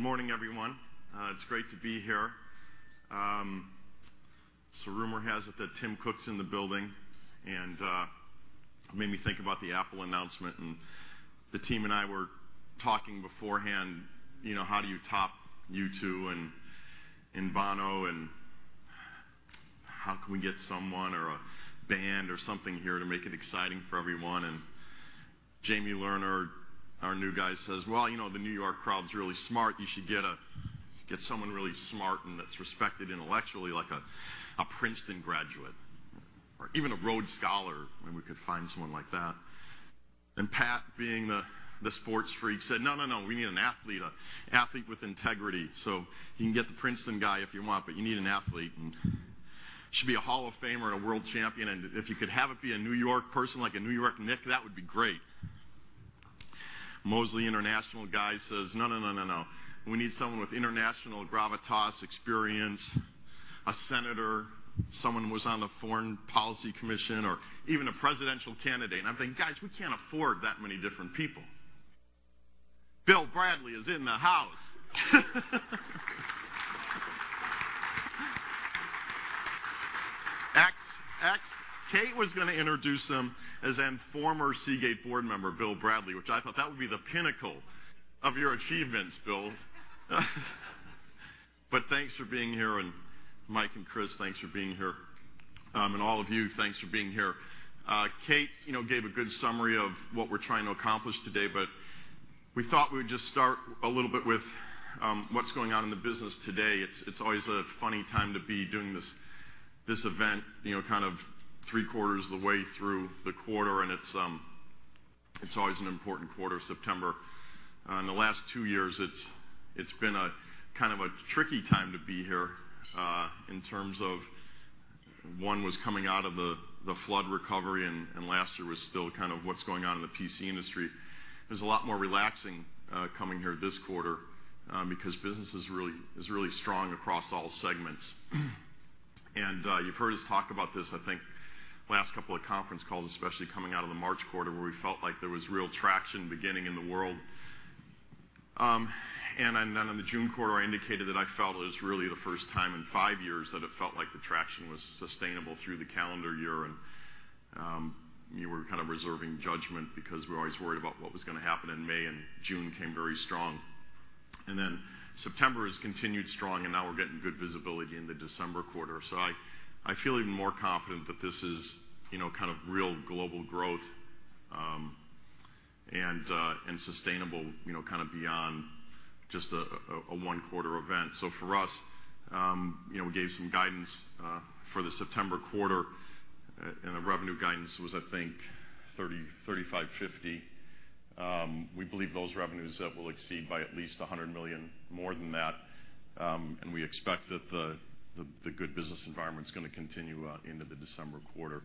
Good morning, everyone. It's great to be here. Rumor has it that Tim Cook's in the building, and it made me think about the Apple announcement. The team and I were talking beforehand, how do you top U2 and Bono, and how can we get someone or a band or something here to make it exciting for everyone? Jamie Lerner, our new guy, says, "Well, the New York crowd's really smart. You should get someone really smart and that's respected intellectually like a Princeton graduate or even a Rhodes Scholar, if we could find someone like that." Pat, being the sports freak, said, "No, we need an athlete, an athlete with integrity. You can get the Princeton guy if you want, but you need an athlete, and it should be a Hall of Famer and a world champion. If you could have it be a New York person like a New York Knick, that would be great." Mosley, international guy, says, "No, we need someone with international gravitas, experience, a senator, someone who was on the Foreign Policy Commission, or even a presidential candidate." I'm thinking, "Guys, we can't afford that many different people." Bill Bradley is in the house. Kate was going to introduce him as a former Seagate board member, Bill Bradley, which I thought that would be the pinnacle of your achievements, Bill. Thanks for being here, and Mike and Chris, thanks for being here. All of you, thanks for being here. Kate gave a good summary of what we're trying to accomplish today, we thought we would just start a little bit with what's going on in the business today. It's always a funny time to be doing this event, kind of three-quarters of the way through the quarter, it's always an important quarter, September. In the last two years, it's been a tricky time to be here in terms of one was coming out of the flood recovery, last year was still kind of what's going on in the PC industry. It was a lot more relaxing coming here this quarter because business is really strong across all segments. You've heard us talk about this, I think, the last couple of conference calls, especially coming out of the March quarter, where we felt like there was real traction beginning in the world. In the June quarter, I indicated that I felt it was really the first time in five years that it felt like the traction was sustainable through the calendar year, we were kind of reserving judgment because we were always worried about what was going to happen in May, June came very strong. September has continued strong, now we're getting good visibility in the December quarter. I feel even more confident that this is real global growth and sustainable beyond just a one-quarter event. For us, we gave some guidance for the September quarter, the revenue guidance was, I think, $30 million, $35 million, $50 million. We believe those revenues will exceed by at least $100 million more than that, we expect that the good business environment's going to continue into the December quarter.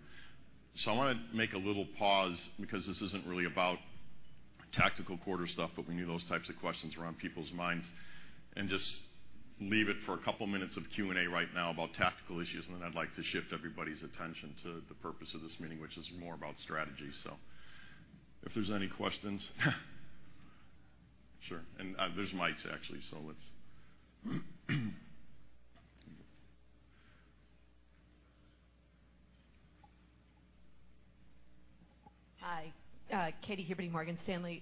I want to make a little pause because this isn't really about tactical quarter stuff, but we knew those types of questions were on people's minds, and just leave it for a couple of minutes of Q&A right now about tactical issues. I'd like to shift everybody's attention to the purpose of this meeting, which is more about strategy. If there's any questions. Sure. There's mics, actually, so let's. Hi. Katy Huberty, Morgan Stanley.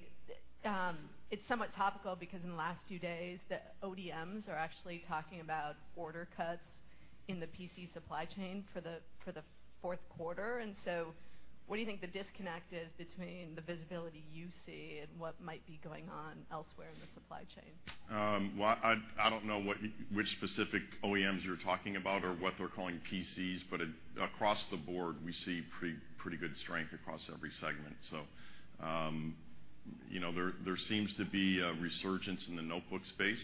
It's somewhat topical because in the last few days, the ODMs are actually talking about order cuts in the PC supply chain for the fourth quarter. What do you think the disconnect is between the visibility you see and what might be going on elsewhere in the supply chain? Well, I don't know which specific OEMs you're talking about or what they're calling PCs, but across the board, we see pretty good strength across every segment. There seems to be a resurgence in the notebook space,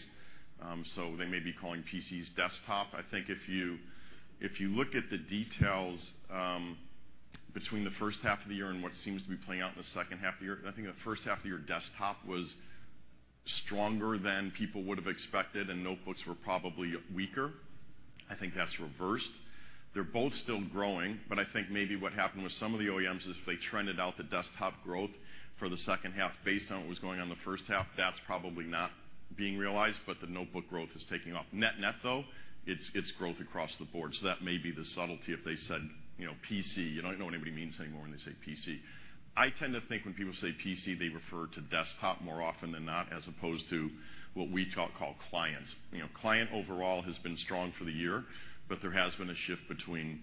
so they may be calling PCs desktop. I think if you look at the details between the first half of the year and what seems to be playing out in the second half of the year, I think in the first half of the year, desktop was stronger than people would have expected, and notebooks were probably weaker. I think that's reversed. They're both still growing, but I think maybe what happened with some of the OEMs is they trended out the desktop growth for the second half based on what was going on in the first half. That's probably not being realized, but the notebook growth is taking off. Net though, it's growth across the board. That may be the subtlety if they said PC. You don't know what anybody means anymore when they say PC. I tend to think when people say PC, they refer to desktop more often than not, as opposed to what we call clients. Client overall has been strong for the year, but there has been a shift between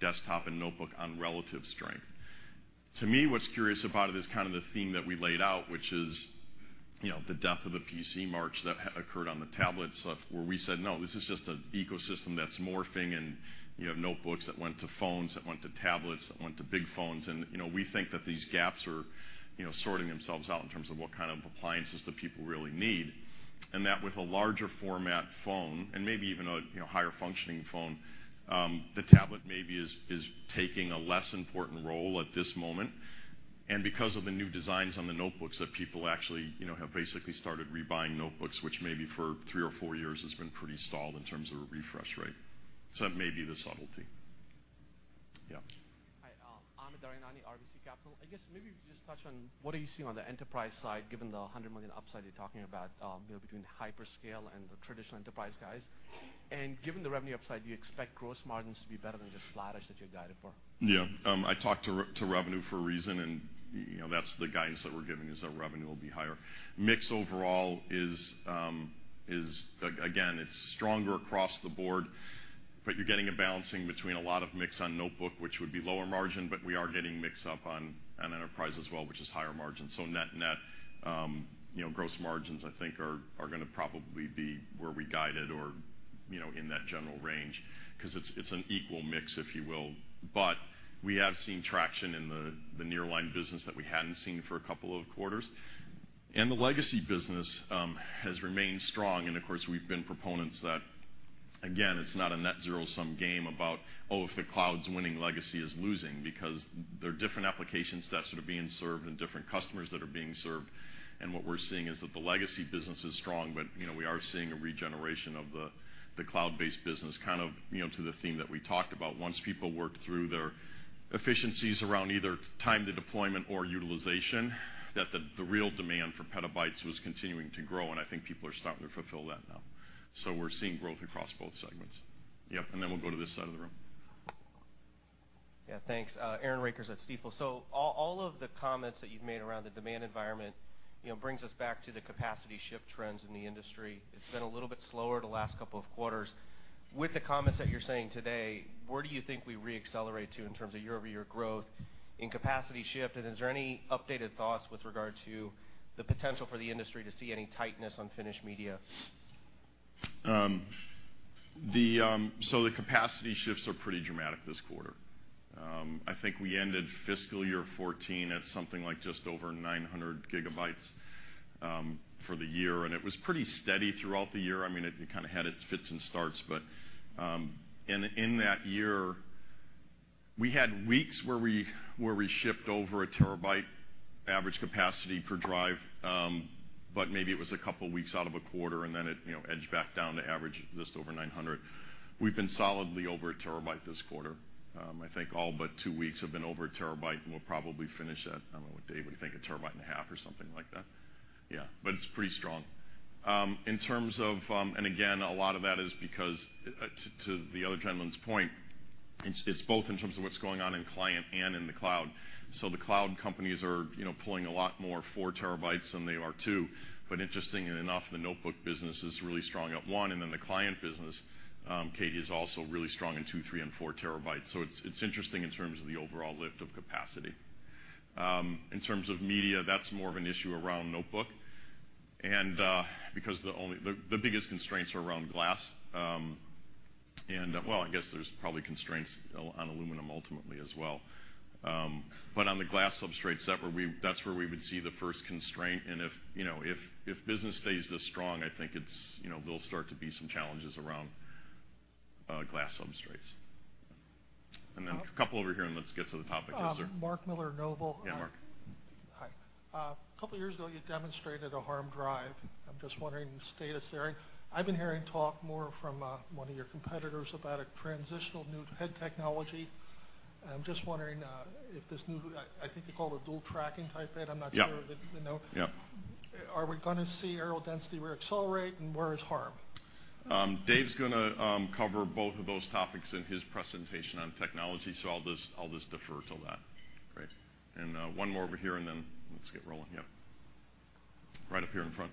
desktop and notebook on relative strength. To me, what's curious about it is the theme that we laid out, which is the death of the PC march that occurred on the tablet stuff where we said, "No, this is just an ecosystem that's morphing, and you have notebooks that went to phones that went to tablets that went to big phones." We think that these gaps are sorting themselves out in terms of what kind of appliances do people really need, and that with a larger format phone and maybe even a higher functioning phone, the tablet maybe is taking a less important role at this moment. Because of the new designs on the notebooks that people actually have basically started rebuying notebooks, which maybe for three or four years has been pretty stalled in terms of a refresh rate. That may be the subtlety. Yeah. Hi. Amit Daryanani, RBC Capital. I guess maybe just touch on what are you seeing on the enterprise side, given the $100 million upside you're talking about, between hyperscale and the traditional enterprise guys. Given the revenue upside, do you expect gross margins to be better than the flattish that you've guided for? Yeah. I talked to revenue for a reason, That's the guidance that we're giving, is that revenue will be higher. Mix overall is, again, it's stronger across the board, You're getting a balancing between a lot of mix on notebook, which would be lower margin, We are getting mix-up on enterprise as well, which is higher margin. Net net, gross margins, I think, are going to probably be where we guided or in that general range, because it's an equal mix, if you will. We have seen traction in the nearline business that we hadn't seen for a couple of quarters. The legacy business has remained strong. Of course, we've been proponents that, again, it's not a net zero-sum game about, oh, if the cloud's winning, legacy is losing, because there are different application sets that are being served and different customers that are being served. What we're seeing is that the legacy business is strong, We are seeing a regeneration of the cloud-based business, kind of to the theme that we talked about. Once people work through their efficiencies around either time-to-deployment or utilization, that the real demand for petabytes was continuing to grow, I think people are starting to fulfill that now. We're seeing growth across both segments. Yep, then we'll go to this side of the room. Thanks. Aaron Rakers at Stifel. All of the comments that you've made around the demand environment brings us back to the capacity ship trends in the industry. It's been a little bit slower the last couple of quarters. With the comments that you're saying today, where do you think we re-accelerate to in terms of year-over-year growth in capacity shift? Is there any updated thoughts with regard to the potential for the industry to see any tightness on finished media? The capacity shifts are pretty dramatic this quarter. I think we ended fiscal year 2014 at something like just over 900 gigabytes for the year, and it was pretty steady throughout the year. It kind of had its fits and starts, but in that year, we had weeks where we shipped over a terabyte average capacity per drive. Maybe it was a couple weeks out of a quarter, and then it edged back down to average just over 900. We've been solidly over a terabyte this quarter. I think all but two weeks have been over a terabyte, and we'll probably finish at, I don't know, what Dave would think, a terabyte and a half or something like that. It's pretty strong. Again, a lot of that is because, to the other gentleman's point, it's both in terms of what's going on in client and in the cloud. The cloud companies are pulling a lot more 4 terabytes than they are 2. Interestingly enough, the notebook business is really strong at 1, and the client business, Katy, is also really strong in 2, 3, and 4 terabytes. It's interesting in terms of the overall lift of capacity. In terms of media, that's more of an issue around notebook. Because the biggest constraints are around glass. I guess there's probably constraints on aluminum ultimately as well. On the glass substrates, that's where we would see the first constraint, and if business stays this strong, I think there'll start to be some challenges around glass substrates. A couple over here, and let's get to the topic here, sir. Mark Miller, Noble. Yeah, Mark. Hi. A couple years ago, you demonstrated a HAMR drive. I'm just wondering the status there. I've been hearing talk more from one of your competitors about a transitional new head technology. I'm just wondering if this new, I think they call it dual tracking type head, I'm not sure. Yeah if it, you know. Yeah. Are we going to see areal density re-accelerate, and where is HAMR? Dave's going to cover both of those topics in his presentation on technology. I'll just defer till that. Great. One more over here, and then let's get rolling. Yeah. Right up here in front.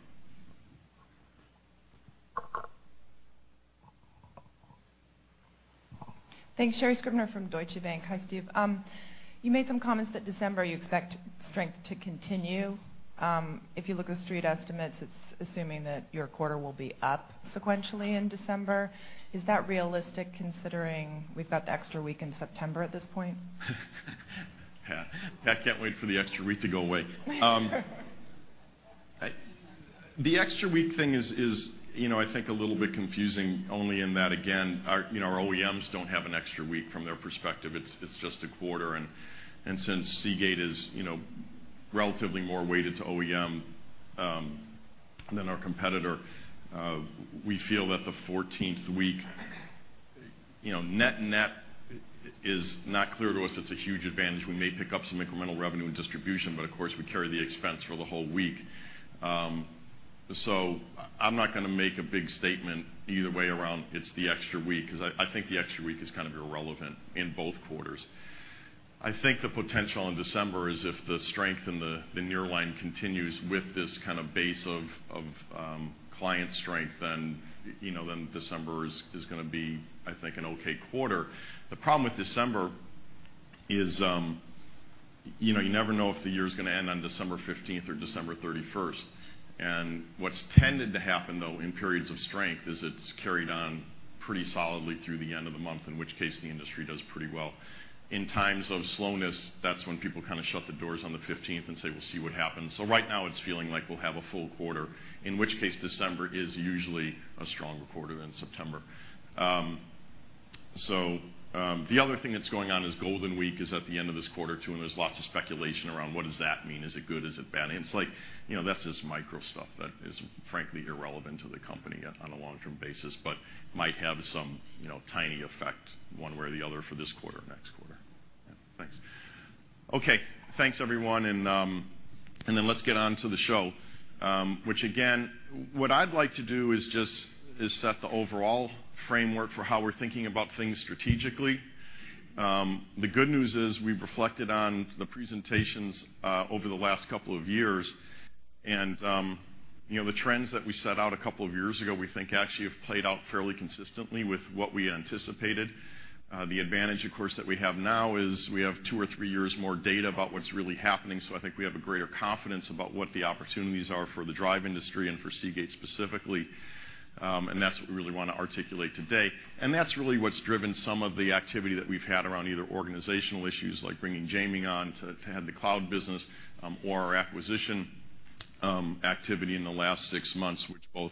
Thanks. Sherri Scribner from Deutsche Bank. Hi, Steve. You made some comments that December you expect strength to continue. If you look at street estimates, it's assuming that your quarter will be up sequentially in December. Is that realistic considering we've got the extra week in September at this point? Yeah. Pat can't wait for the extra week to go away. The extra week thing is I think a little bit confusing only in that, again, our OEMs don't have an extra week from their perspective. It's just a quarter, and since Seagate is relatively more weighted to OEM than our competitor, we feel that the 14th week, net net is not clear to us it's a huge advantage. We may pick up some incremental revenue in distribution, but of course, we carry the expense for the whole week. I'm not going to make a big statement either way around it's the extra week, because I think the extra week is kind of irrelevant in both quarters. I think the potential in December is if the strength in the nearline continues with this kind of base of client strength, then December is going to be, I think, an okay quarter. The problem with December is you never know if the year's going to end on December 15th or December 31st. What's tended to happen, though, in periods of strength is it's carried on pretty solidly through the end of the month, in which case the industry does pretty well. In times of slowness, that's when people kind of shut the doors on the 15th and say, "We'll see what happens." Right now it's feeling like we'll have a full quarter, in which case December is usually a stronger quarter than September. The other thing that's going on is Golden Week is at the end of this quarter, too, and there's lots of speculation around what does that mean? Is it good? Is it bad? It's like that's just micro stuff that is frankly irrelevant to the company on a long-term basis, but might have some tiny effect one way or the other for this quarter or next quarter. Thanks. Okay, thanks everyone, let's get onto the show. Again, what I'd like to do is just set the overall framework for how we're thinking about things strategically. The good news is we've reflected on the presentations over the last couple of years, and the trends that we set out a couple of years ago we think actually have played out fairly consistently with what we anticipated. The advantage, of course, that we have now is we have two or three years more data about what's really happening. I think we have a greater confidence about what the opportunities are for the drive industry and for Seagate specifically. That's what we really want to articulate today. That's really what's driven some of the activity that we've had around either organizational issues, like bringing Jamie on to head the cloud business, or our acquisition activity in the last six months, which both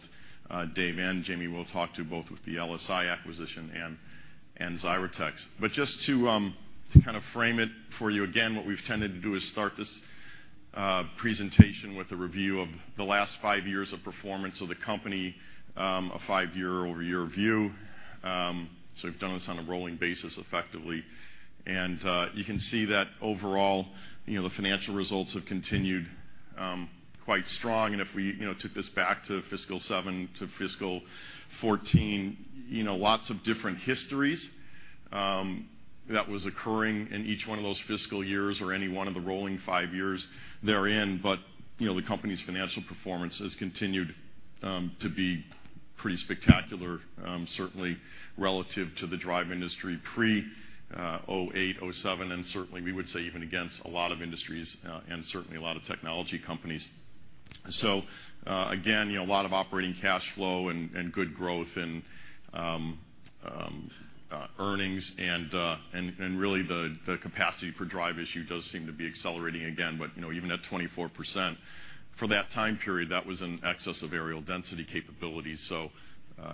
Dave and Jamie will talk to, both with the LSI acquisition and Xyratex. Just to frame it for you, again, what we've tended to do is start this presentation with a review of the last five years of performance of the company, a five-year over year view. We've done this on a rolling basis effectively. You can see that overall, the financial results have continued quite strong. If we took this back to fiscal 2007 to fiscal 2014, lots of different histories that was occurring in each one of those fiscal years or any one of the rolling five years therein, the company's financial performance has continued to be pretty spectacular, certainly relative to the drive industry pre-2008, 2007. Certainly we would say even against a lot of industries and certainly a lot of technology companies. Again, a lot of operating cash flow and good growth in earnings. Really the capacity for drive issue does seem to be accelerating again. Even at 24%, for that time period, that was in excess of areal density capabilities.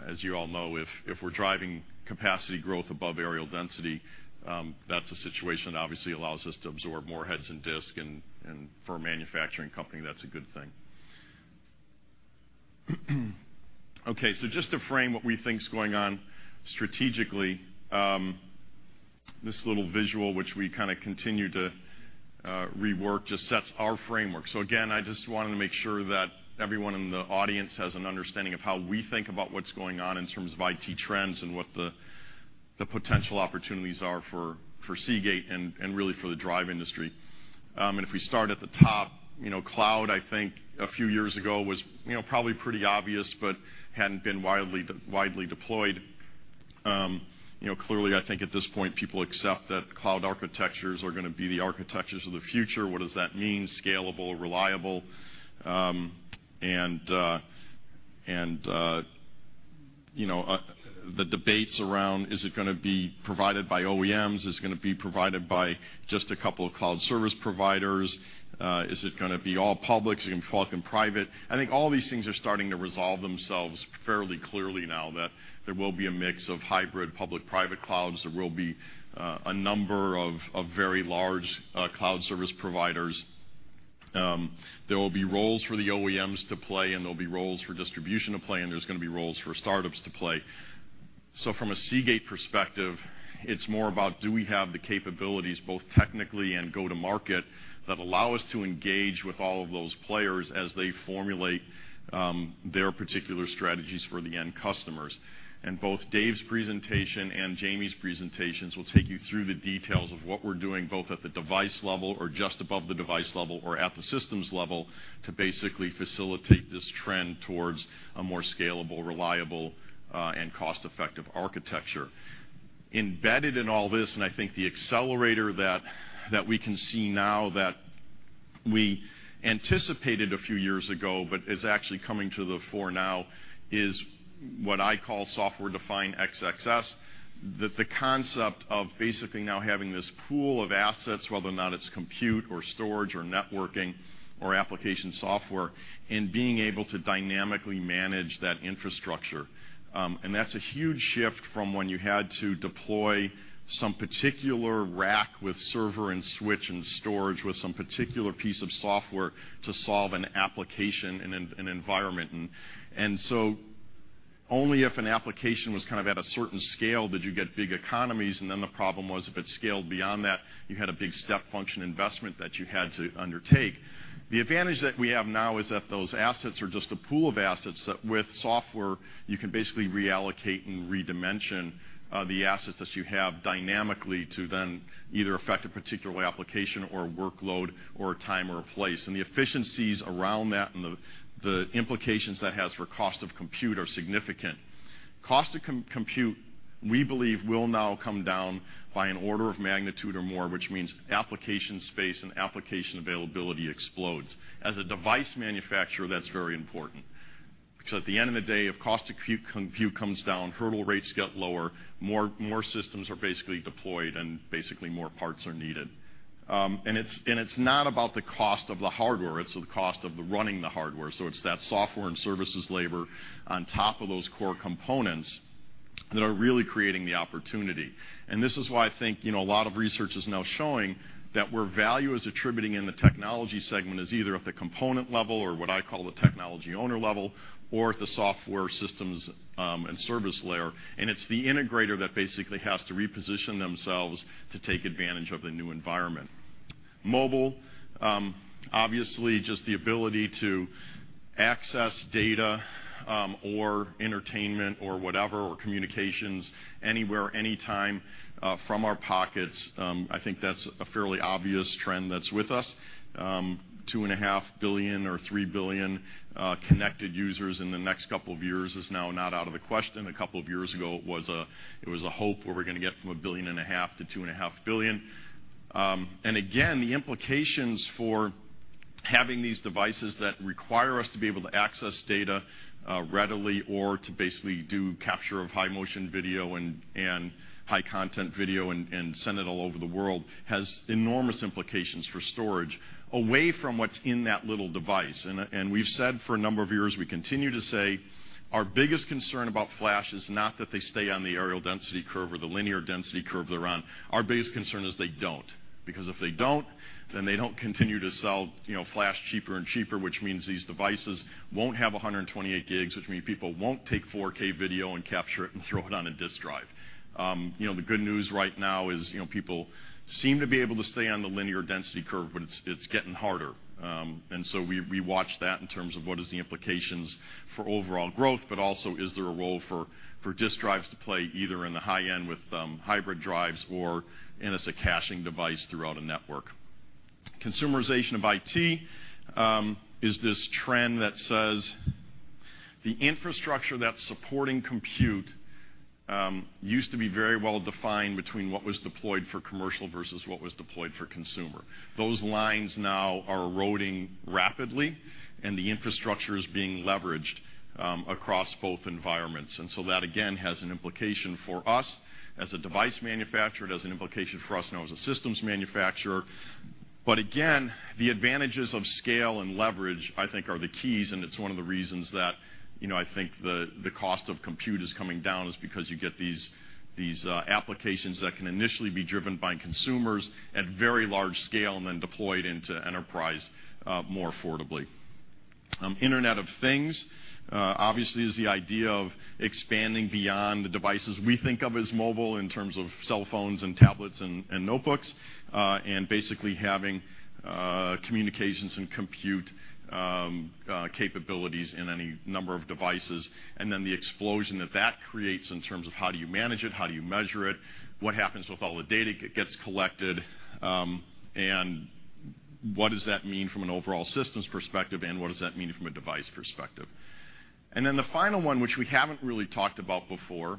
As you all know, if we're driving capacity growth above areal density, that's a situation that obviously allows us to absorb more heads and disk, and for a manufacturing company, that's a good thing. Okay, just to frame what we think is going on strategically, this little visual, which we continue to rework, just sets our framework. Again, I just wanted to make sure that everyone in the audience has an understanding of how we think about what's going on in terms of IT trends and what the potential opportunities are for Seagate and really for the drive industry. If we start at the top, cloud, I think a few years ago was probably pretty obvious, but hadn't been widely deployed. Clearly, I think at this point, people accept that cloud architectures are going to be the architectures of the future. What does that mean? Scalable, reliable, the debates around, is it going to be provided by OEMs? Is it going to be provided by just a couple of cloud service providers? Is it going to be all public? Is it going to be public and private? I think all these things are starting to resolve themselves fairly clearly now that there will be a mix of hybrid public/private clouds. There will be a number of very large cloud service providers. There will be roles for the OEMs to play, and there'll be roles for distribution to play, and there's going to be roles for startups to play. From a Seagate perspective, it's more about do we have the capabilities, both technically and go-to-market, that allow us to engage with all of those players as they formulate their particular strategies for the end customers. Both Dave's presentation and Jamie's presentations will take you through the details of what we're doing, both at the device level or just above the device level or at the systems level, to basically facilitate this trend towards a more scalable, reliable, and cost-effective architecture. Embedded in all this, I think the accelerator that we can see now that we anticipated a few years ago, but is actually coming to the fore now, is what I call software-defined SDS. The concept of basically now having this pool of assets, whether or not it's compute or storage or networking or application software, and being able to dynamically manage that infrastructure. That's a huge shift from when you had to deploy some particular rack with server and switch and storage with some particular piece of software to solve an application in an environment. Only if an application was at a certain scale did you get big economies, and then the problem was if it scaled beyond that, you had a big step function investment that you had to undertake. The advantage that we have now is that those assets are just a pool of assets that with software, you can basically reallocate and redimension the assets that you have dynamically to then either affect a particular application or a workload or a time or a place. The efficiencies around that and the implications that has for cost of compute are significant. Cost of compute, we believe, will now come down by an order of magnitude or more, which means application space and application availability explodes. As a device manufacturer, that's very important. At the end of the day, if cost of compute comes down, hurdle rates get lower, more systems are basically deployed, and basically more parts are needed. It's not about the cost of the hardware, it's the cost of the running the hardware. It's that software and services labor on top of those core components that are really creating the opportunity. This is why I think a lot of research is now showing that where value is attributing in the technology segment is either at the component level or what I call the technology owner level, or at the software systems and service layer. It's the integrator that basically has to reposition themselves to take advantage of the new environment. Mobile, obviously, just the ability to access data or entertainment or whatever, or communications anywhere, anytime from our pockets. I think that's a fairly obvious trend that's with us. 2.5 billion or 3 billion connected users in the next couple of years is now not out of the question. A couple of years ago, it was a hope where we're going to get from 1.5 billion to 2.5 billion. Again, the implications for having these devices that require us to be able to access data readily or to basically do capture of high-motion video and high-content video and send it all over the world has enormous implications for storage away from what's in that little device. We've said for a number of years, we continue to say our biggest concern about flash is not that they stay on the areal density curve or the linear density curve they're on. Our biggest concern is they don't. If they don't, they don't continue to sell flash cheaper and cheaper, which means these devices won't have 128 gigs, which means people won't take 4K video and capture it and throw it on a disk drive. The good news right now is people seem to be able to stay on the linear density curve, but it's getting harder. We watch that in terms of what is the implications for overall growth, but also is there a role for disk drives to play either in the high end with hybrid drives or as a caching device throughout a network. Consumerization of IT is this trend that says the infrastructure that's supporting compute used to be very well-defined between what was deployed for commercial versus what was deployed for consumer. Those lines now are eroding rapidly, and the infrastructure is being leveraged across both environments. That again has an implication for us as a device manufacturer. It has an implication for us now as a systems manufacturer. Again, the advantages of scale and leverage, I think, are the keys, and it's one of the reasons that I think the cost of compute is coming down is because you get these applications that can initially be driven by consumers at very large scale and then deployed into enterprise more affordably. Internet of Things obviously is the idea of expanding beyond the devices we think of as mobile in terms of cell phones and tablets and notebooks, and basically having communications and compute capabilities in any number of devices. The explosion that that creates in terms of how do you manage it, how do you measure it, what happens with all the data that gets collected, and what does that mean from an overall systems perspective, and what does that mean from a device perspective? The final one, which we haven't really talked about before,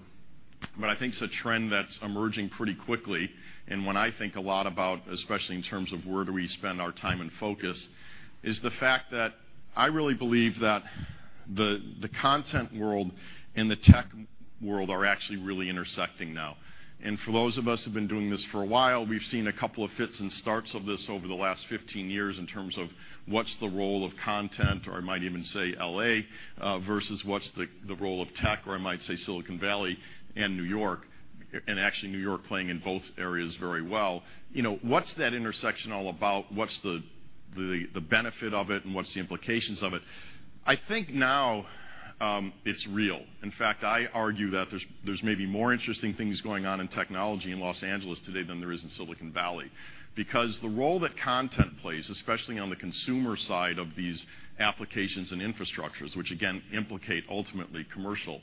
but I think it's a trend that's emerging pretty quickly and one I think a lot about, especially in terms of where do we spend our time and focus, is the fact that I really believe that the content world and the tech world are actually really intersecting now. For those of us who've been doing this for a while, we've seen a couple of fits and starts of this over the last 15 years in terms of what's the role of content, or I might even say L.A., versus what's the role of tech, or I might say Silicon Valley and New York, and actually New York playing in both areas very well. What's that intersection all about? What's the benefit of it, and what's the implications of it? I think now it's real. In fact, I argue that there's maybe more interesting things going on in technology in Los Angeles today than there is in Silicon Valley. Because the role that content plays, especially on the consumer side of these applications and infrastructures, which again implicate ultimately commercial,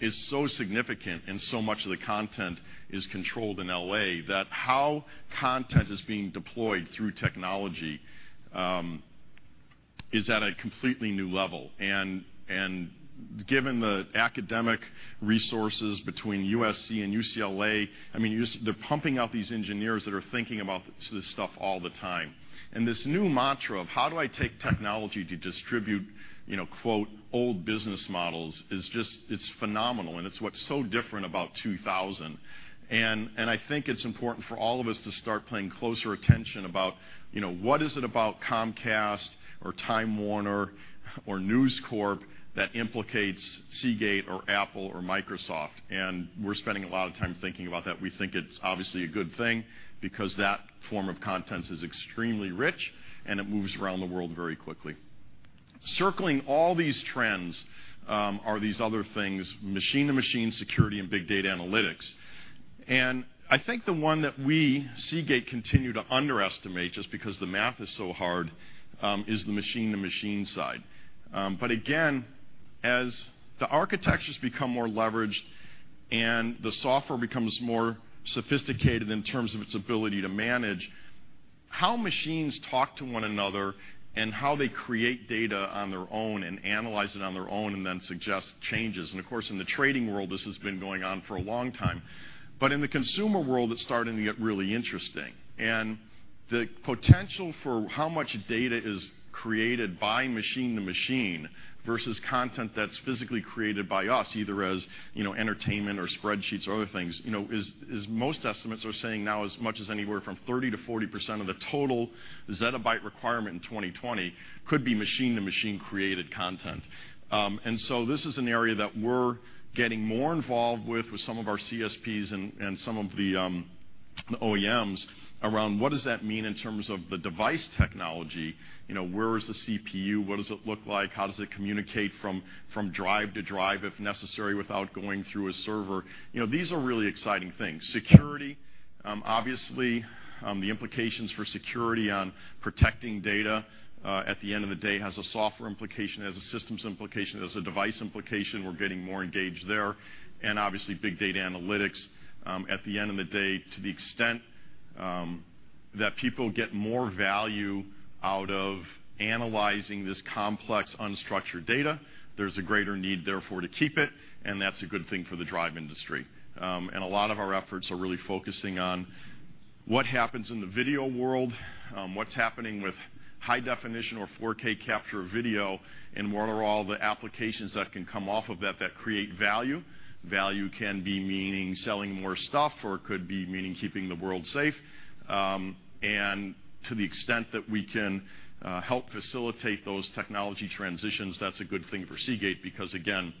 is so significant and so much of the content is controlled in L.A., that how content is being deployed through technology is at a completely new level. Given the academic resources between USC and UCLA, they're pumping out these engineers that are thinking about this stuff all the time. This new mantra of how do I take technology to distribute "old business models" is just phenomenal, and it's what's so different about 2000. I think it's important for all of us to start paying closer attention about what is it about Comcast or Time Warner or News Corp that implicates Seagate or Apple or Microsoft. We're spending a lot of time thinking about that. We think it's obviously a good thing because that form of content is extremely rich, and it moves around the world very quickly. Circling all these trends are these other things, machine-to-machine security and big data analytics. I think the one that we, Seagate, continue to underestimate, just because the math is so hard, is the machine-to-machine side. Again, as the architectures become more leveraged and the software becomes more sophisticated in terms of its ability to manage how machines talk to one another and how they create data on their own and analyze it on their own and then suggest changes. Of course, in the trading world, this has been going on for a long time. In the consumer world, it's starting to get really interesting. The potential for how much data is created by machine to machine versus content that's physically created by us, either as entertainment or spreadsheets or other things, is most estimates are saying now as much as anywhere from 30%-40% of the total zettabyte requirement in 2020 could be machine to machine created content. This is an area that we're getting more involved with with some of our CSPs and some of the OEMs around what does that mean in terms of the device technology, where is the CPU? What does it look like? How does it communicate from drive to drive, if necessary, without going through a server? These are really exciting things. Security, obviously, the implications for security on protecting data, at the end of the day, has a software implication, has a systems implication, has a device implication. We're getting more engaged there. Obviously, big data analytics. At the end of the day, to the extent that people get more value out of analyzing this complex, unstructured data, there's a greater need, therefore, to keep it, and that's a good thing for the drive industry. A lot of our efforts are really focusing on what happens in the video world, what's happening with high definition or 4K capture video, and what are all the applications that can come off of that that create value. Value can be meaning selling more stuff, or it could be meaning keeping the world safe. To the extent that we can help facilitate those technology transitions, that's a good thing for Seagate because, again,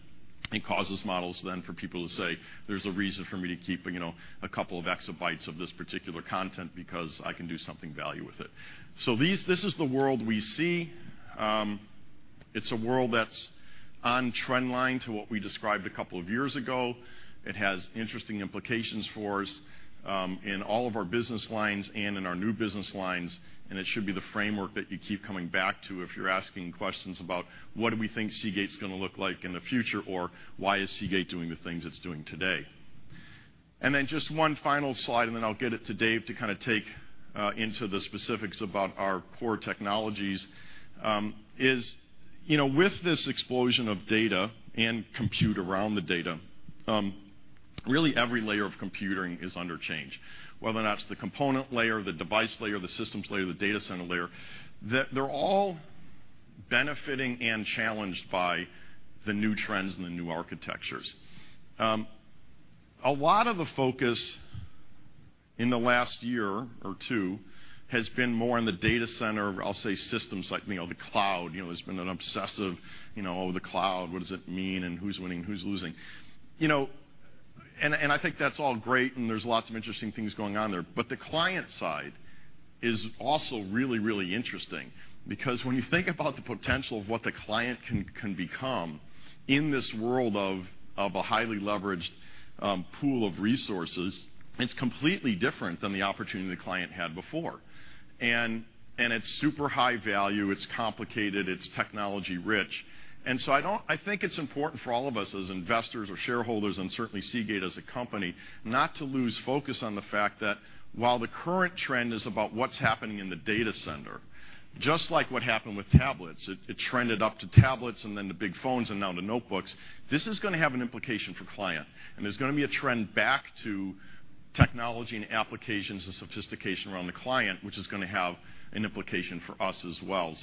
it causes models then for people to say, "There's a reason for me to keep a couple of exabytes of this particular content because I can do something of value with it." This is the world we see. It's a world that's on trend line to what we described a couple of years ago. It has interesting implications for us, in all of our business lines and in our new business lines, and it should be the framework that you keep coming back to if you're asking questions about what do we think Seagate's going to look like in the future, or why is Seagate doing the things it's doing today. Just one final slide, and then I'll get it to Dave to take into the specifics about our core technologies, is with this explosion of data and compute around the data, really every layer of computing is under change. Whether or not it's the component layer, the device layer, the systems layer, the data center layer, they're all benefiting and challenged by the new trends and the new architectures. A lot of the focus in the last year or two has been more on the data center, I'll say systems like the cloud. There's been an obsessive, oh, the cloud, what does it mean, and who's winning, who's losing? I think that's all great, and there's lots of interesting things going on there. The client side is also really, really interesting because when you think about the potential of what the client can become in this world of a highly leveraged pool of resources, it's completely different than the opportunity the client had before. It's super high value, it's complicated, it's technology-rich. I think it's important for all of us as investors or shareholders, and certainly Seagate as a company, not to lose focus on the fact that while the current trend is about what's happening in the data center, just like what happened with tablets, it trended up to tablets and then to big phones and now to notebooks. This is going to have an implication for client, and there's going to be a trend back to technology and applications and sophistication around the client, which is going to have an implication for us as well.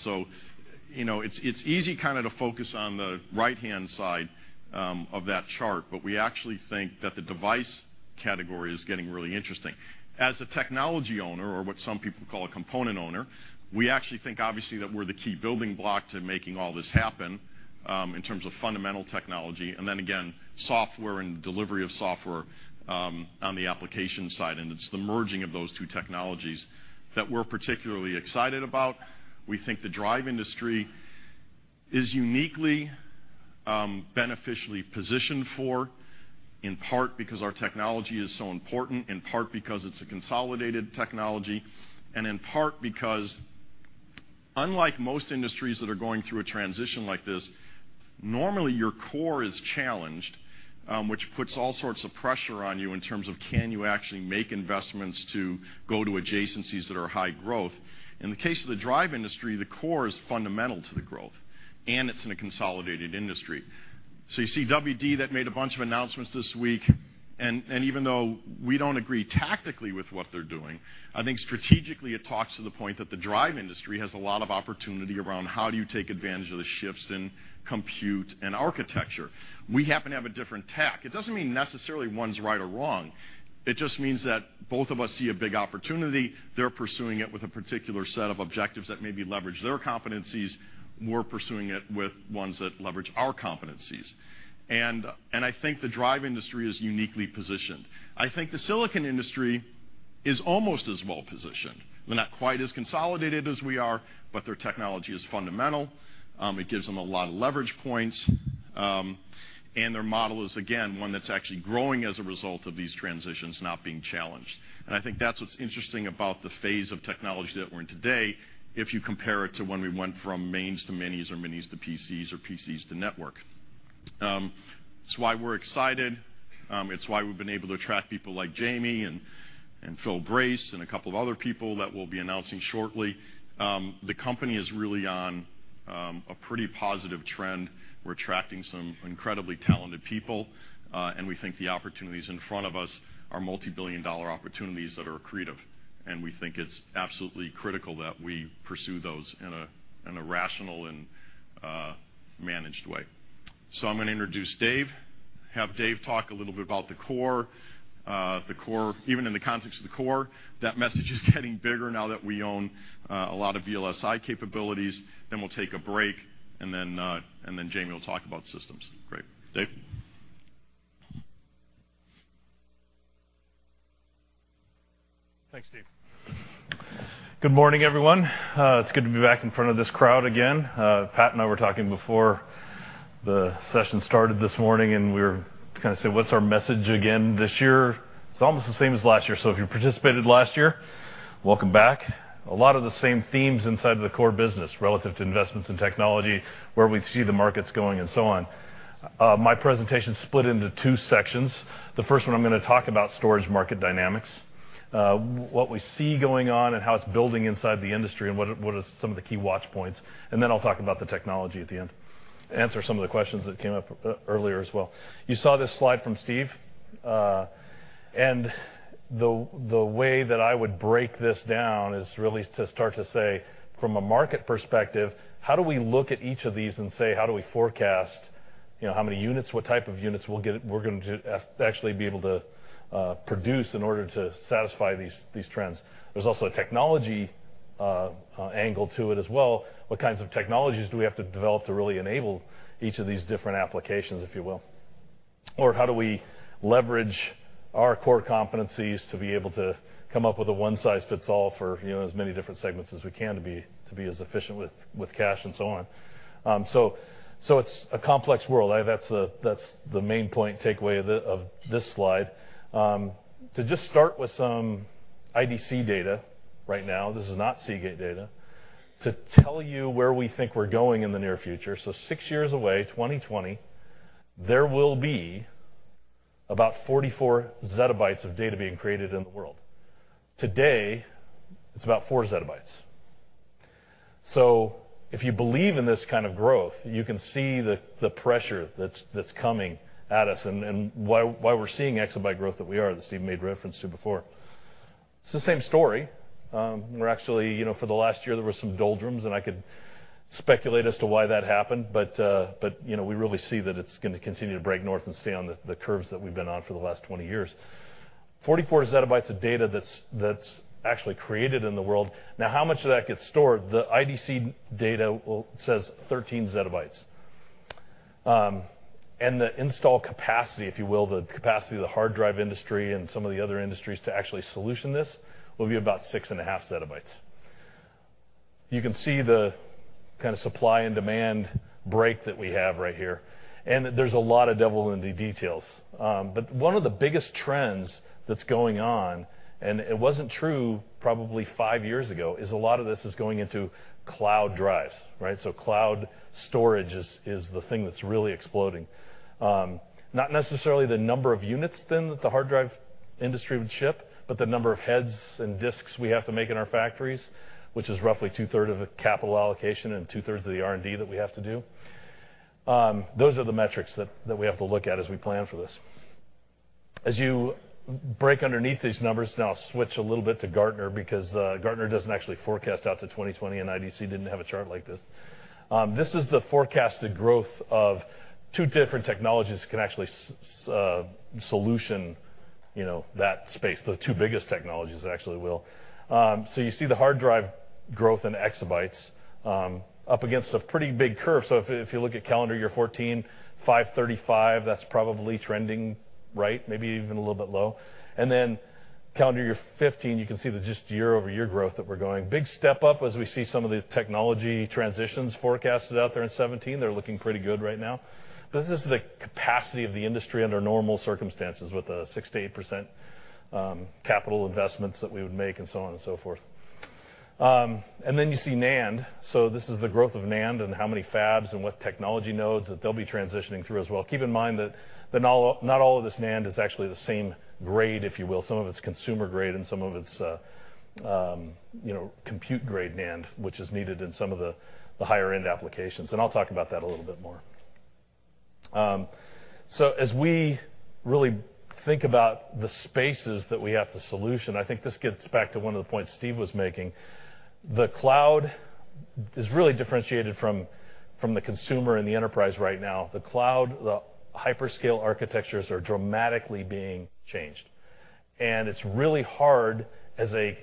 It's easy to focus on the right-hand side of that chart, but we actually think that the device category is getting really interesting. As a technology owner, or what some people call a component owner, we actually think, obviously, that we're the key building block to making all this happen, in terms of fundamental technology, and then again, software and delivery of software on the application side, and it's the merging of those two technologies that we're particularly excited about. We think the drive industry is uniquely beneficially positioned for, in part because our technology is so important, in part because it's a consolidated technology, and in part because unlike most industries that are going through a transition like this, normally your core is challenged, which puts all sorts of pressure on you in terms of can you actually make investments to go to adjacencies that are high growth. In the case of the drive industry, the core is fundamental to the growth, and it's in a consolidated industry. You see WD that made a bunch of announcements this week, and even though we don't agree tactically with what they're doing, I think strategically it talks to the point that the drive industry has a lot of opportunity around how do you take advantage of the shifts in compute and architecture. We happen to have a different tack. It doesn't mean necessarily one's right or wrong. It just means that both of us see a big opportunity. They're pursuing it with a particular set of objectives that maybe leverage their competencies. We're pursuing it with ones that leverage our competencies. I think the drive industry is uniquely positioned. I think the silicon industry is almost as well-positioned. They're not quite as consolidated as we are, their technology is fundamental. It gives them a lot of leverage points. Their model is, again, one that's actually growing as a result of these transitions not being challenged. I think that's what's interesting about the phase of technology that we're in today, if you compare it to when we went from mains to minis or minis to PCs or PCs to network. It's why we're excited. It's why we've been able to attract people like Jamie and Phil Brace and a couple of other people that we'll be announcing shortly. The company is really on a pretty positive trend. We're attracting some incredibly talented people. We think the opportunities in front of us are multibillion-dollar opportunities that are accretive. We think it's absolutely critical that we pursue those in a rational and managed way. I'm going to introduce Dave, have Dave talk a little bit about the core. Even in the context of the core, that message is getting bigger now that we own a lot of VLSI capabilities. We'll take a break, and then Jamie will talk about systems. Great. Dave? Thanks, Steve. Good morning, everyone. It's good to be back in front of this crowd again. Pat and I were talking before the session started this morning, and we were saying, "What's our message again this year?" It's almost the same as last year. If you participated last year, welcome back. A lot of the same themes inside the core business relative to investments in technology, where we see the markets going, and so on. My presentation's split into two sections. The first one, I'm going to talk about storage market dynamics, what we see going on, and how it's building inside the industry, and what are some of the key watch points, and then I'll talk about the technology at the end, answer some of the questions that came up earlier as well. You saw this slide from Steve. The way that I would break this down is really to start to say, from a market perspective, how do we look at each of these and say, how do we forecast how many units, what type of units we're going to actually be able to produce in order to satisfy these trends? There's also a technology angle to it as well. What kinds of technologies do we have to develop to really enable each of these different applications, if you will? Or how do we leverage our core competencies to be able to come up with a one-size-fits-all for as many different segments as we can to be as efficient with cash and so on? It's a complex world. That's the main point takeaway of this slide. To just start with some IDC data right now, this is not Seagate data, to tell you where we think we're going in the near future. Six years away, 2020, there will be about 44 zettabytes of data being created in the world. Today, it's about four zettabytes. If you believe in this kind of growth, you can see the pressure that's coming at us and why we're seeing exabyte growth that we are, that Steve made reference to before. It's the same story. We're actually, for the last year, there were some doldrums, and I could speculate as to why that happened, but we really see that it's going to continue to break north and stay on the curves that we've been on for the last 20 years. 44 zettabytes of data that's actually created in the world. Now, how much of that gets stored? The IDC data says 13 zettabytes. The install capacity, if you will, the capacity of the hard drive industry and some of the other industries to actually solution this, will be about six and a half zettabytes. You can see the supply and demand break that we have right here, there's a lot of devil in the details. One of the biggest trends that's going on, and it wasn't true probably five years ago, is a lot of this is going into cloud drives. Cloud storage is the thing that's really exploding. Not necessarily the number of units then that the hard drive industry would ship, but the number of heads and disks we have to make in our factories, which is roughly two-thirds of the capital allocation and two-thirds of the R&D that we have to do. Those are the metrics that we have to look at as we plan for this. As you break underneath these numbers, now switch a little bit to Gartner because Gartner doesn't actually forecast out to 2020, IDC didn't have a chart like this. This is the forecasted growth of two different technologies that can actually solution that space. The two biggest technologies, actually will. You see the hard drive growth in exabytes up against a pretty big curve. If you look at calendar year 2014, 535, that's probably trending right, maybe even a little bit low. Calendar year 2015, you can see the just year-over-year growth that we're going. Big step up as we see some of the technology transitions forecasted out there in 2017. They're looking pretty good right now. This is the capacity of the industry under normal circumstances with a 6%-8% capital investments that we would make and so on and so forth. You see NAND. This is the growth of NAND and how many fabs and what technology nodes that they'll be transitioning through as well. Keep in mind that not all of this NAND is actually the same grade, if you will. Some of it's consumer grade and some of it's compute grade NAND, which is needed in some of the higher-end applications. I'll talk about that a little bit more. As we really think about the spaces that we have to solution, I think this gets back to one of the points Steve was making. The cloud is really differentiated from the consumer and the enterprise right now. The cloud, the hyperscale architectures are dramatically being changed. It's really hard as an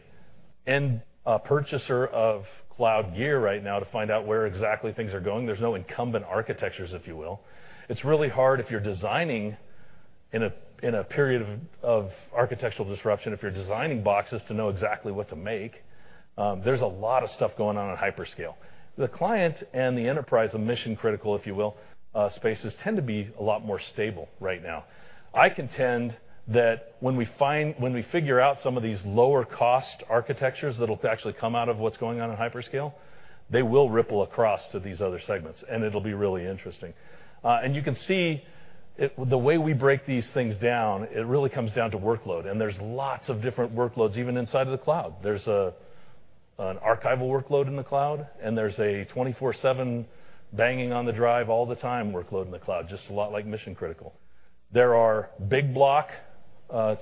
end purchaser of cloud gear right now to find out where exactly things are going. There's no incumbent architectures, if you will. It's really hard if you're designing in a period of architectural disruption, if you're designing boxes to know exactly what to make. There's a lot of stuff going on in hyperscale. The client and the enterprise, the mission-critical, if you will, spaces tend to be a lot more stable right now. I contend that when we figure out some of these lower cost architectures that'll actually come out of what's going on in hyperscale, they will ripple across to these other segments, it'll be really interesting. You can see the way we break these things down, it really comes down to workload, there's lots of different workloads, even inside of the cloud. There's an archival workload in the cloud, and there's a 24/7 banging on the drive all the time workload in the cloud, just a lot like mission-critical. There are big block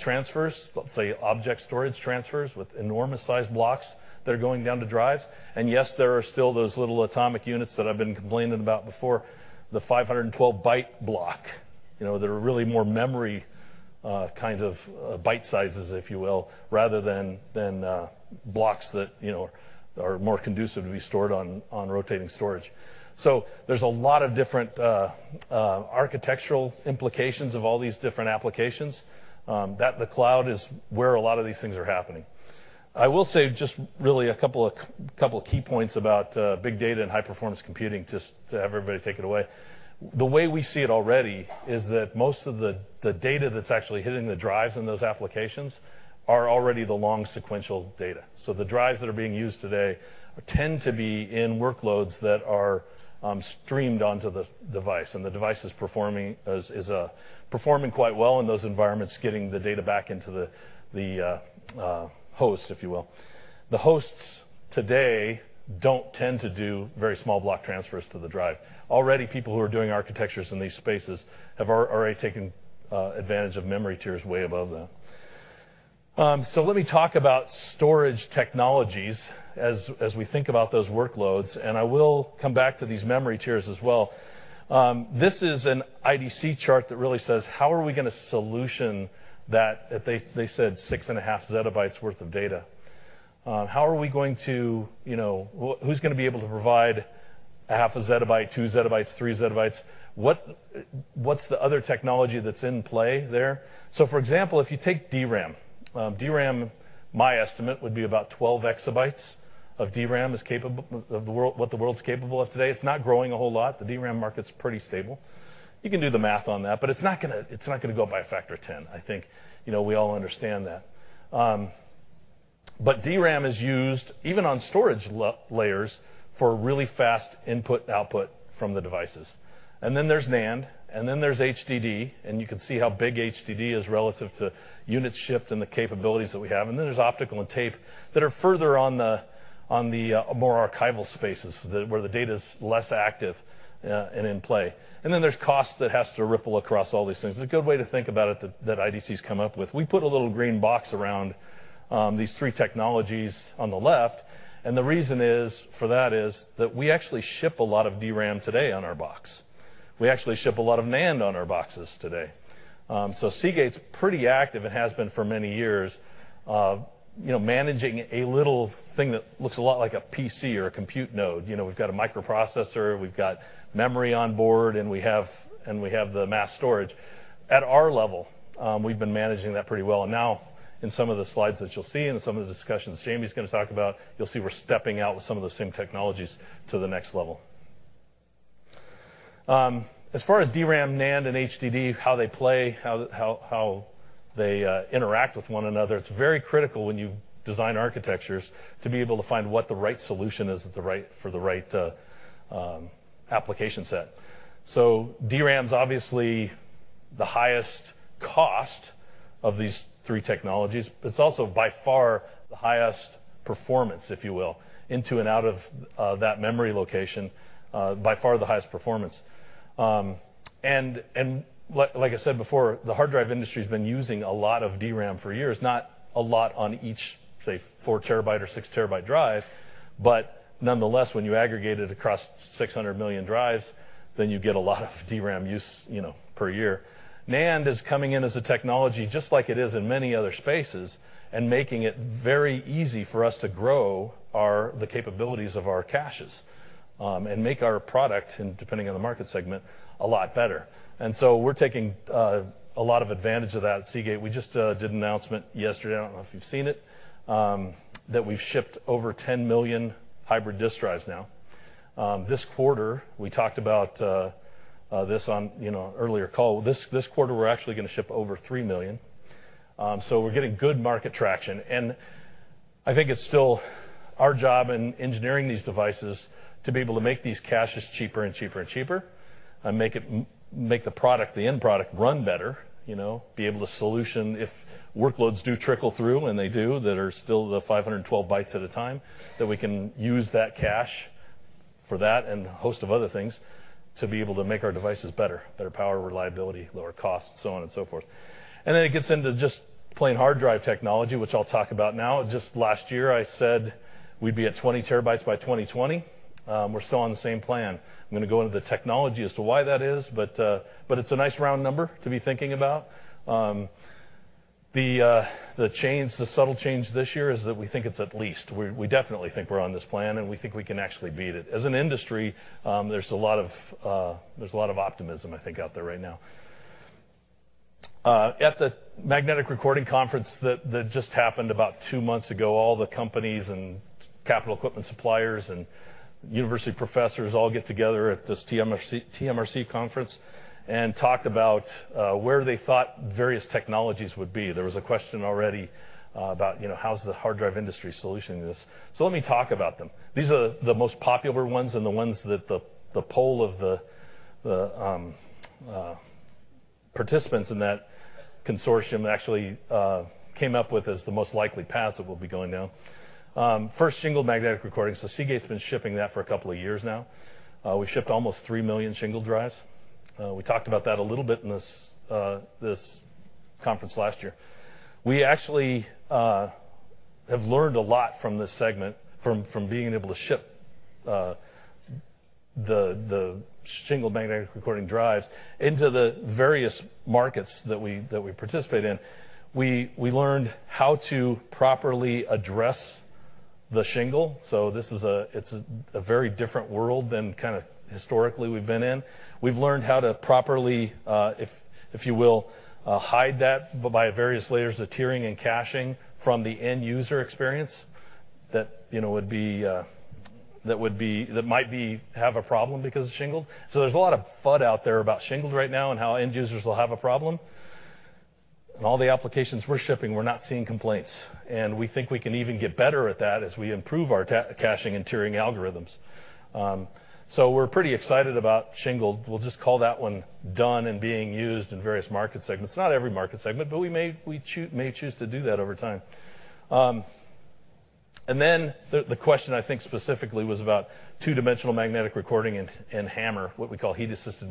transfers, let's say object storage transfers with enormous size blocks that are going down to drives. Yes, there are still those little atomic units that I've been complaining about before, the 512-byte block. They're really more memory kind of bite sizes, if you will, rather than blocks that are more conducive to be stored on rotating storage. There's a lot of different architectural implications of all these different applications, that the cloud is where a lot of these things are happening. I will say just really a couple of key points about big data and high-performance computing just to have everybody take it away. The way we see it already is that most of the data that's actually hitting the drives in those applications are already the long sequential data. The drives that are being used today tend to be in workloads that are streamed onto the device, and the device is performing quite well in those environments, getting the data back into the host, if you will. The hosts today don't tend to do very small block transfers to the drive. Already, people who are doing architectures in these spaces have already taken advantage of memory tiers way above them. Let me talk about storage technologies as we think about those workloads, and I will come back to these memory tiers as well. This is an IDC chart that really says, how are we going to solution that, they said, 6.5 zettabytes worth of data. Who's going to be able to provide 0.5 zettabytes, 2 zettabytes, 3 zettabytes? What's the other technology that's in play there? For example, if you take DRAM. DRAM, my estimate, would be about 12 exabytes of DRAM is what the world's capable of today. It's not growing a whole lot. The DRAM market's pretty stable. You can do the math on that, but it's not going to go by a factor of 10. I think we all understand that. DRAM is used even on storage layers for really fast input-output from the devices. Then there's NAND. Then there's HDD, and you can see how big HDD is relative to units shipped and the capabilities that we have. Then there's optical and tape that are further on the more archival spaces, where the data's less active and in play. Then there's cost that has to ripple across all these things. A good way to think about it that IDC has come up with, we put a little green box around these three technologies on the left, and the reason for that is that we actually ship a lot of DRAM today on our box. We actually ship a lot of NAND on our boxes today. Seagate's pretty active and has been for many years, managing a little thing that looks a lot like a PC or a compute node. We've got a microprocessor, we've got memory on board, and we have the mass storage. At our level, we've been managing that pretty well. Now, in some of the slides that you'll see and some of the discussions Jamie's going to talk about, you'll see we're stepping out with some of the same technologies to the next level. As far as DRAM, NAND, and HDD, how they play, how they interact with one another, it's very critical when you design architectures to be able to find what the right solution is for the right application set. DRAM's obviously the highest cost of these three technologies, but it's also by far the highest performance, if you will, into and out of that memory location, by far the highest performance. Like I said before, the hard drive industry has been using a lot of DRAM for years, not a lot on each, say, four terabyte or six terabyte drive, but nonetheless, when you aggregate it across 600 million drives, then you get a lot of DRAM use per year. NAND is coming in as a technology just like it is in many other spaces and making it very easy for us to grow the capabilities of our caches. Make our product, depending on the market segment, a lot better. We're taking a lot of advantage of that at Seagate. We just did an announcement yesterday, I don't know if you've seen it, that we've shipped over 10 million hybrid disk drives now. This quarter, we talked about this on an earlier call. This quarter, we're actually going to ship over 3 million. We're getting good market traction, and I think it's still our job in engineering these devices to be able to make these caches cheaper and cheaper. Make the end product run better, be able to solution if workloads do trickle through, and they do, that are still the 512 bytes at a time, that we can use that cache for that and a host of other things to be able to make our devices better. Better power, reliability, lower cost, so on and so forth. It gets into just plain hard drive technology, which I'll talk about now. Just last year, I said we'd be at 20 terabytes by 2020. We're still on the same plan. I'm going to go into the technology as to why that is, but it's a nice round number to be thinking about. The subtle change this year is that we think it's at least. We definitely think we're on this plan, and we think we can actually beat it. As an industry, there's a lot of optimism, I think, out there right now. At The Magnetic Recording Conference that just happened about two months ago, all the companies and capital equipment suppliers and university professors all get together at this TMRC conference, and talked about where they thought various technologies would be. There was a question already about how's the hard drive industry solutioning this. Let me talk about them. These are the most popular ones and the ones that the poll of the participants in that consortium actually came up with as the most likely paths that we'll be going down. First, shingled magnetic recording. Seagate's been shipping that for a couple of years now. We've shipped almost 3 million shingled drives. We talked about that a little bit in this conference last year. We actually have learned a lot from this segment, from being able to ship the shingled magnetic recording drives into the various markets that we participate in. We learned how to properly address the shingle. It's a very different world than historically we've been in. We've learned how to properly, if you will, hide that by various layers of tiering and caching from the end-user experience that might have a problem because it's shingled. There's a lot of FUD out there about shingled right now and how end users will have a problem. In all the applications we're shipping, we're not seeing complaints. We think we can even get better at that as we improve our caching and tiering algorithms. We're pretty excited about shingled. We'll just call that one done and being used in various market segments. Not every market segment, but we may choose to do that over time. The question, I think specifically, was about two-dimensional magnetic recording and HAMR, what we call Heat-assisted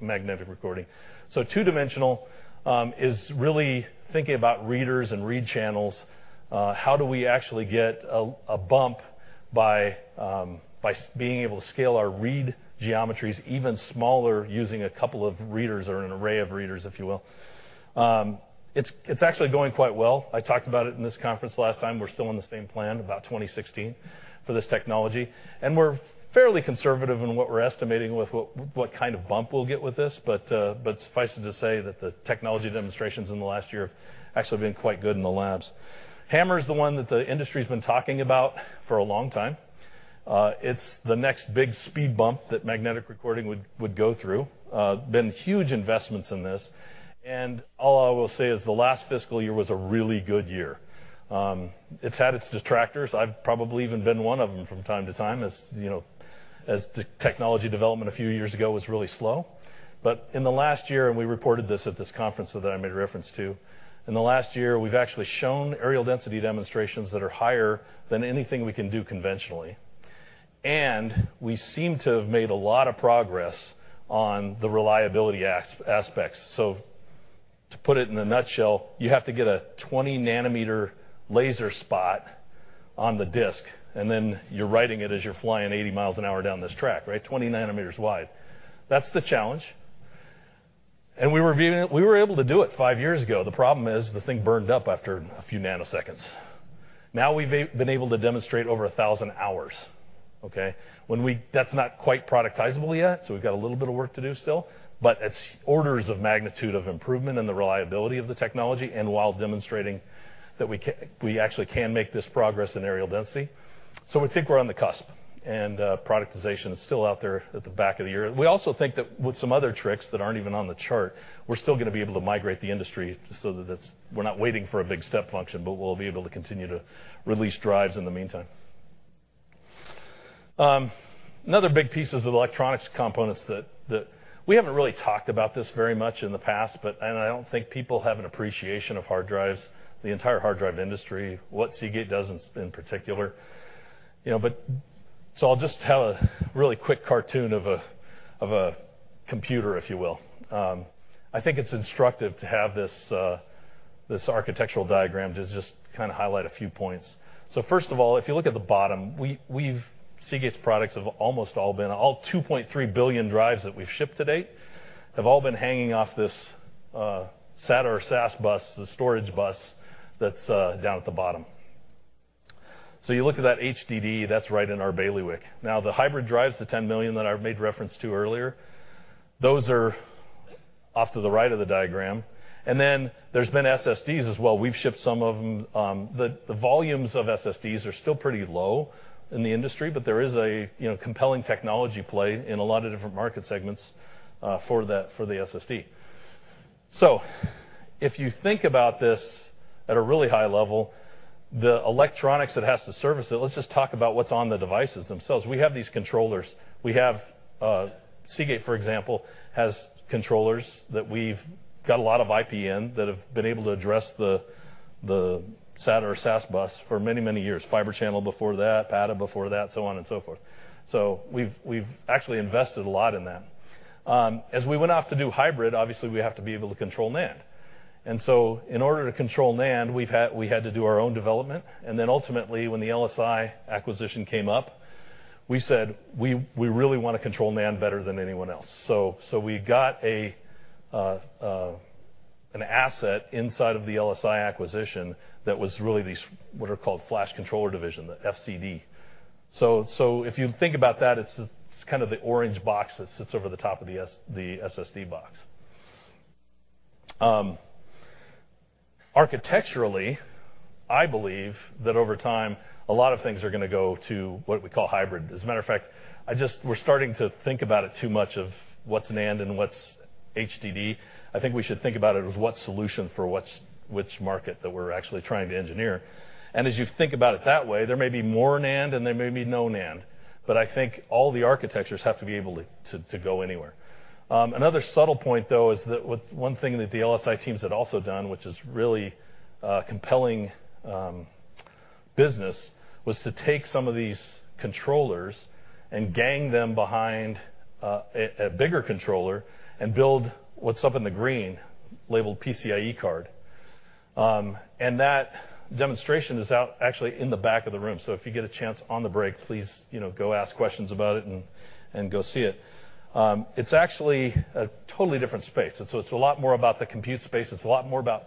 magnetic recording. Two-dimensional is really thinking about readers and read channels. How do we actually get a bump by being able to scale our read geometries even smaller using a couple of readers or an array of readers, if you will? It's actually going quite well. I talked about it in this conference last time. We're still on the same plan, about 2016, for this technology. We're fairly conservative in what we're estimating with what kind of bump we'll get with this. Suffice it to say that the technology demonstrations in the last year have actually been quite good in the labs. HAMR's the one that the industry's been talking about for a long time. It's the next big speed bump that magnetic recording would go through. Been huge investments in this, and all I will say is the last fiscal year was a really good year. It's had its detractors. I've probably even been one of them from time to time as the technology development a few years ago was really slow. In the last year, and we reported this at this conference that I made a reference to, in the last year, we've actually shown areal density demonstrations that are higher than anything we can do conventionally. We seem to have made a lot of progress on the reliability aspects. To put it in a nutshell, you have to get a 20-nanometer laser spot on the disk, and then you're writing it as you're flying 80 miles an hour down this track, 20 nanometers wide. That's the challenge. We were able to do it five years ago. The problem is the thing burned up after a few nanoseconds. Now we've been able to demonstrate over 1,000 hours, okay? That's not quite productizable yet, we've got a little bit of work to do still, but it's orders of magnitude of improvement in the reliability of the technology and while demonstrating that we actually can make this progress in areal density. We think we're on the cusp, and productization is still out there at the back of the year. We also think that with some other tricks that aren't even on the chart, we're still going to be able to migrate the industry so that we're not waiting for a big step function, but we'll be able to continue to release drives in the meantime. Another big piece is the electronics components that we haven't really talked about this very much in the past, and I don't think people have an appreciation of hard drives, the entire hard drive industry, what Seagate does in particular. I'll just tell a really quick cartoon of a computer, if you will. I think it's instructive to have this architectural diagram to just highlight a few points. First of all, if you look at the bottom, Seagate's products have almost all been-- All 2.3 billion drives that we've shipped to date have all been hanging off this SATA or SAS bus, the storage bus that's down at the bottom. You look at that HDD, that's right in our bailiwick. Now, the hybrid drives, the 10 million that I made reference to earlier, those are off to the right of the diagram. Then there's been SSDs as well. We've shipped some of them. The volumes of SSDs are still pretty low in the industry, but there is a compelling technology play in a lot of different market segments for the SSD. If you think about this at a really high level, the electronics that has to service it, let's just talk about what's on the devices themselves. We have these controllers. Seagate, for example, has controllers that we've got a lot of IP in that have been able to address the SATA or SAS bus for many, many years. Fibre Channel before that, PATA before that, so on and so forth. We've actually invested a lot in that. As we went off to do hybrid, obviously, we have to be able to control NAND. In order to control NAND, we had to do our own development, then ultimately, when the LSI acquisition came up, we said we really want to control NAND better than anyone else. We got an asset inside of the LSI acquisition that was really what are called flash controller division, the FCD. If you think about that, it's kind of the orange box that sits over the top of the SSD box. Architecturally, I believe that over time, a lot of things are going to go to what we call hybrid. As a matter of fact, we're starting to think about it too much of what's NAND and what's HDD. I think we should think about it as what solution for which market that we're actually trying to engineer. As you think about it that way, there may be more NAND and there may be no NAND, but I think all the architectures have to be able to go anywhere. Another subtle point, though, is that one thing that the LSI teams had also done, which is really compelling business, was to take some of these controllers and gang them behind a bigger controller and build what's up in the green, labeled PCIe card. That demonstration is out, actually, in the back of the room. If you get a chance on the break, please go ask questions about it and go see it. It's actually a totally different space. It's a lot more about the compute space, it's a lot more about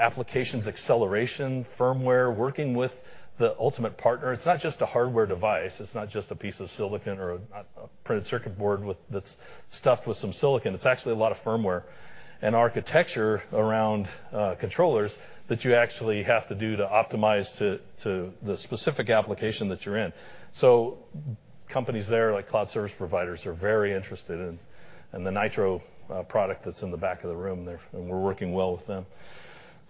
applications acceleration, firmware, working with the ultimate partner. It's not just a hardware device. It's not just a piece of silicon or a printed circuit board that's stuffed with some silicon. It's actually a lot of firmware and architecture around controllers that you actually have to do to optimize to the specific application that you're in. Companies there, like cloud service providers, are very interested in the Nytro product that's in the back of the room, and we're working well with them.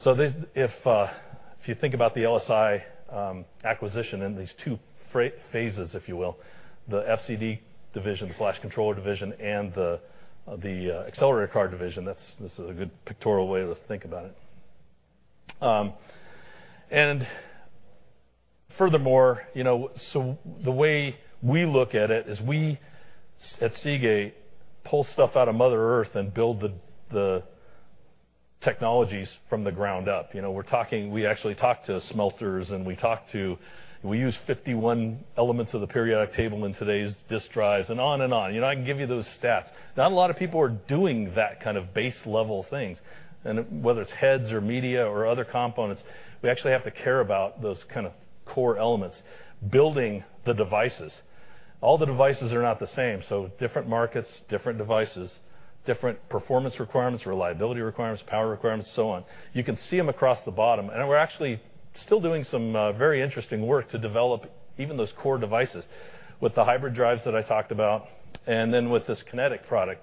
If you think about the LSI acquisition in these two phases, if you will, the FCD division, the flash controller division, and the accelerator card division, this is a good pictorial way to think about it. The way we look at it is we, at Seagate, pull stuff out of Mother Earth and build the technologies from the ground up. We actually talk to smelters and we use 51 elements of the periodic table in today's disk drives, and on and on. I can give you those stats. Not a lot of people are doing that kind of base level things. Whether it's heads or media or other components, we actually have to care about those core elements, building the devices. All the devices are not the same, different markets, different devices, different performance requirements, reliability requirements, power requirements, so on. You can see them across the bottom. We're actually still doing some very interesting work to develop even those core devices with the hybrid drives that I talked about, and then with this Kinetic product,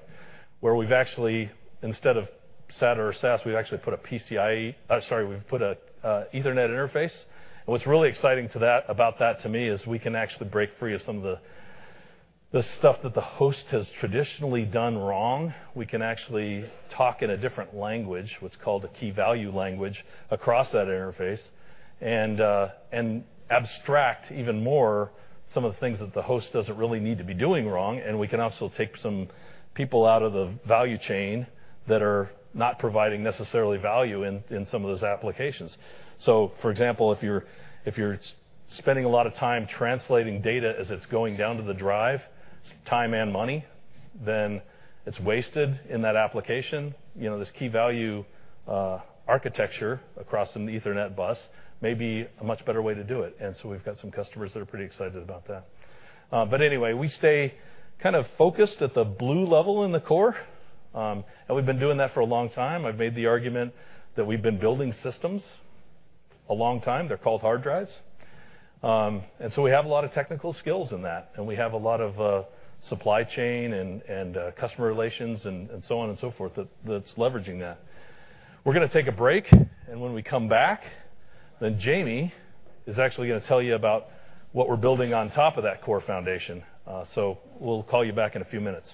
where we've actually, instead of SATA or SAS, we've actually put an Ethernet interface. What's really exciting about that to me is we can actually break free of some of the stuff that the host has traditionally done wrong. We can actually talk in a different language, what's called a key-value language, across that interface, and abstract even more some of the things that the host doesn't really need to be doing wrong. We can also take some people out of the value chain that are not providing necessarily value in some of those applications. For example, if you're spending a lot of time translating data as it's going down to the drive, time and money, then it's wasted in that application. This key-value architecture across an Ethernet bus may be a much better way to do it. We've got some customers that are pretty excited about that. Anyway, we stay focused at the blue level in the core. We've been doing that for a long time. I've made the argument that we've been building systems a long time. They're called hard drives. We have a lot of technical skills in that, and we have a lot of supply chain and customer relations and so on and so forth that's leveraging that. We're going to take a break, and when we come back, then Jamie is actually going to tell you about what we're building on top of that core foundation. We'll call you back in a few minutes.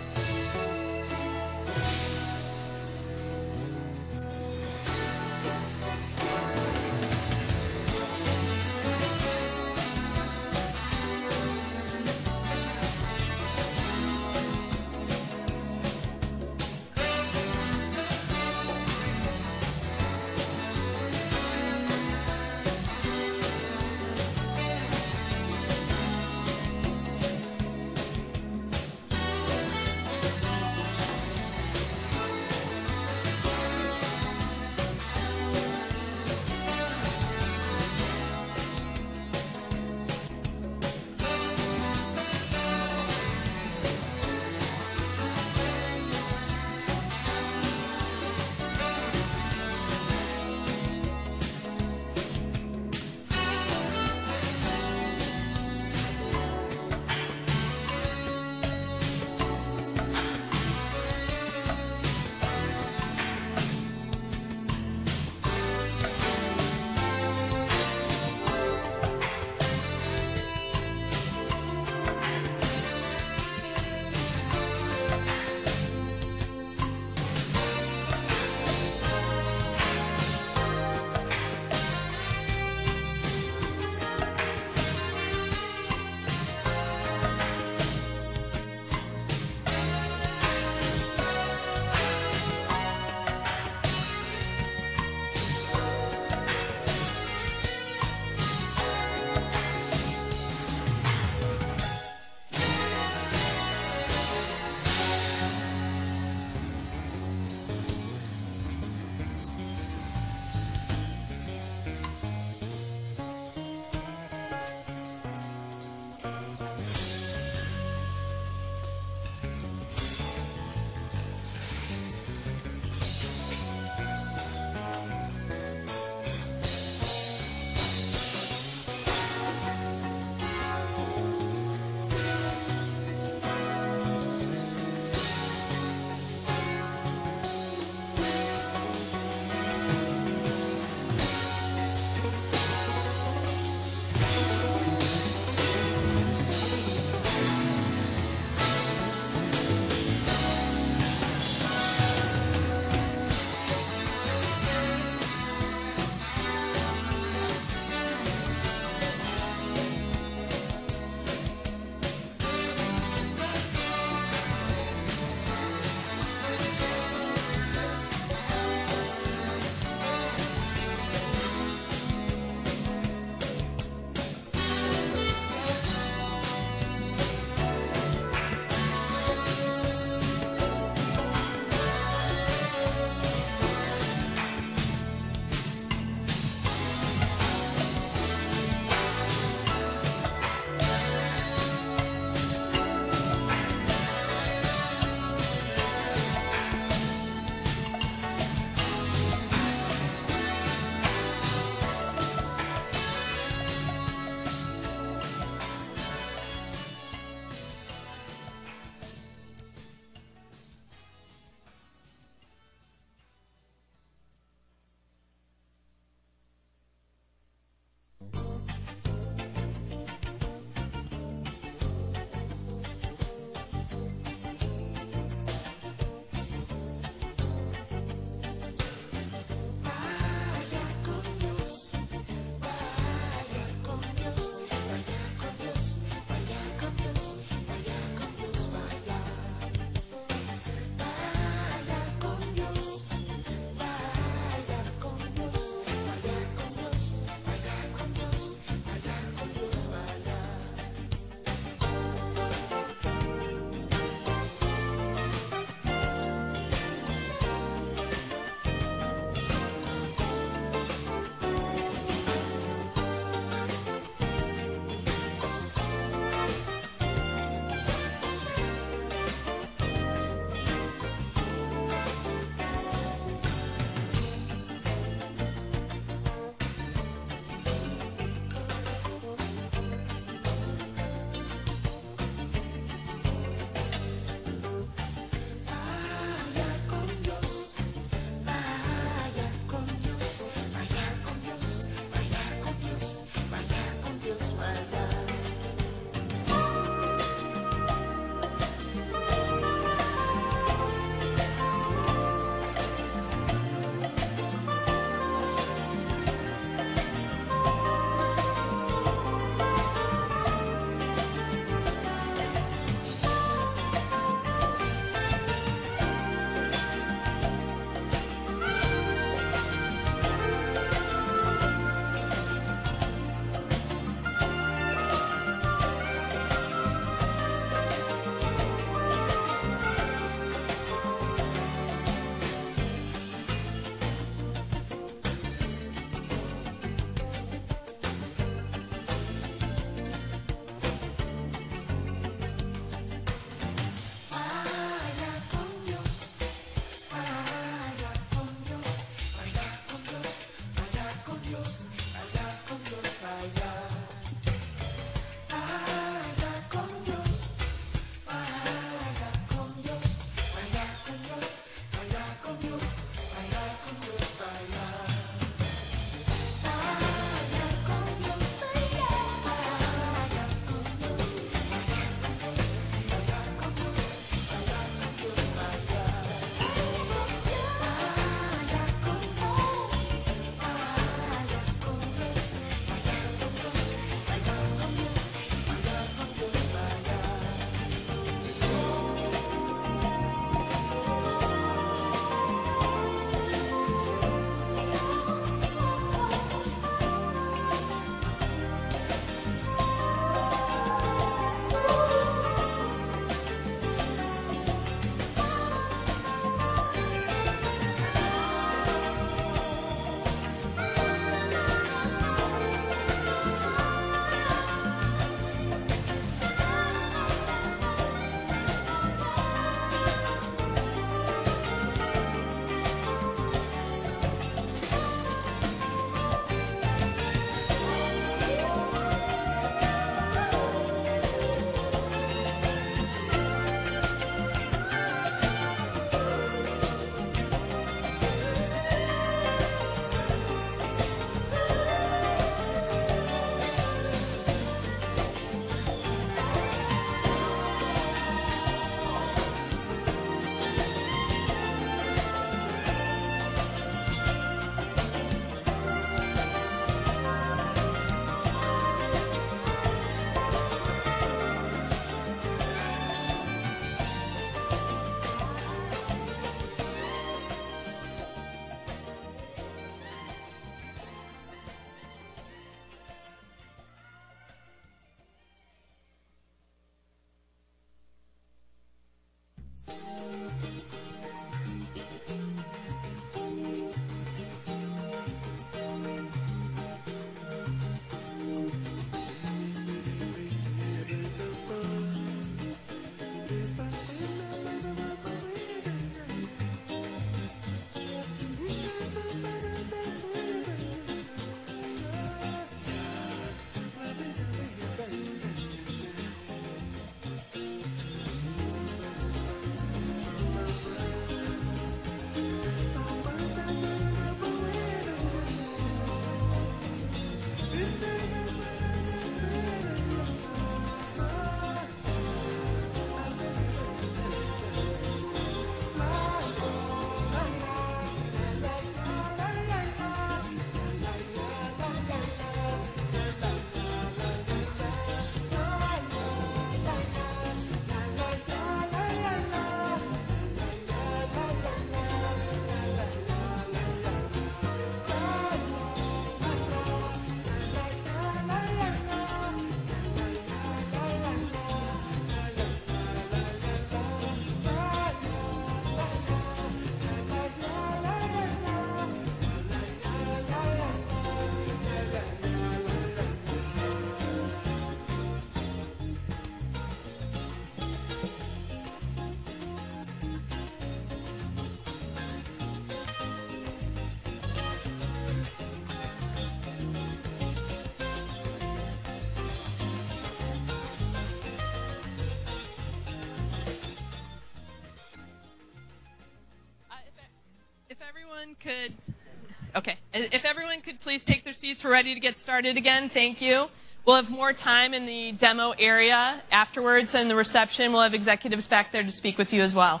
If everyone could please take their seats, we're ready to get started again. Thank you. We'll have more time in the demo area afterwards, and the reception will have executives back there to speak with you as well.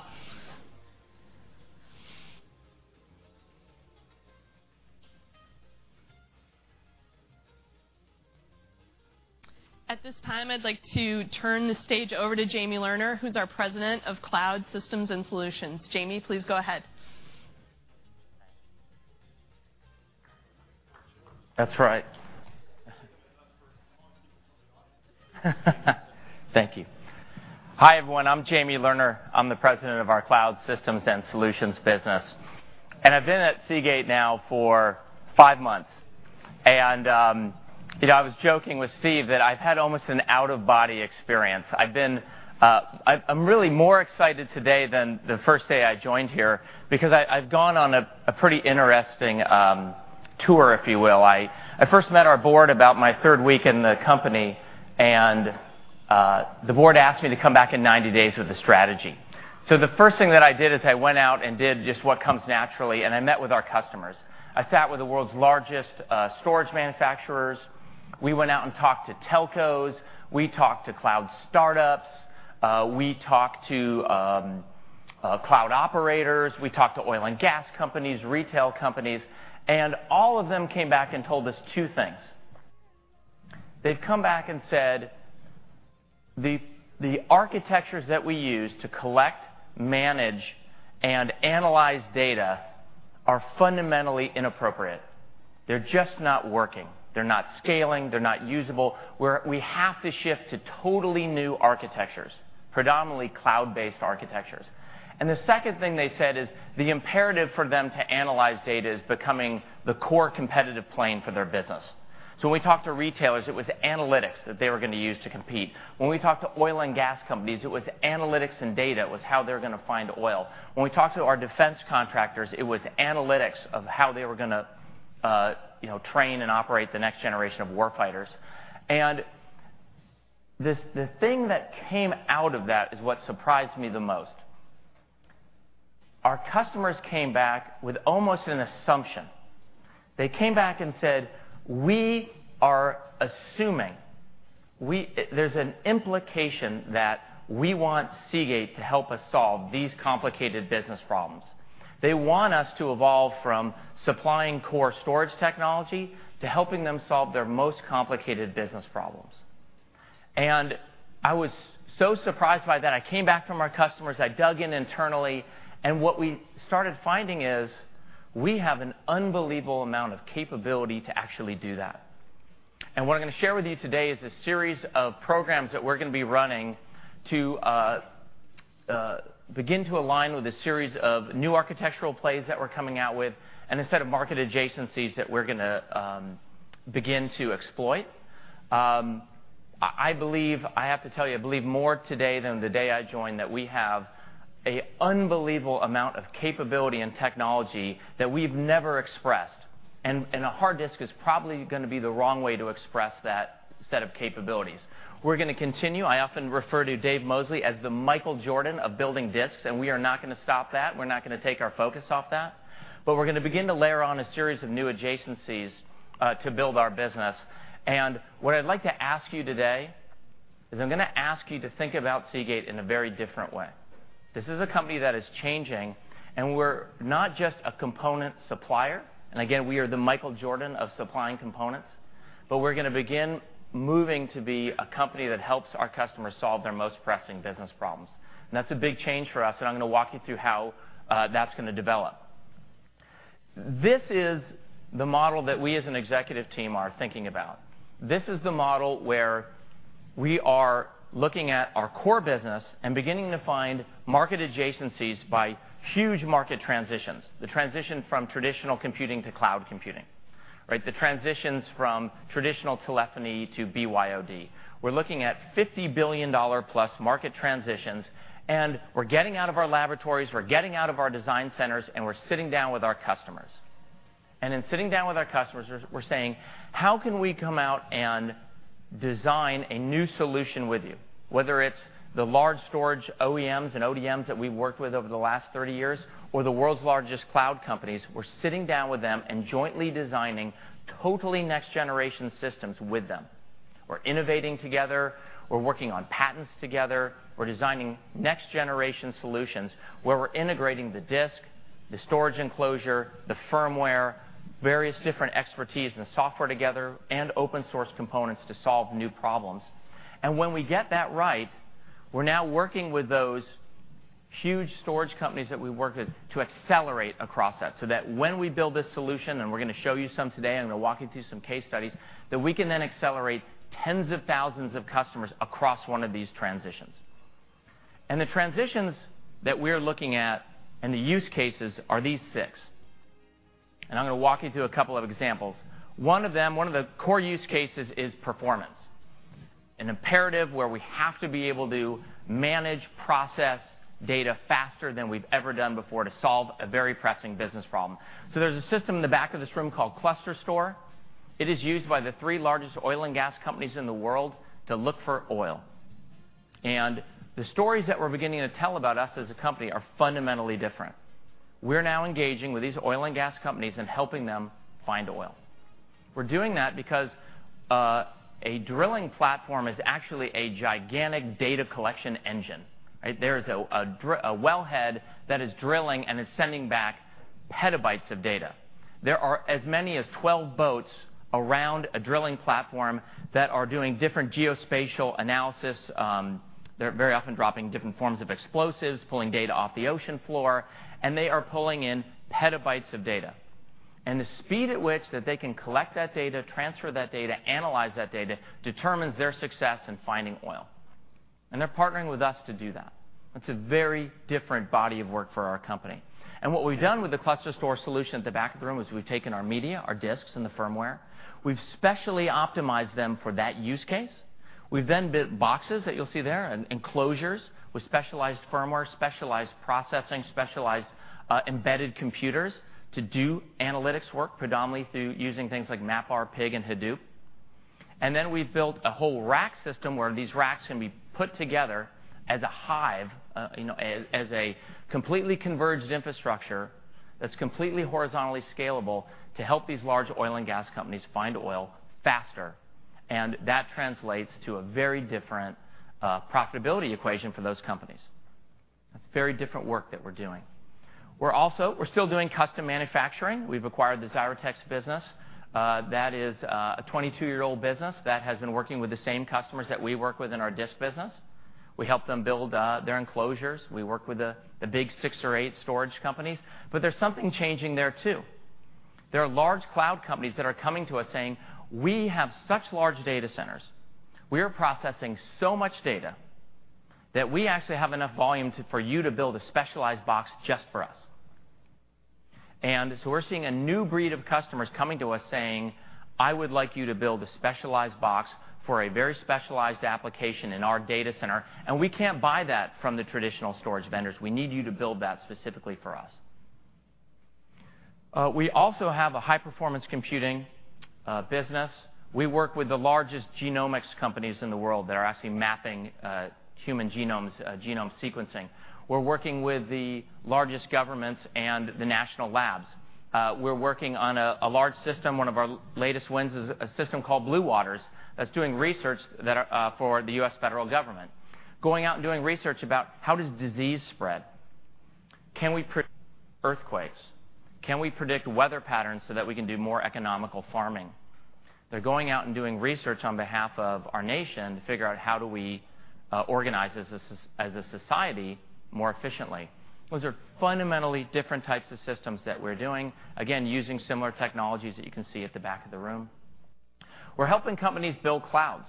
At this time, I'd like to turn the stage over to Jamie Lerner, who's our President of Cloud Systems and Solutions. Jamie, please go ahead. That's right. Thank you. Hi, everyone. I'm Jamie Lerner. I'm the President of our Cloud Systems and Solutions business, and I've been at Seagate now for five months. I was joking with Steve that I've had almost an out-of-body experience. I'm really more excited today than the first day I joined here because I've gone on a pretty interesting tour, if you will. I first met our board about my third week in the company. The board asked me to come back in 90 days with a strategy. The first thing that I did is I went out and did just what comes naturally, and I met with our customers. I sat with the world's largest storage manufacturers. We went out and talked to telcos, we talked to cloud startups, we talked to cloud operators, we talked to oil and gas companies, retail companies, and all of them came back and told us two things. They've come back and said, "The architectures that we use to collect, manage, and analyze data are fundamentally inappropriate. They're just not working. They're not scaling. They're not usable. We have to shift to totally new architectures, predominantly cloud-based architectures." The second thing they said is the imperative for them to analyze data is becoming the core competitive plane for their business. When we talked to retailers, it was analytics that they were going to use to compete. When we talked to oil and gas companies, it was analytics and data, it was how they were going to find oil. When we talked to our defense contractors, it was analytics of how they were going to train and operate the next generation of war fighters. The thing that came out of that is what surprised me the most. Our customers came back with almost an assumption. They came back and said, "We are assuming, there's an implication that we want Seagate to help us solve these complicated business problems." They want us to evolve from supplying core storage technology to helping them solve their most complicated business problems. I was so surprised by that. I came back from our customers, I dug in internally, and what we started finding is we have an unbelievable amount of capability to actually do that. What I'm going to share with you today is a series of programs that we're going to be running to begin to align with a series of new architectural plays that we're coming out with, and a set of market adjacencies that we're going to begin to exploit. I have to tell you, I believe more today than the day I joined that we have an unbelievable amount of capability and technology that we've never expressed, and a hard disk is probably going to be the wrong way to express that set of capabilities. We're going to continue. I often refer to Dave Mosley as the Michael Jordan of building disks, and we are not going to stop that. We're not going to take our focus off that. We're going to begin to layer on a series of new adjacencies to build our business. What I'd like to ask you today is, I'm going to ask you to think about Seagate in a very different way. This is a company that is changing, and we're not just a component supplier. Again, we are the Michael Jordan of supplying components, we're going to begin moving to be a company that helps our customers solve their most pressing business problems. That's a big change for us, and I'm going to walk you through how that's going to develop. This is the model that we as an executive team are thinking about. This is the model where we are looking at our core business and beginning to find market adjacencies by huge market transitions, the transition from traditional computing to cloud computing, right? The transitions from traditional telephony to BYOD. We're looking at $50 billion plus market transitions, we're getting out of our laboratories, we're getting out of our design centers, we're sitting down with our customers. In sitting down with our customers, we're saying, "How can we come out and design a new solution with you?" Whether it's the large storage OEMs and ODMs that we've worked with over the last 30 years or the world's largest cloud companies, we're sitting down with them and jointly designing totally next-generation systems with them. We're innovating together. We're working on patents together. We're designing next-generation solutions where we're integrating the disk, the storage enclosure, the firmware, various different expertise, and the software together, and open-source components to solve new problems. When we get that right, we're now working with those huge storage companies that we work with to accelerate across that when we build this solution, we're going to show you some today, we're going to walk you through some case studies, that we can then accelerate tens of thousands of customers across one of these transitions. The transitions that we're looking at and the use cases are these six. I'm going to walk you through a couple of examples. One of them, one of the core use cases is performance, an imperative where we have to be able to manage process data faster than we've ever done before to solve a very pressing business problem. There's a system in the back of this room called ClusterStor. It is used by the three largest oil and gas companies in the world to look for oil. The stories that we're beginning to tell about us as a company are fundamentally different. We're now engaging with these oil and gas companies and helping them find oil. We're doing that because a drilling platform is actually a gigantic data collection engine. There is a wellhead that is drilling and is sending back petabytes of data. There are as many as 12 boats around a drilling platform that are doing different geospatial analysis. They're very often dropping different forms of explosives, pulling data off the ocean floor, they are pulling in petabytes of data. The speed at which that they can collect that data, transfer that data, analyze that data, determines their success in finding oil. They're partnering with us to do that. That's a very different body of work for our company. What we've done with the ClusterStor solution at the back of the room is we've taken our media, our disks, the firmware. We've specially optimized them for that use case. We've built boxes that you'll see there, enclosures with specialized firmware, specialized processing, specialized embedded computers to do analytics work, predominantly through using things like MapR, Pig, and Hadoop. We've built a whole rack system where these racks can be put together as a hive, as a completely converged infrastructure that's completely horizontally scalable to help these large oil and gas companies find oil faster. That translates to a very different profitability equation for those companies. That's very different work that we're doing. We're still doing custom manufacturing. We've acquired the Xyratex business. That is a 22-year-old business that has been working with the same customers that we work with in our disk business. We help them build their enclosures. We work with the big six or eight storage companies. There's something changing there, too. There are large cloud companies that are coming to us saying, "We have such large data centers. We are processing so much data that we actually have enough volume for you to build a specialized box just for us." We're seeing a new breed of customers coming to us saying, "I would like you to build a specialized box for a very specialized application in our data center, we can't buy that from the traditional storage vendors. We need you to build that specifically for us." We also have a high-performance computing business. We work with the largest genomics companies in the world that are actually mapping human genomes, genome sequencing. We're working with the largest governments and the national labs. We're working on a large system. One of our latest wins is a system called Blue Waters that's doing research for the U.S. federal government, going out and doing research about how does disease spread. Can we predict earthquakes? Can we predict weather patterns so that we can do more economical farming? They're going out and doing research on behalf of our nation to figure out how do we organize as a society more efficiently. Those are fundamentally different types of systems that we're doing, again, using similar technologies that you can see at the back of the room. We're helping companies build clouds.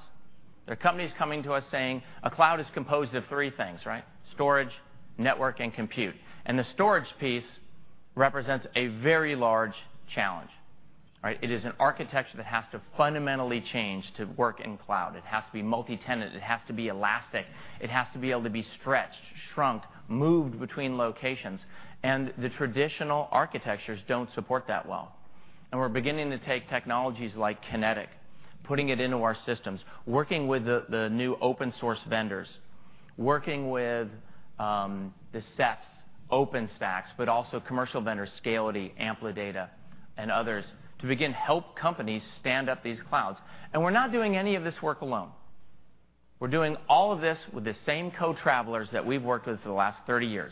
There are companies coming to us saying a cloud is composed of three things, right? Storage, network, and compute. The storage piece represents a very large challenge. It is an architecture that has to fundamentally change to work in cloud. It has to be multi-tenant. It has to be elastic. It has to be able to be stretched, shrunk, moved between locations, and the traditional architectures don't support that well. We're beginning to take technologies like Kinetic, putting it into our systems, working with the new open-source vendors, working with the Ceph, OpenStack, but also commercial vendors, Scality, Amplidata, and others, to begin help companies stand up these clouds. We're not doing any of this work alone. We're doing all of this with the same co-travelers that we've worked with for the last 30 years.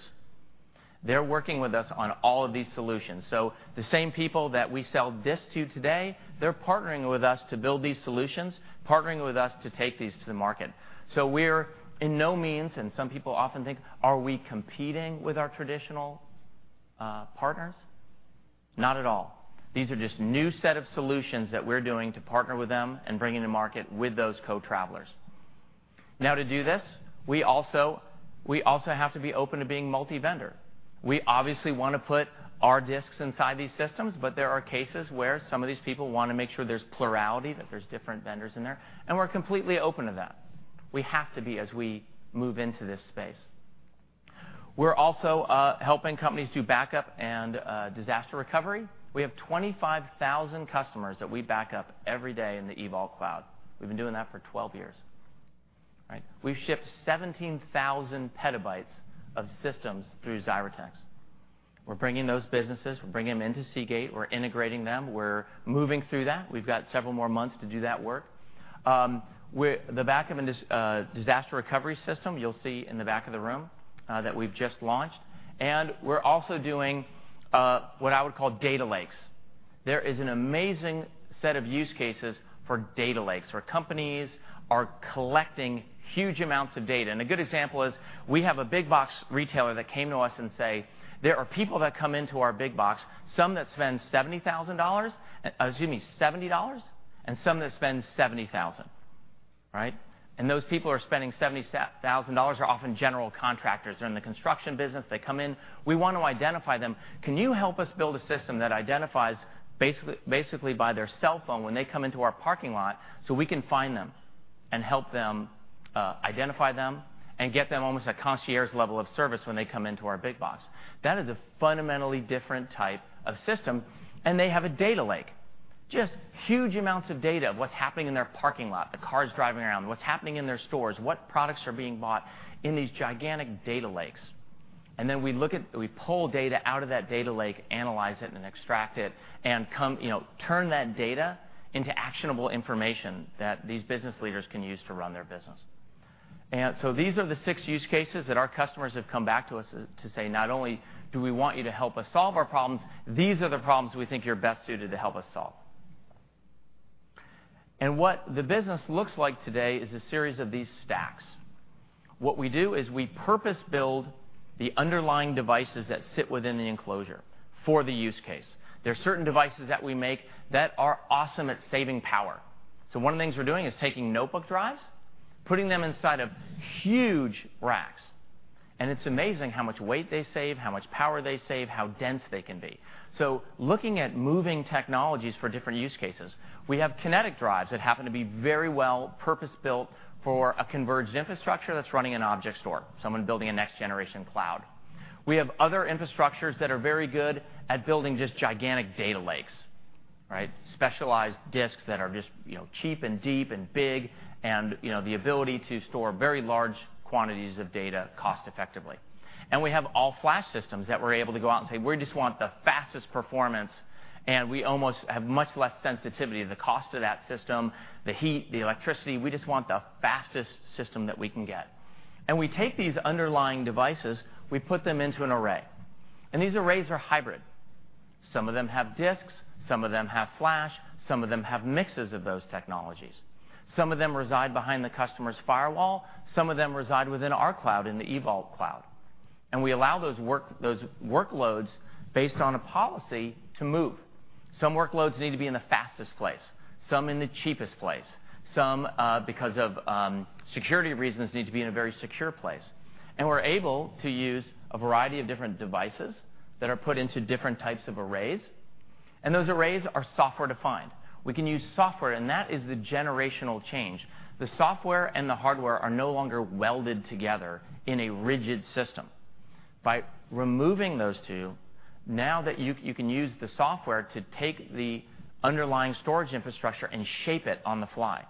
They're working with us on all of these solutions. The same people that we sell disks to today, they're partnering with us to build these solutions, partnering with us to take these to the market. We're in no means, and some people often think, are we competing with our traditional partners? Not at all. These are just new set of solutions that we're doing to partner with them and bring into market with those co-travelers. To do this, we also have to be open to being multi-vendor. We obviously want to put our disks inside these systems, but there are cases where some of these people want to make sure there's plurality, that there's different vendors in there, and we're completely open to that. We have to be as we move into this space. We're also helping companies do backup and disaster recovery. We have 25,000 customers that we back up every day in the EVault cloud. We've been doing that for 12 years. We've shipped 17,000 petabytes of systems through Xyratex. We're bringing those businesses, we're bringing them into Seagate, we're integrating them. We're moving through that. We've got several more months to do that work. The backup and disaster recovery system, you'll see in the back of the room, that we've just launched. We're also doing what I would call data lakes. There is an amazing set of use cases for data lakes, where companies are collecting huge amounts of data. A good example is we have a big box retailer that came to us and say, "There are people that come into our big box, some that spend $70, and some that spend $70,000. Those people who are spending $70,000 are often general contractors. They're in the construction business. They come in. We want to identify them. Can you help us build a system that identifies basically by their cell phone when they come into our parking lot so we can find them and help them, identify them, and get them almost a concierge level of service when they come into our big box?" That is a fundamentally different type of system, and they have a data lake. Just huge amounts of data of what's happening in their parking lot, the cars driving around, what's happening in their stores, what products are being bought in these gigantic data lakes. Then we pull data out of that data lake, analyze it, and extract it, and turn that data into actionable information that these business leaders can use to run their business. These are the six use cases that our customers have come back to us to say, "Not only do we want you to help us solve our problems, these are the problems we think you're best suited to help us solve." What the business looks like today is a series of these stacks. What we do is we purpose-build the underlying devices that sit within the enclosure for the use case. There are certain devices that we make that are awesome at saving power. One of the things we're doing is taking notebook drives, putting them inside of huge racks, and it's amazing how much weight they save, how much power they save, how dense they can be. Looking at moving technologies for different use cases, we have Kinetic drives that happen to be very well purpose-built for a converged infrastructure that's running an object store. Someone building a next generation cloud. We have other infrastructures that are very good at building just gigantic data lakes. Specialized disks that are just cheap and deep and big and the ability to store very large quantities of data cost effectively. We have all-flash systems that we're able to go out and say, "We just want the fastest performance, and we almost have much less sensitivity to the cost of that system, the heat, the electricity. We just want the fastest system that we can get." We take these underlying devices, we put them into an array. These arrays are hybrid. Some of them have disks, some of them have flash, some of them have mixes of those technologies. Some of them reside behind the customer's firewall, some of them reside within our cloud, in the EVault cloud. We allow those workloads based on a policy to move. Some workloads need to be in the fastest place, some in the cheapest place, some, because of security reasons, need to be in a very secure place. We're able to use a variety of different devices that are put into different types of arrays. Those arrays are software-defined. We can use software, and that is the generational change. The software and the hardware are no longer welded together in a rigid system. By removing those two, now you can use the software to take the underlying storage infrastructure and shape it on the fly,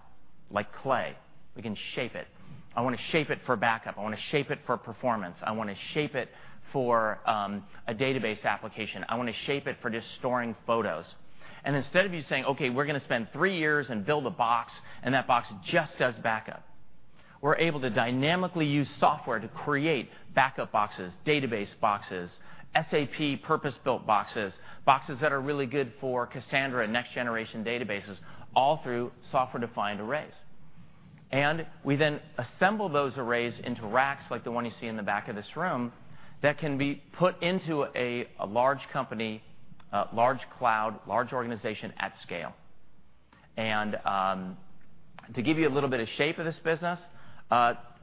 like clay. We can shape it. I want to shape it for backup. I want to shape it for performance. I want to shape it for a database application. I want to shape it for just storing photos. Instead of you saying, "Okay, we're going to spend three years and build a box, and that box just does backup." We're able to dynamically use software to create backup boxes, database boxes, SAP purpose-built boxes that are really good for Cassandra next generation databases, all through software-defined arrays. We then assemble those arrays into racks like the one you see in the back of this room that can be put into a large company, large cloud, large organization at scale. To give you a little bit of shape of this business,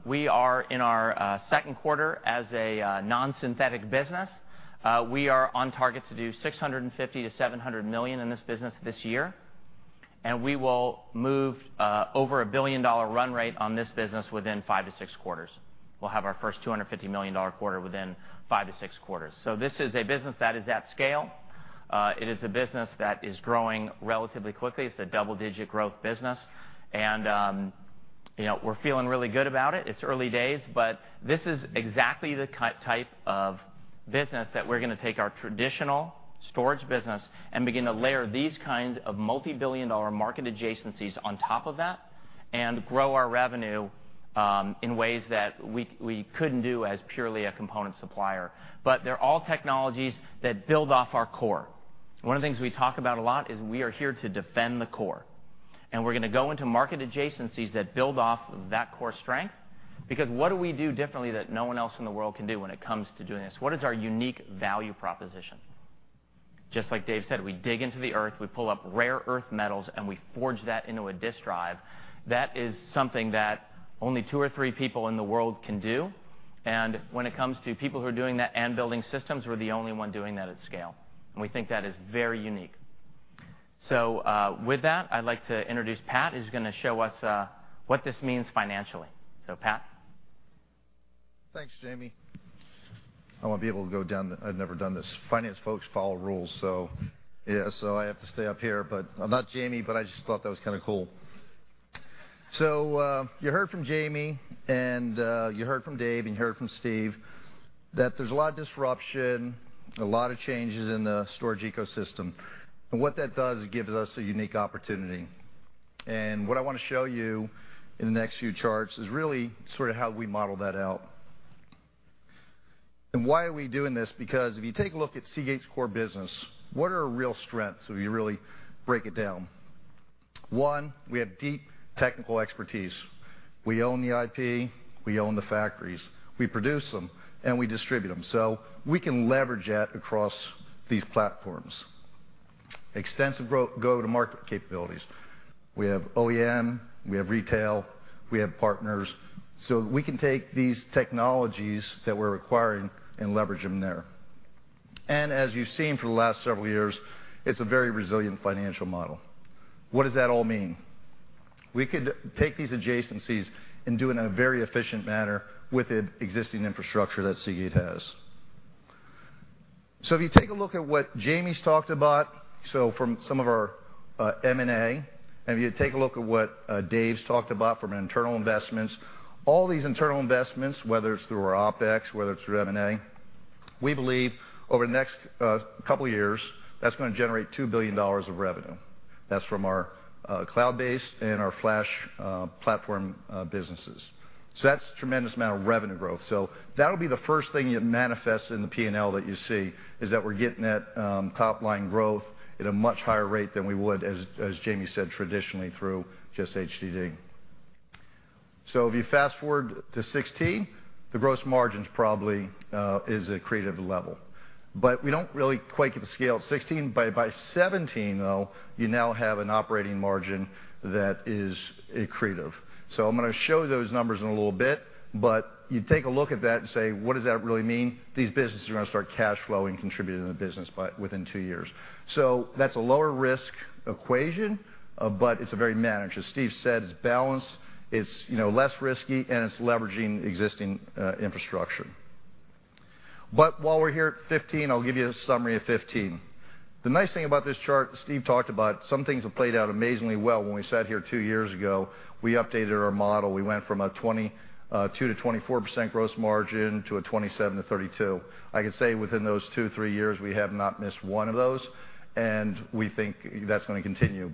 we are in our second quarter as a non-synthetic business. We are on target to do $650 million-$700 million in this business this year. We will move over a $1 billion run rate on this business within 5-6 quarters. We'll have our first $250 million quarter within 5-6 quarters. This is a business that is at scale. It is a business that is growing relatively quickly. It's a double-digit growth business. We're feeling really good about it. It's early days. This is exactly the type of business that we're going to take our traditional storage business and begin to layer these kinds of multi-billion-dollar market adjacencies on top of that and grow our revenue in ways that we couldn't do as purely a component supplier. They're all technologies that build off our core. One of the things we talk about a lot is we are here to defend the core. We're going to go into market adjacencies that build off that core strength. What do we do differently that no one else in the world can do when it comes to doing this? What is our unique value proposition? Just like Dave said, we dig into the earth, we pull up rare earth metals. We forge that into a disk drive. That is something that only two or three people in the world can do. When it comes to people who are doing that and building systems, we're the only one doing that at scale. We think that is very unique. With that, I'd like to introduce Pat, who's going to show us what this means financially. Pat? Thanks, Jamie. I want to be able to go down. I've never done this. Finance folks follow rules. I have to stay up here. I'm not Jamie. I just thought that was kind of cool. You heard from Jamie, you heard from Dave, you heard from Steve that there's a lot of disruption, a lot of changes in the storage ecosystem. What that does is gives us a unique opportunity. What I want to show you in the next few charts is really how we model that out. Why are we doing this? If you take a look at Seagate's core business, what are our real strengths if you really break it down? One, we have deep technical expertise. We own the IP, we own the factories, we produce them. We distribute them. We can leverage that across these platforms. Extensive go-to-market capabilities. We have OEM, we have retail, we have partners. We can take these technologies that we're acquiring and leverage them there. As you've seen for the last several years, it's a very resilient financial model. What does that all mean? We could take these adjacencies and do it in a very efficient manner with the existing infrastructure that Seagate has. If you take a look at what Jamie's talked about, from some of our M&A, if you take a look at what Dave's talked about from an internal investments, all these internal investments, whether it's through our OpEx, whether it's through M&A, we believe over the next couple of years, that's going to generate $2 billion of revenue. That's from our cloud-based and our flash platform businesses. That's a tremendous amount of revenue growth. That'll be the first thing you manifest in the P&L that you see, is that we're getting that top-line growth at a much higher rate than we would, as Jamie said, traditionally through just HDD. If you fast-forward to 2016, the gross margins probably is accretive level. We don't really quite get the scale of 2016, but by 2017, though, you now have an operating margin that is accretive. I'm going to show those numbers in a little bit, but you take a look at that and say, what does that really mean? These businesses are going to start cash flowing, contributing to the business within two years. That's a lower risk equation, but it's very managed. As Steve said, it's balanced, it's less risky, and it's leveraging existing infrastructure. While we're here at 2015, I'll give you a summary of 2015. The nice thing about this chart that Steve talked about, some things have played out amazingly well. When we sat here two years ago, we updated our model. We went from a 22%-24% gross margin to a 27%-32%. I can say within those two, three years, we have not missed one of those, and we think that's going to continue.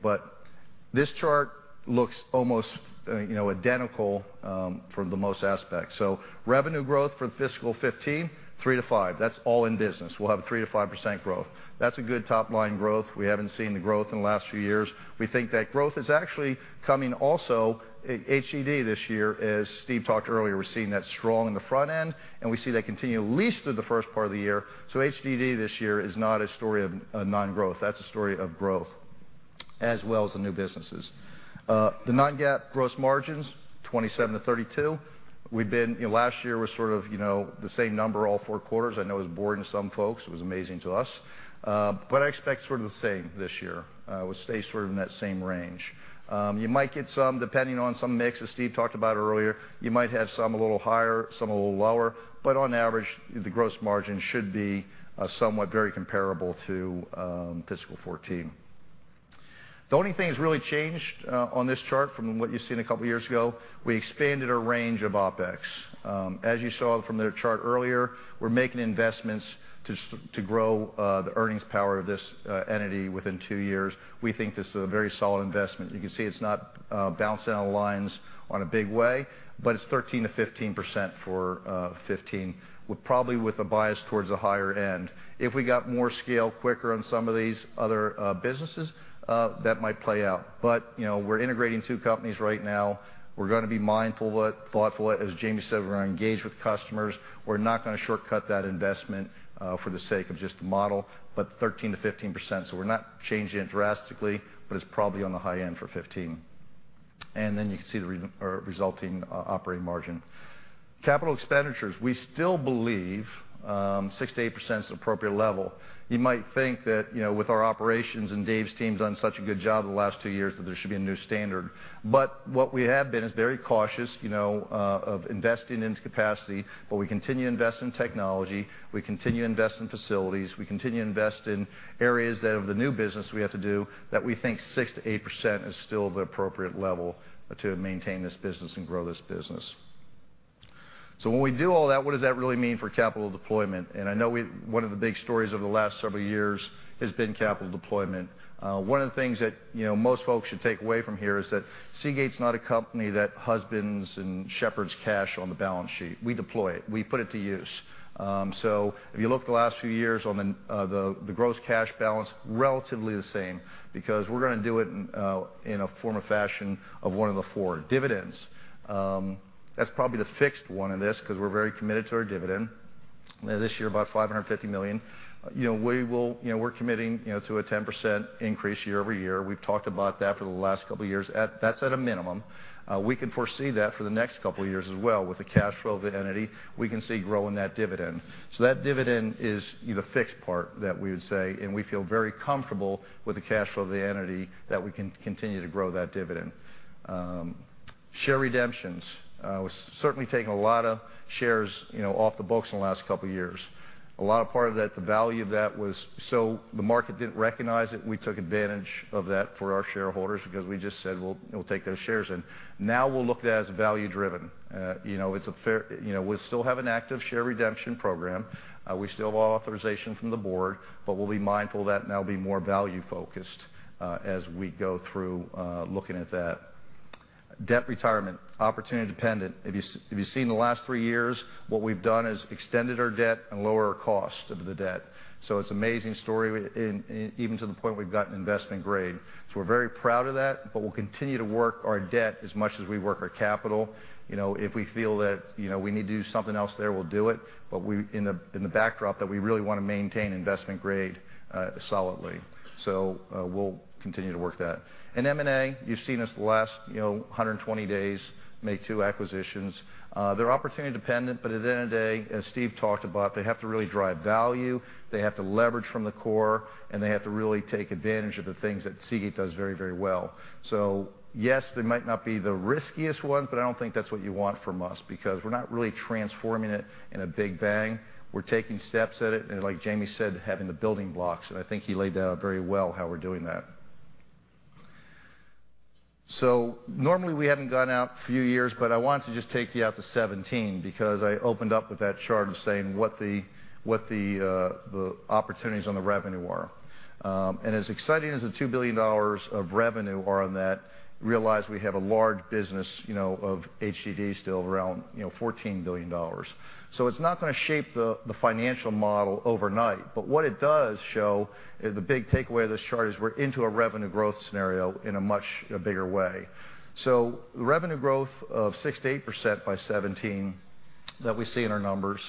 This chart looks almost identical for the most aspect. Revenue growth for fiscal 2015, 3%-5%. That's all in business. We'll have a 3%-5% growth. That's a good top-line growth. We haven't seen the growth in the last few years. We think that growth is actually coming also HDD this year. As Steve talked earlier, we're seeing that strong in the front end, and we see that continue at least through the first part of the year. HDD this year is not a story of non-growth. That's a story of growth as well as the new businesses. The non-GAAP gross margins, 27%-32%. Last year was sort of the same number all four quarters. I know it was boring to some folks. It was amazing to us. I expect sort of the same this year, we'll stay sort of in that same range. You might get some, depending on some mix, as Steve talked about earlier, you might have some a little higher, some a little lower, but on average, the gross margin should be somewhat very comparable to fiscal 2014. The only thing that's really changed on this chart from what you've seen a couple of years ago, we expanded our range of OpEx. As you saw from the chart earlier, we're making investments to grow the earnings power of this entity within two years. We think this is a very solid investment. You can see it's not bouncing out of lines on a big way, but it's 13%-15% for 2015, probably with a bias towards the higher end. If we got more scale quicker on some of these other businesses, that might play out. We're integrating two companies right now. We're going to be mindful, thoughtful. As Jamie said, we're going to engage with customers. We're not going to shortcut that investment for the sake of just the model, 13%-15%, we're not changing it drastically, but it's probably on the high end for 2015. You can see the resulting operating margin. Capital expenditures, we still believe 6%-8% is an appropriate level. You might think that with our operations and Dave's team's done such a good job the last two years that there should be a new standard. What we have been is very cautious of investing into capacity, but we continue to invest in technology, we continue to invest in facilities, we continue to invest in areas that of the new business we have to do that we think 6%-8% is still the appropriate level to maintain this business and grow this business. When we do all that, what does that really mean for capital deployment? I know one of the big stories over the last several years has been capital deployment. One of the things that most folks should take away from here is that Seagate's not a company that husbands and shepherds cash on the balance sheet. We deploy it. We put it to use. If you look the last few years on the gross cash balance, relatively the same, because we're going to do it in a form or fashion of one of the four dividends. That's probably the fixed one in this because we're very committed to our dividend. This year, about $550 million. We're committing to a 10% increase year-over-year. We've talked about that for the last couple of years. That's at a minimum. We can foresee that for the next couple of years as well. With the cash flow of the entity, we can see growing that dividend. That dividend is the fixed part that we would say, and we feel very comfortable with the cash flow of the entity that we can continue to grow that dividend. Share redemptions. We're certainly taking a lot of shares off the books in the last couple of years. The market didn't recognize it, we took advantage of that for our shareholders because we just said, "We'll take those shares in." Now we'll look at it as value-driven. We still have an active share redemption program. We still have authorization from the board, but we'll be mindful of that and that'll be more value-focused, as we go through, looking at that. Debt retirement, opportunity dependent. If you've seen the last three years, what we've done is extended our debt and lowered our cost of the debt. It's an amazing story, even to the point we've gotten investment grade. We're very proud of that, but we'll continue to work our debt as much as we work our capital. If we feel that we need to do something else there, we'll do it, but in the backdrop that we really want to maintain investment grade solidly. We'll continue to work that. In M&A, you've seen us the last 120 days, make two acquisitions. They're opportunity dependent, but at the end of the day, as Steve talked about, they have to really drive value, they have to leverage from the core, and they have to really take advantage of the things that Seagate does very, very well. Yes, they might not be the riskiest ones, but I don't think that's what you want from us because we're not really transforming it in a big bang. We're taking steps at it, and like Jamie said, having the building blocks, and I think he laid out very well how we're doing that. Normally we haven't gone out a few years, but I want to just take you out to 2017 because I opened up with that chart of saying what the opportunities on the revenue are. As exciting as the $2 billion of revenue are on that, realize we have a large business of HDDs still around $14 billion. It's not going to shape the financial model overnight, but what it does show is the big takeaway of this chart is we're into a revenue growth scenario in a much bigger way. The revenue growth of 6%-8% by 2017 that we see in our numbers,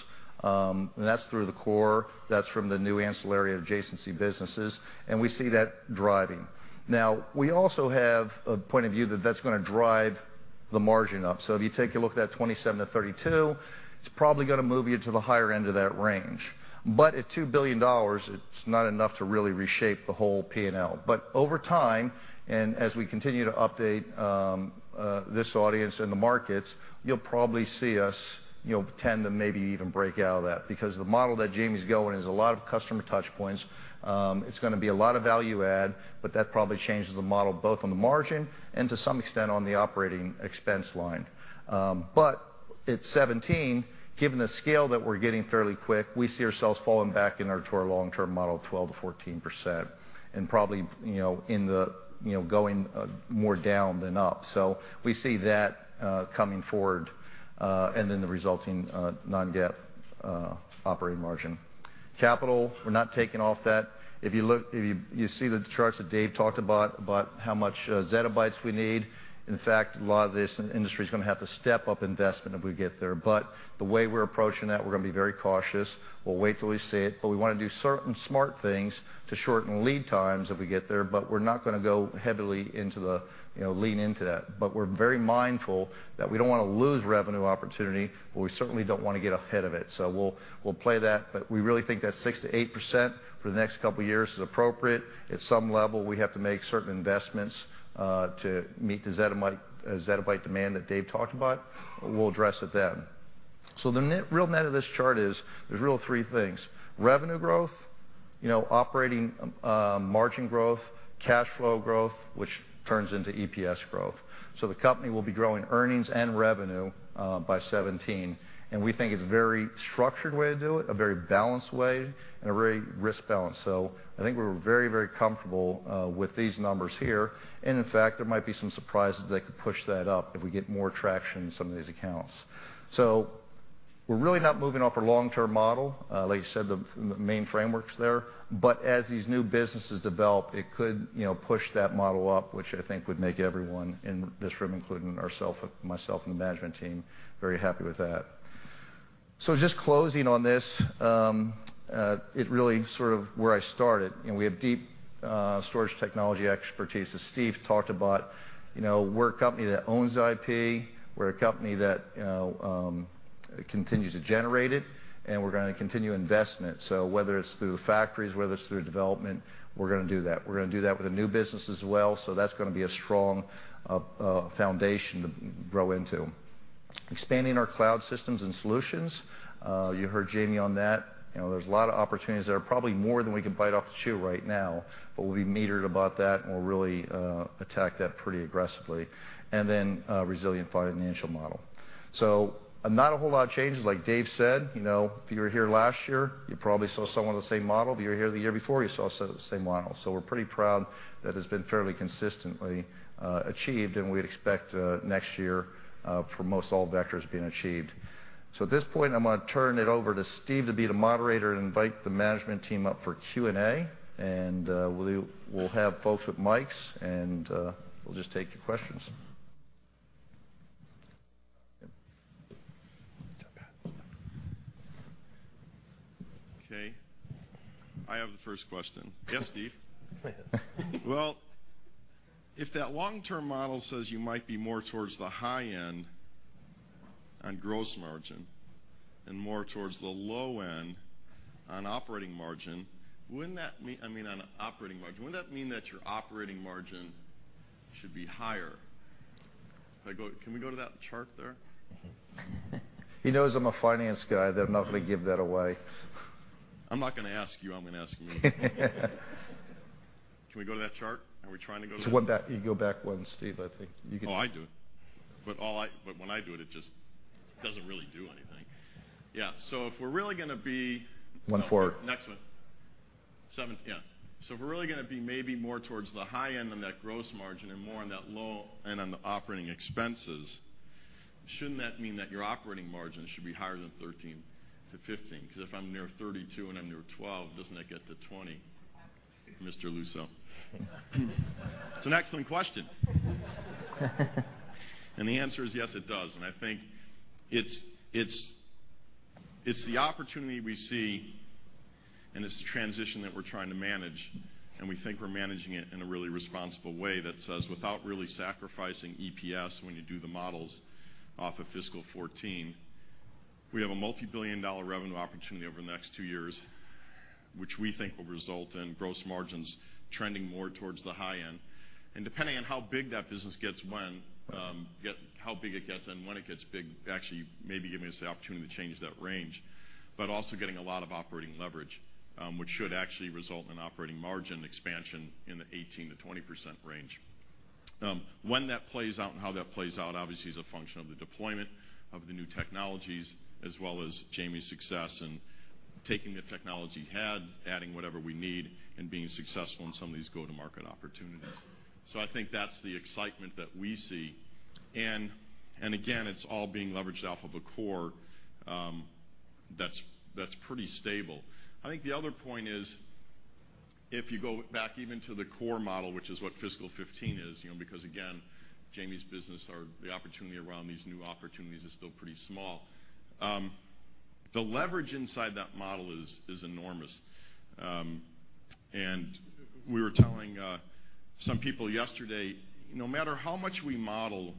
and that's through the core, that's from the new ancillary adjacency businesses, and we see that driving. We also have a point of view that that's going to drive the margin up. If you take a look at that 27%-32%, it's probably going to move you to the higher end of that range. At $2 billion, it's not enough to really reshape the whole P&L. Over time, and as we continue to update this audience and the markets, you'll probably see us tend to maybe even break out of that. Because the model that Jamie's going is a lot of customer touchpoints. It's going to be a lot of value add, but that probably changes the model both on the margin and to some extent on the operating expense line. At 2017, given the scale that we're getting fairly quick, we see ourselves falling back to our long-term model of 12%-14%, and probably going more down than up. We see that coming forward, and then the resulting non-GAAP operating margin. Capital, we're not taking off that. If you see the charts that Dave talked about how much zettabytes we need, in fact, a lot of this industry is going to have to step up investment if we get there. The way we're approaching that, we're going to be very cautious. We'll wait till we see it, but we want to do certain smart things to shorten lead times if we get there, but we're not going to go heavily lean into that. We're very mindful that we don't want to lose revenue opportunity, but we certainly don't want to get ahead of it. We'll play that, but we really think that 6%-8% for the next couple of years is appropriate. At some level, we have to make certain investments, to meet the zettabyte demand that Dave talked about, but we'll address it then. The real meat of this chart is, there's really three things. Revenue growth, operating margin growth, cash flow growth, which turns into EPS growth. The company will be growing earnings and revenue by 2017, and we think it's a very structured way to do it, a very balanced way, and a very risk-balanced. I think we're very, very comfortable with these numbers here. In fact, there might be some surprises that could push that up if we get more traction in some of these accounts. We're really not moving off our long-term model. Like you said, the main framework's there. As these new businesses develop, it could push that model up, which I think would make everyone in this room, including myself and the management team, very happy with that. Just closing on this, it really sort of where I started. We have deep storage technology expertise as Steve talked about. We're a company that owns IP. We're a company that continues to generate it, and we're going to continue to invest in it. Whether it's through the factories, whether it's through development, we're going to do that. We're going to do that with the new business as well, that's going to be a strong foundation to grow into. Expanding our cloud systems and solutions, you heard Jamie on that. There's a lot of opportunities there, probably more than we can bite off chew right now, but we'll be metered about that, and we'll really attack that pretty aggressively. A resilient financial model. Not a whole lot of changes. Like Dave said, if you were here last year, you probably saw somewhat of the same model. If you were here the year before, you saw the same model. We're pretty proud that it's been fairly consistently achieved, and we'd expect next year for most all vectors being achieved. At this point, I'm going to turn it over to Steve to be the moderator and invite the management team up for Q&A. We'll have folks with mics, and we'll just take your questions. Okay. I have the first question. Yes, Steve? If that long-term model says you might be more towards the high end on gross margin and more towards the low end on operating margin. Wouldn't that mean, on operating margin, wouldn't that mean that your operating margin should be higher? Can we go to that chart there? He knows I'm a finance guy. They're not going to give that away. I'm not going to ask you, I'm going to ask you. Can we go to that chart? Are we trying to go to that? You go back one, Steve, I think. Oh, I do it. When I do it just doesn't really do anything. Yeah. If we're really going to be, one forward next one. Seven, yeah. If we're really going to be maybe more towards the high end on that gross margin and more on that low end on the operating expenses, shouldn't that mean that your operating margin should be higher than 13%-15%? Because if I'm near 32% and I'm near 12%, doesn't it get to 20%, Mr. Luczo? It's an excellent question. The answer is yes, it does. I think it's the opportunity we see, and it's the transition that we're trying to manage, and we think we're managing it in a really responsible way that says, without really sacrificing EPS when you do the models off of fiscal 2014, we have a multibillion-dollar revenue opportunity over the next 2 years, which we think will result in gross margins trending more towards the high end. Depending on how big that business gets and when it gets big, actually maybe giving us the opportunity to change that range, but also getting a lot of operating leverage, which should actually result in operating margin expansion in the 18%-20% range. When that plays out and how that plays out obviously is a function of the deployment of the new technologies, as well as Jamie's success in taking the technology head, adding whatever we need, and being successful in some of these go-to-market opportunities. I think that's the excitement that we see. Again, it's all being leveraged off of a core that's pretty stable. The other point is if you go back even to the core model, which is what fiscal 2015 is, because again, Jamie's business or the opportunity around these new opportunities is still pretty small. The leverage inside that model is enormous. We were telling some people yesterday, no matter how much we model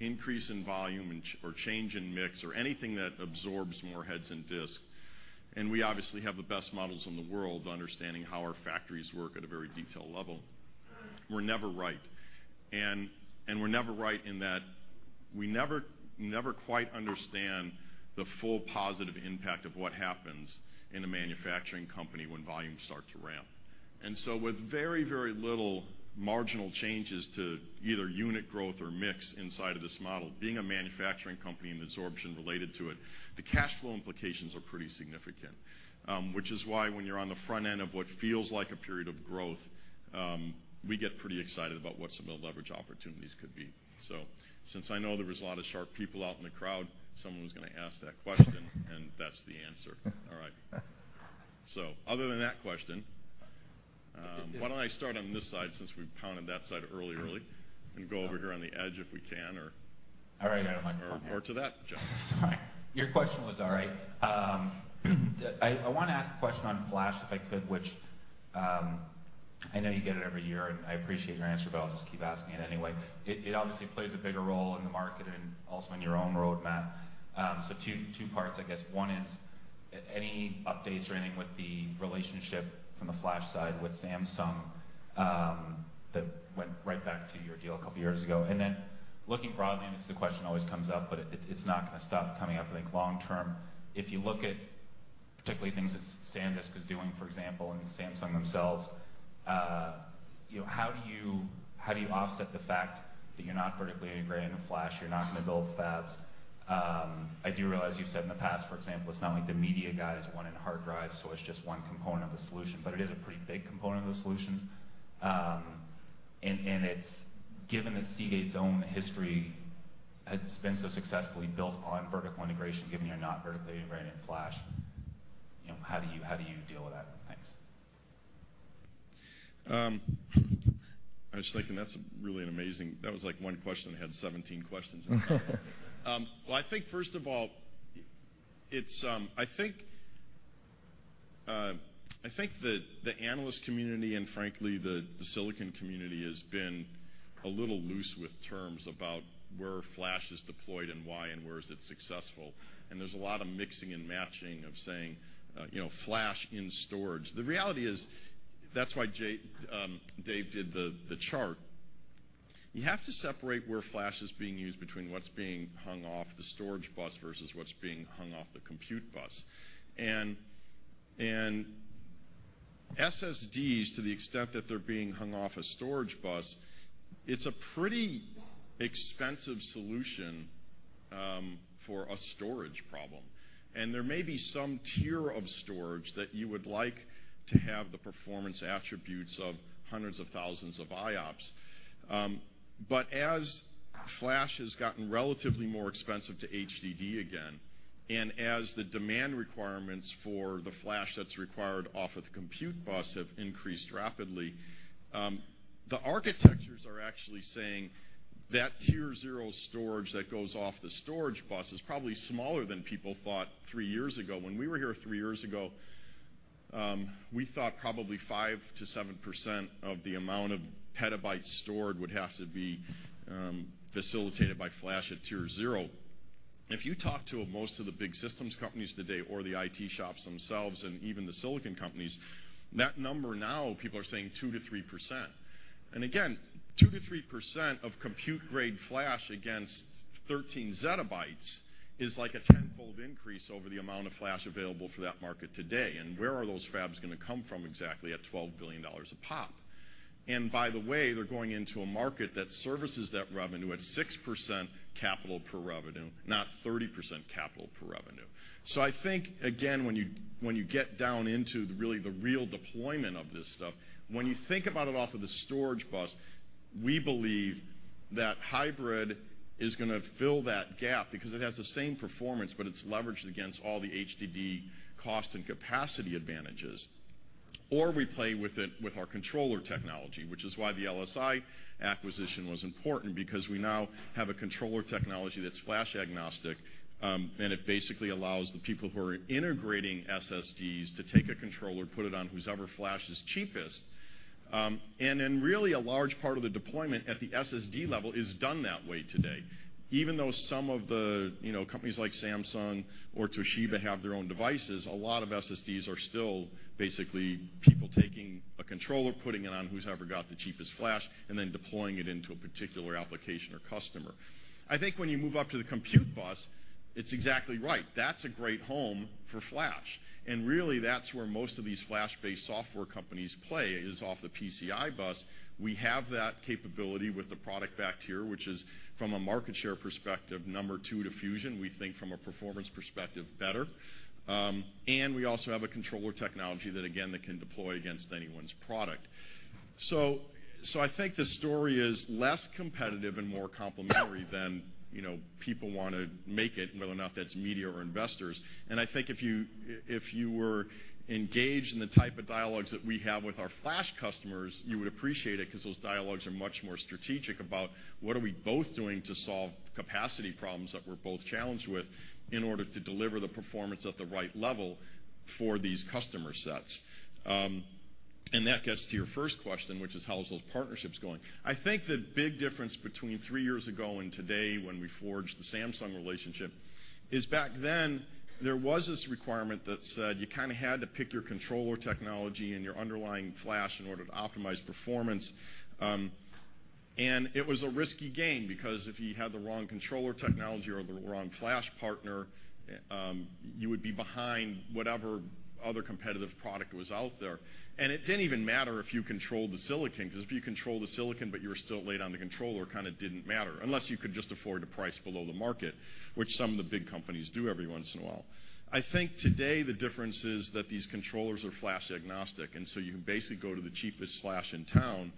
increase in volume or change in mix or anything that absorbs more heads and disk, and we obviously have the best models in the world understanding how our factories work at a very detailed level, we're never right. We're never right in that we never quite understand the full positive impact of what happens in a manufacturing company when volumes start to ramp. With very, very little marginal changes to either unit growth or mix inside of this model, being a manufacturing company and the absorption related to it, the cash flow implications are pretty significant. Which is why when you're on the front end of what feels like a period of growth, we get pretty excited about what some of the leverage opportunities could be. Since I know there was a lot of sharp people out in the crowd, someone was going to ask that question, and that's the answer. All right. Other than that question, why don't I start on this side since we pounded that side early, and go over here on the edge if we can, or. All right. I have a mic on here. or to that gentleman. Sorry. Your question was all right. I want to ask a question on flash, if I could, which I know you get it every year, and I appreciate your answer, but I'll just keep asking it anyway. It obviously plays a bigger role in the market and also in your own roadmap. Two parts, I guess. One is any updates or anything with the relationship from the flash side with Samsung that went right back to your deal a couple of years ago? Then looking broadly, and this is a question always comes up, but it's not going to stop coming up, I think, long term. If you look at particularly things that SanDisk is doing, for example, and Samsung themselves, how do you offset the fact that you're not vertically integrated in flash, you're not going to build fabs? I do realize you've said in the past, for example, it's not like the media guys want it in hard drive, so it's just one component of the solution, but it is a pretty big component of the solution. Given that Seagate's own history has been so successfully built on vertical integration, given you're not vertically integrated in flash, how do you deal with that? Thanks. I was thinking that's really. That was like one question had 17 questions in it. Well, I think, first of all, I think that the analyst community, and frankly, the silicon community, has been a little loose with terms about where flash is deployed and why and where is it successful. There's a lot of mixing and matching of saying flash in storage. The reality is that's why Dave did the chart. You have to separate where flash is being used between what's being hung off the storage bus versus what's being hung off the compute bus. SSDs, to the extent that they're being hung off a storage bus, it's a pretty expensive solution for a storage problem. There may be some tier of storage that you would like to have the performance attributes of hundreds of thousands of IOPS. As flash has gotten relatively more expensive to HDD again, and as the demand requirements for the flash that's required off of the compute bus have increased rapidly, the architectures are actually saying that tier 0 storage that goes off the storage bus is probably smaller than people thought three years ago. When we were here three years ago, we thought probably 5%-7% of the amount of petabytes stored would have to be facilitated by flash at Tier 0. If you talk to most of the big systems companies today or the IT shops themselves and even the silicon companies, that number now, people are saying 2%-3%. 2%-3% of compute-grade flash against 13 zettabytes is like a tenfold increase over the amount of flash available for that market today. Where are those fabs going to come from exactly at $12 billion a pop? By the way, they're going into a market that services that revenue at 6% capital per revenue, not 30% capital per revenue. I think, again, when you get down into the real deployment of this stuff, when you think about it off of the storage bus, we believe that hybrid is going to fill that gap because it has the same performance, but it's leveraged against all the HDD cost and capacity advantages. Or we play with it with our controller technology, which is why the LSI acquisition was important because we now have a controller technology that's flash agnostic, and it basically allows the people who are integrating SSDs to take a controller, put it on whosever flash is cheapest. Really a large part of the deployment at the SSD level is done that way today. Even though some of the companies like Samsung or Toshiba have their own devices, a lot of SSDs are still basically people taking a controller, putting it on who's ever got the cheapest flash, and then deploying it into a particular application or customer. I think when you move up to the compute bus, it's exactly right. That's a great home for flash. Really, that's where most of these flash-based software companies play is off the PCI bus. We have that capability with the product backed here, which is from a market share perspective, number two to Fusion, we think from a performance perspective, better. We also have a controller technology that again, that can deploy against anyone's product. I think the story is less competitive and more complementary than people want to make it, whether or not that's media or investors. I think if you were engaged in the type of dialogues that we have with our flash customers, you would appreciate it because those dialogues are much more strategic about what are we both doing to solve capacity problems that we're both challenged with in order to deliver the performance at the right level for these customer sets. That gets to your first question, which is how is those partnerships going. I think the big difference between three years ago and today when we forged the Samsung relationship is back then, there was this requirement that said you had to pick your controller technology and your underlying flash in order to optimize performance. It was a risky game because if you had the wrong controller technology or the wrong flash partner, you would be behind whatever other competitive product was out there. It didn't even matter if you controlled the silicon, because if you control the silicon, but you were still late on the controller, didn't matter. Unless you could just afford to price below the market, which some of the big companies do every once in a while. I think today the difference is that these controllers are flash agnostic, you can basically go to the cheapest flash in town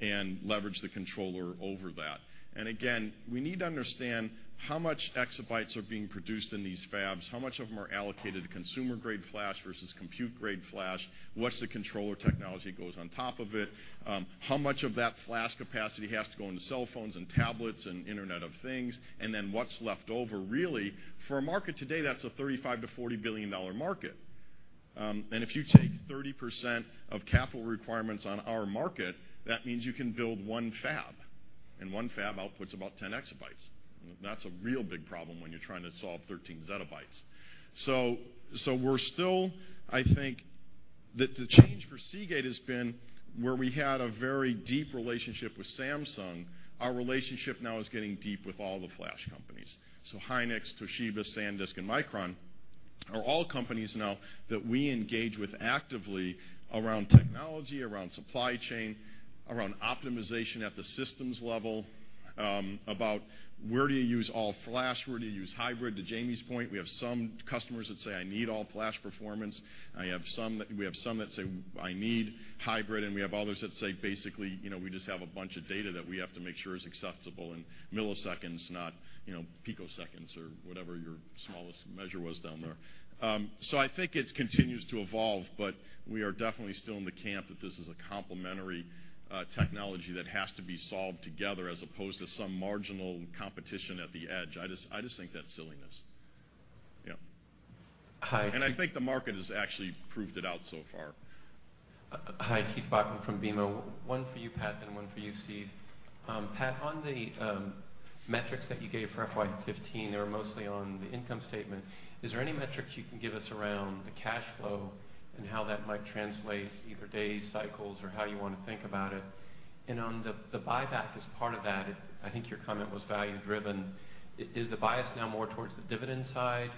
and leverage the controller over that. Again, we need to understand how much exabytes are being produced in these fabs, how much of them are allocated to consumer-grade flash versus compute-grade flash, what's the controller technology goes on top of it, how much of that flash capacity has to go into cell phones and tablets and Internet of Things, then what's left over really. For a market today, that's a $35 billion-$40 billion market. If you take 30% of capital requirements on our market, that means you can build one fab, and one fab outputs about 10 exabytes. That's a real big problem when you're trying to solve 13 zettabytes. We're still, I think, that the change for Seagate has been where we had a very deep relationship with Samsung. Our relationship now is getting deep with all the flash companies. Hynix, Toshiba, SanDisk, and Micron are all companies now that we engage with actively around technology, around supply chain, around optimization at the systems level, about where do you use all flash, where do you use hybrid. To Jamie's point, we have some customers that say, "I need all flash performance." We have some that say, "I need hybrid," and we have others that say, basically, "We just have a bunch of data that we have to make sure is accessible in milliseconds, not picoseconds or whatever your smallest measure was down there." I think it continues to evolve, but we are definitely still in the camp that this is a complementary technology that has to be solved together as opposed to some marginal competition at the edge. I just think that's silliness. Yeah. Hi- I think the market has actually proved it out so far. Hi, Keith Bachman from BMO. One for you, Pat, and one for you, Steve. Pat, on the metrics that you gave for FY 2015, they were mostly on the income statement. Is there any metrics you can give us around the cash flow and how that might translate either days, cycles, or how you want to think about it? On the buyback as part of that, I think your comment was value-driven. Is the bias now more towards the dividend side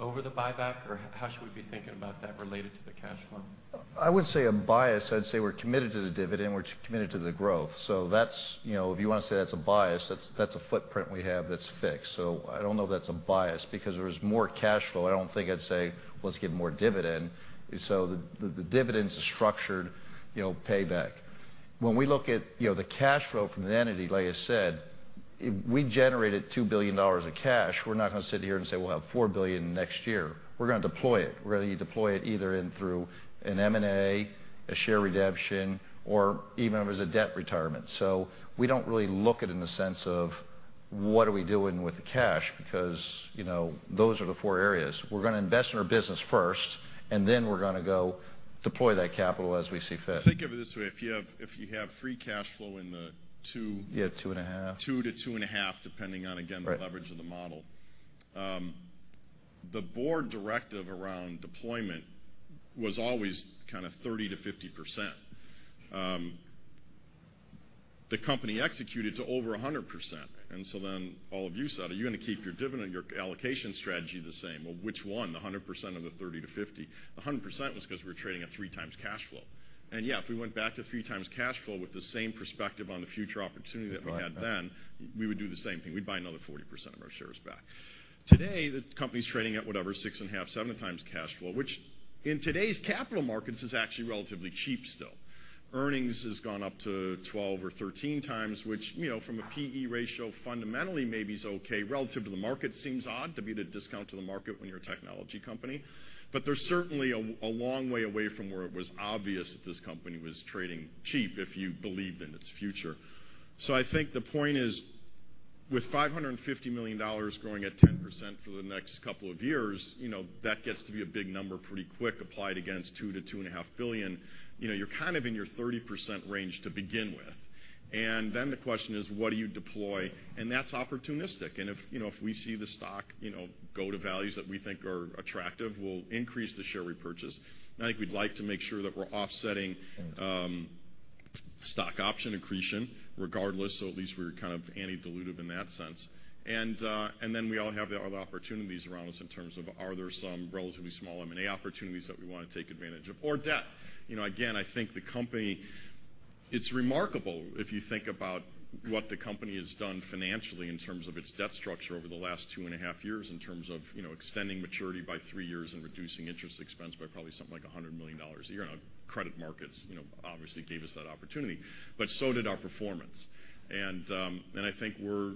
over the buyback, or how should we be thinking about that related to the cash flow? I wouldn't say a bias. I'd say we're committed to the dividend, we're committed to the growth. If you want to say that's a bias, that's a footprint we have that's fixed. I don't know if that's a bias because there's more cash flow. I don't think I'd say let's get more dividend. The dividend's a structured payback. When we look at the cash flow from the entity, like I said, we generated $2 billion of cash. We're not going to sit here and say we'll have $4 billion next year. We're going to deploy it. We're going to deploy it either in through an M&A, a share redemption, or even if it's a debt retirement. We don't really look at it in the sense of What are we doing with the cash? Because those are the four areas. We're going to invest in our business first, then we're going to go deploy that capital as we see fit. Think of it this way, if you have free cash flow in the two- Yeah, two and a half two to two and a half, depending on, again, the leverage of the model. The board directive around deployment was always kind of 30%-50%. The company executed to over 100%. All of you said, "Are you going to keep your dividend, your allocation strategy the same?" Well, which one? The 100% of the 30%-50%? 100% was because we were trading at three times cash flow. Yeah, if we went back to three times cash flow with the same perspective on the future opportunity that we had then, we would do the same thing. We'd buy another 40% of our shares back. Today, the company's trading at, whatever, six and a half, seven times cash flow, which in today's capital markets is actually relatively cheap still. Earnings has gone up to 12 or 13 times, which from a P/E ratio fundamentally maybe is okay. Relative to the market, seems odd to be at a discount to the market when you're a technology company. They're certainly a long way away from where it was obvious that this company was trading cheap, if you believed in its future. I think the point is, with $550 million growing at 10% for the next couple of years, that gets to be a big number pretty quick applied against $2 billion-$2.5 billion. You're in your 30% range to begin with. The question is, what do you deploy? That's opportunistic. If we see the stock go to values that we think are attractive, we'll increase the share repurchase. I think we'd like to make sure that we're offsetting stock option accretion regardless, so at least we're kind of anti-dilutive in that sense. We all have the other opportunities around us in terms of are there some relatively small M&A opportunities that we want to take advantage of or debt. Again, I think the company, it's remarkable if you think about what the company has done financially in terms of its debt structure over the last two and a half years in terms of extending maturity by three years and reducing interest expense by probably something like $100 million a year. Credit markets obviously gave us that opportunity, but so did our performance. I think we're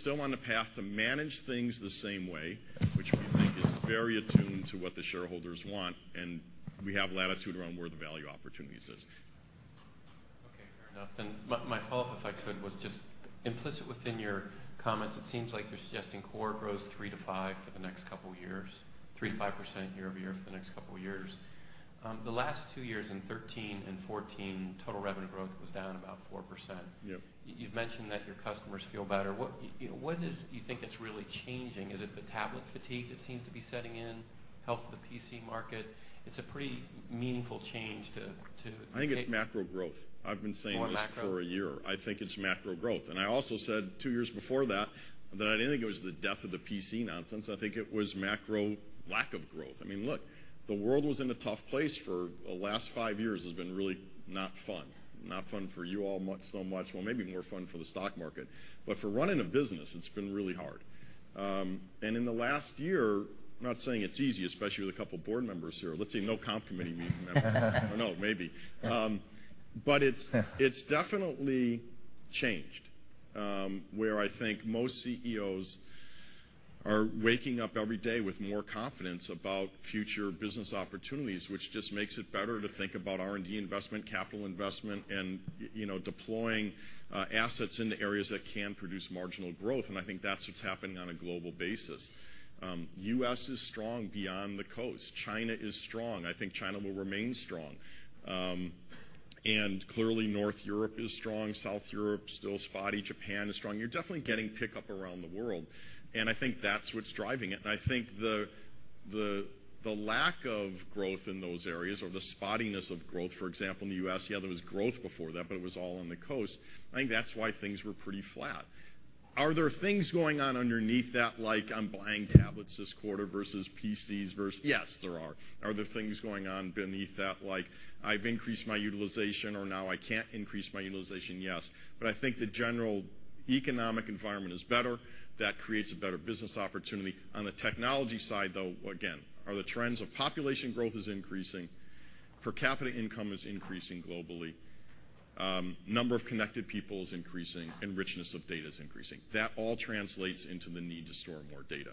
still on the path to manage things the same way, which we think is very attuned to what the shareholders want. We have latitude around where the value opportunities is. Okay. Fair enough. My follow-up, if I could, was just implicit within your comments, it seems like you're suggesting core grows 3%-5% for the next couple of years, 3%-5% year-over-year for the next couple of years. The last two years, in 2013 and 2014, total revenue growth was down about 4%. Yep. You've mentioned that your customers feel better. What is it you think that's really changing? Is it the tablet fatigue that seems to be setting in? Health of the PC market? It's a pretty meaningful change. I think it's macro growth. I've been saying this for a year. More macro? I think it's macro growth. I also said two years before that that I didn't think it was the death of the PC nonsense. I think it was macro lack of growth. Look, the world was in a tough place for the last five years, has been really not fun. Not fun for you all so much. Well, maybe more fun for the stock market. For running a business, it's been really hard. In the last year, I'm not saying it's easy, especially with a couple board members here. Let's say no comp committee meeting members. No, maybe. It's definitely changed, where I think most CEOs are waking up every day with more confidence about future business opportunities, which just makes it better to think about R&D investment, capital investment, and deploying assets into areas that can produce marginal growth. I think that's what's happening on a global basis. U.S. is strong beyond the coast. China is strong. I think China will remain strong. Clearly, North Europe is strong. South Europe, still spotty. Japan is strong. You're definitely getting pickup around the world, and I think that's what's driving it. I think the lack of growth in those areas or the spottiness of growth, for example, in the U.S., yeah, there was growth before that, but it was all on the coast. I think that's why things were pretty flat. Are there things going on underneath that like I'm buying tablets this quarter versus PCs? Yes, there are. Are there things going on beneath that like I've increased my utilization or now I can't increase my utilization? Yes. I think the general economic environment is better. That creates a better business opportunity. On the technology side, though, again, are the trends of population growth is increasing, per capita income is increasing globally. Number of connected people is increasing and richness of data is increasing. That all translates into the need to store more data.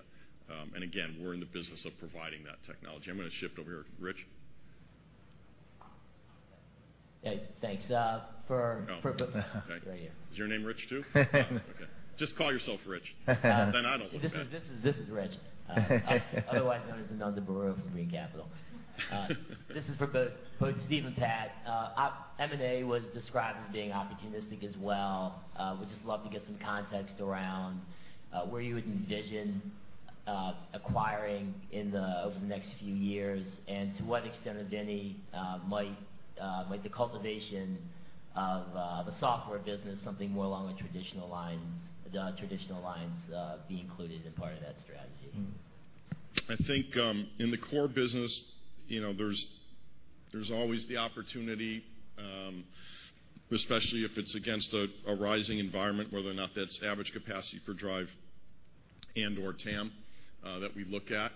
Again, we're in the business of providing that technology. I'm going to shift over here. Rich? Hey, thanks. Oh. Right here. Is your name Rich, too? Okay. Just call yourself Rich. I don't look bad. This is Rich. Otherwise known as Ananda Baruah from Brean Capital. This is for both Steve and Pat. M&A was described as being opportunistic as well. Would just love to get some context around where you would envision acquiring over the next few years and to what extent, if any, might the cultivation of the software business something more along the traditional lines be included in part of that strategy? In the core business, there's always the opportunity, especially if it's against a rising environment, whether or not that's average capacity for drive and/or TAM, that we look at.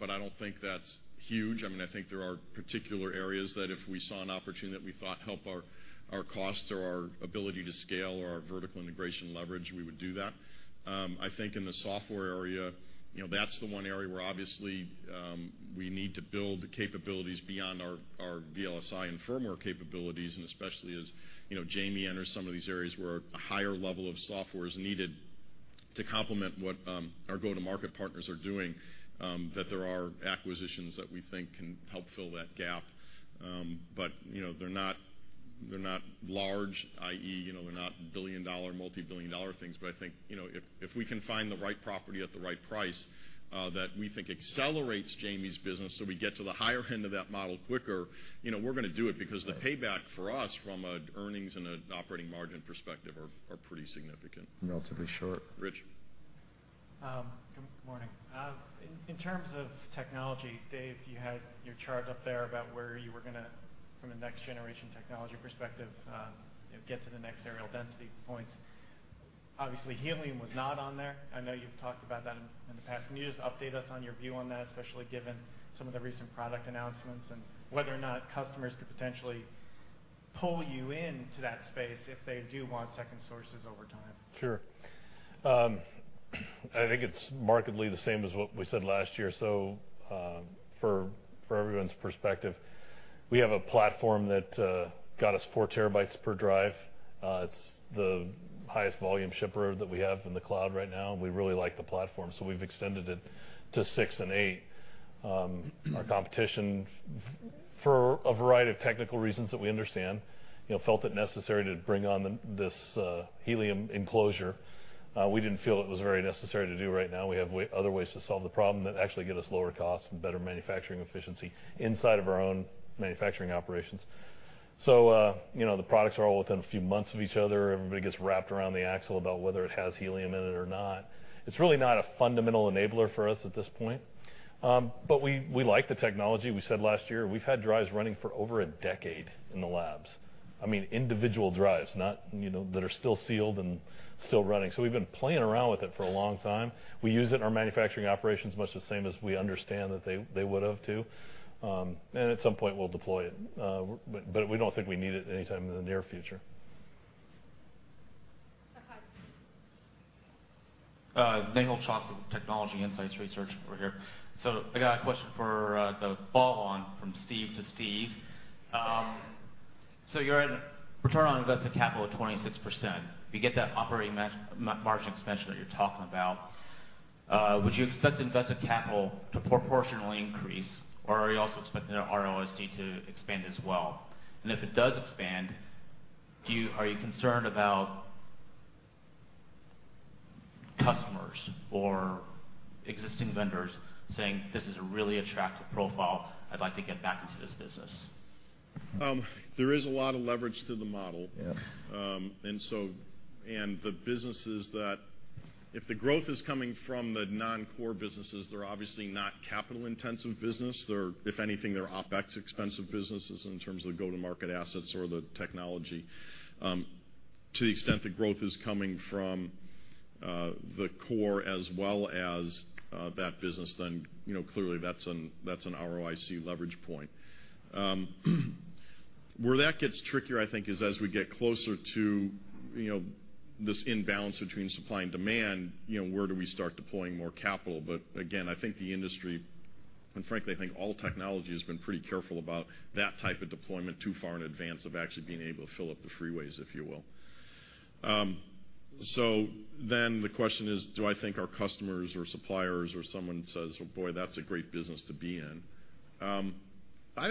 I don't think that's huge. I think there are particular areas that if we saw an opportunity that we thought help our cost or our ability to scale or our vertical integration leverage, we would do that. In the software area, that's the one area where obviously, we need to build the capabilities beyond our VLSI and firmware capabilities, and especially as Jamie enters some of these areas where a higher level of software is needed to complement what our go-to-market partners are doing, that there are acquisitions that we think can help fill that gap. They're not large, i.e., they're not billion-dollar, multi-billion dollar things. I think, if we can find the right property at the right price that we think accelerates Jamie's business so we get to the higher end of that model quicker, we're going to do it because the payback for us from an earnings and an operating margin perspective are pretty significant. Relatively short. Rich. Good morning. In terms of technology, Dave, you had your chart up there about where you were going to, from a next-generation technology perspective, get to the next areal density points. Obviously, helium was not on there. I know you've talked about that in the past. Can you just update us on your view on that, especially given some of the recent product announcements, and whether or not customers could potentially pull you into that space if they do want second sources over time? Sure. I think it's markedly the same as what we said last year. For everyone's perspective, we have a platform that got us 4 terabytes per drive. It's the highest volume shipper that we have in the cloud right now, and we really like the platform. We've extended it to 6 and 8. Our competition, for a variety of technical reasons that we understand, felt it necessary to bring on this helium enclosure. We didn't feel it was very necessary to do right now. We have other ways to solve the problem that actually get us lower cost and better manufacturing efficiency inside of our own manufacturing operations. The products are all within a few months of each other. Everybody gets wrapped around the axle about whether it has helium in it or not. It's really not a fundamental enabler for us at this point. We like the technology. We said last year, we've had drives running for over a decade in the labs. Individual drives that are still sealed and still running. We've been playing around with it for a long time. We use it in our manufacturing operations much the same as we understand that they would have, too. At some point, we'll deploy it. We don't think we need it anytime in the near future. Hi. Nagel Chawla, Technology Insights Research over here. I got a question for the follow-on from Steve to Steve. You're at a return on invested capital of 26%. If you get that operating margin expansion that you're talking about, would you expect invested capital to proportionally increase, or are you also expecting ROIC to expand as well? If it does expand, are you concerned about customers or existing vendors saying, "This is a really attractive profile. I'd like to get back into this business"? There is a lot of leverage to the model. Yeah. If the growth is coming from the non-core businesses, they're obviously not capital-intensive business. If anything, they're OpEx expensive businesses in terms of the go-to-market assets or the technology. To the extent the growth is coming from the core as well as that business, then clearly that's an ROIC leverage point. Where that gets trickier, I think, is as we get closer to this imbalance between supply and demand, where do we start deploying more capital? Again, I think the industry, and frankly, I think all technology has been pretty careful about that type of deployment too far in advance of actually being able to fill up the freeways, if you will. The question is, do I think our customers or suppliers or someone says, "Oh, boy, that's a great business to be in"? I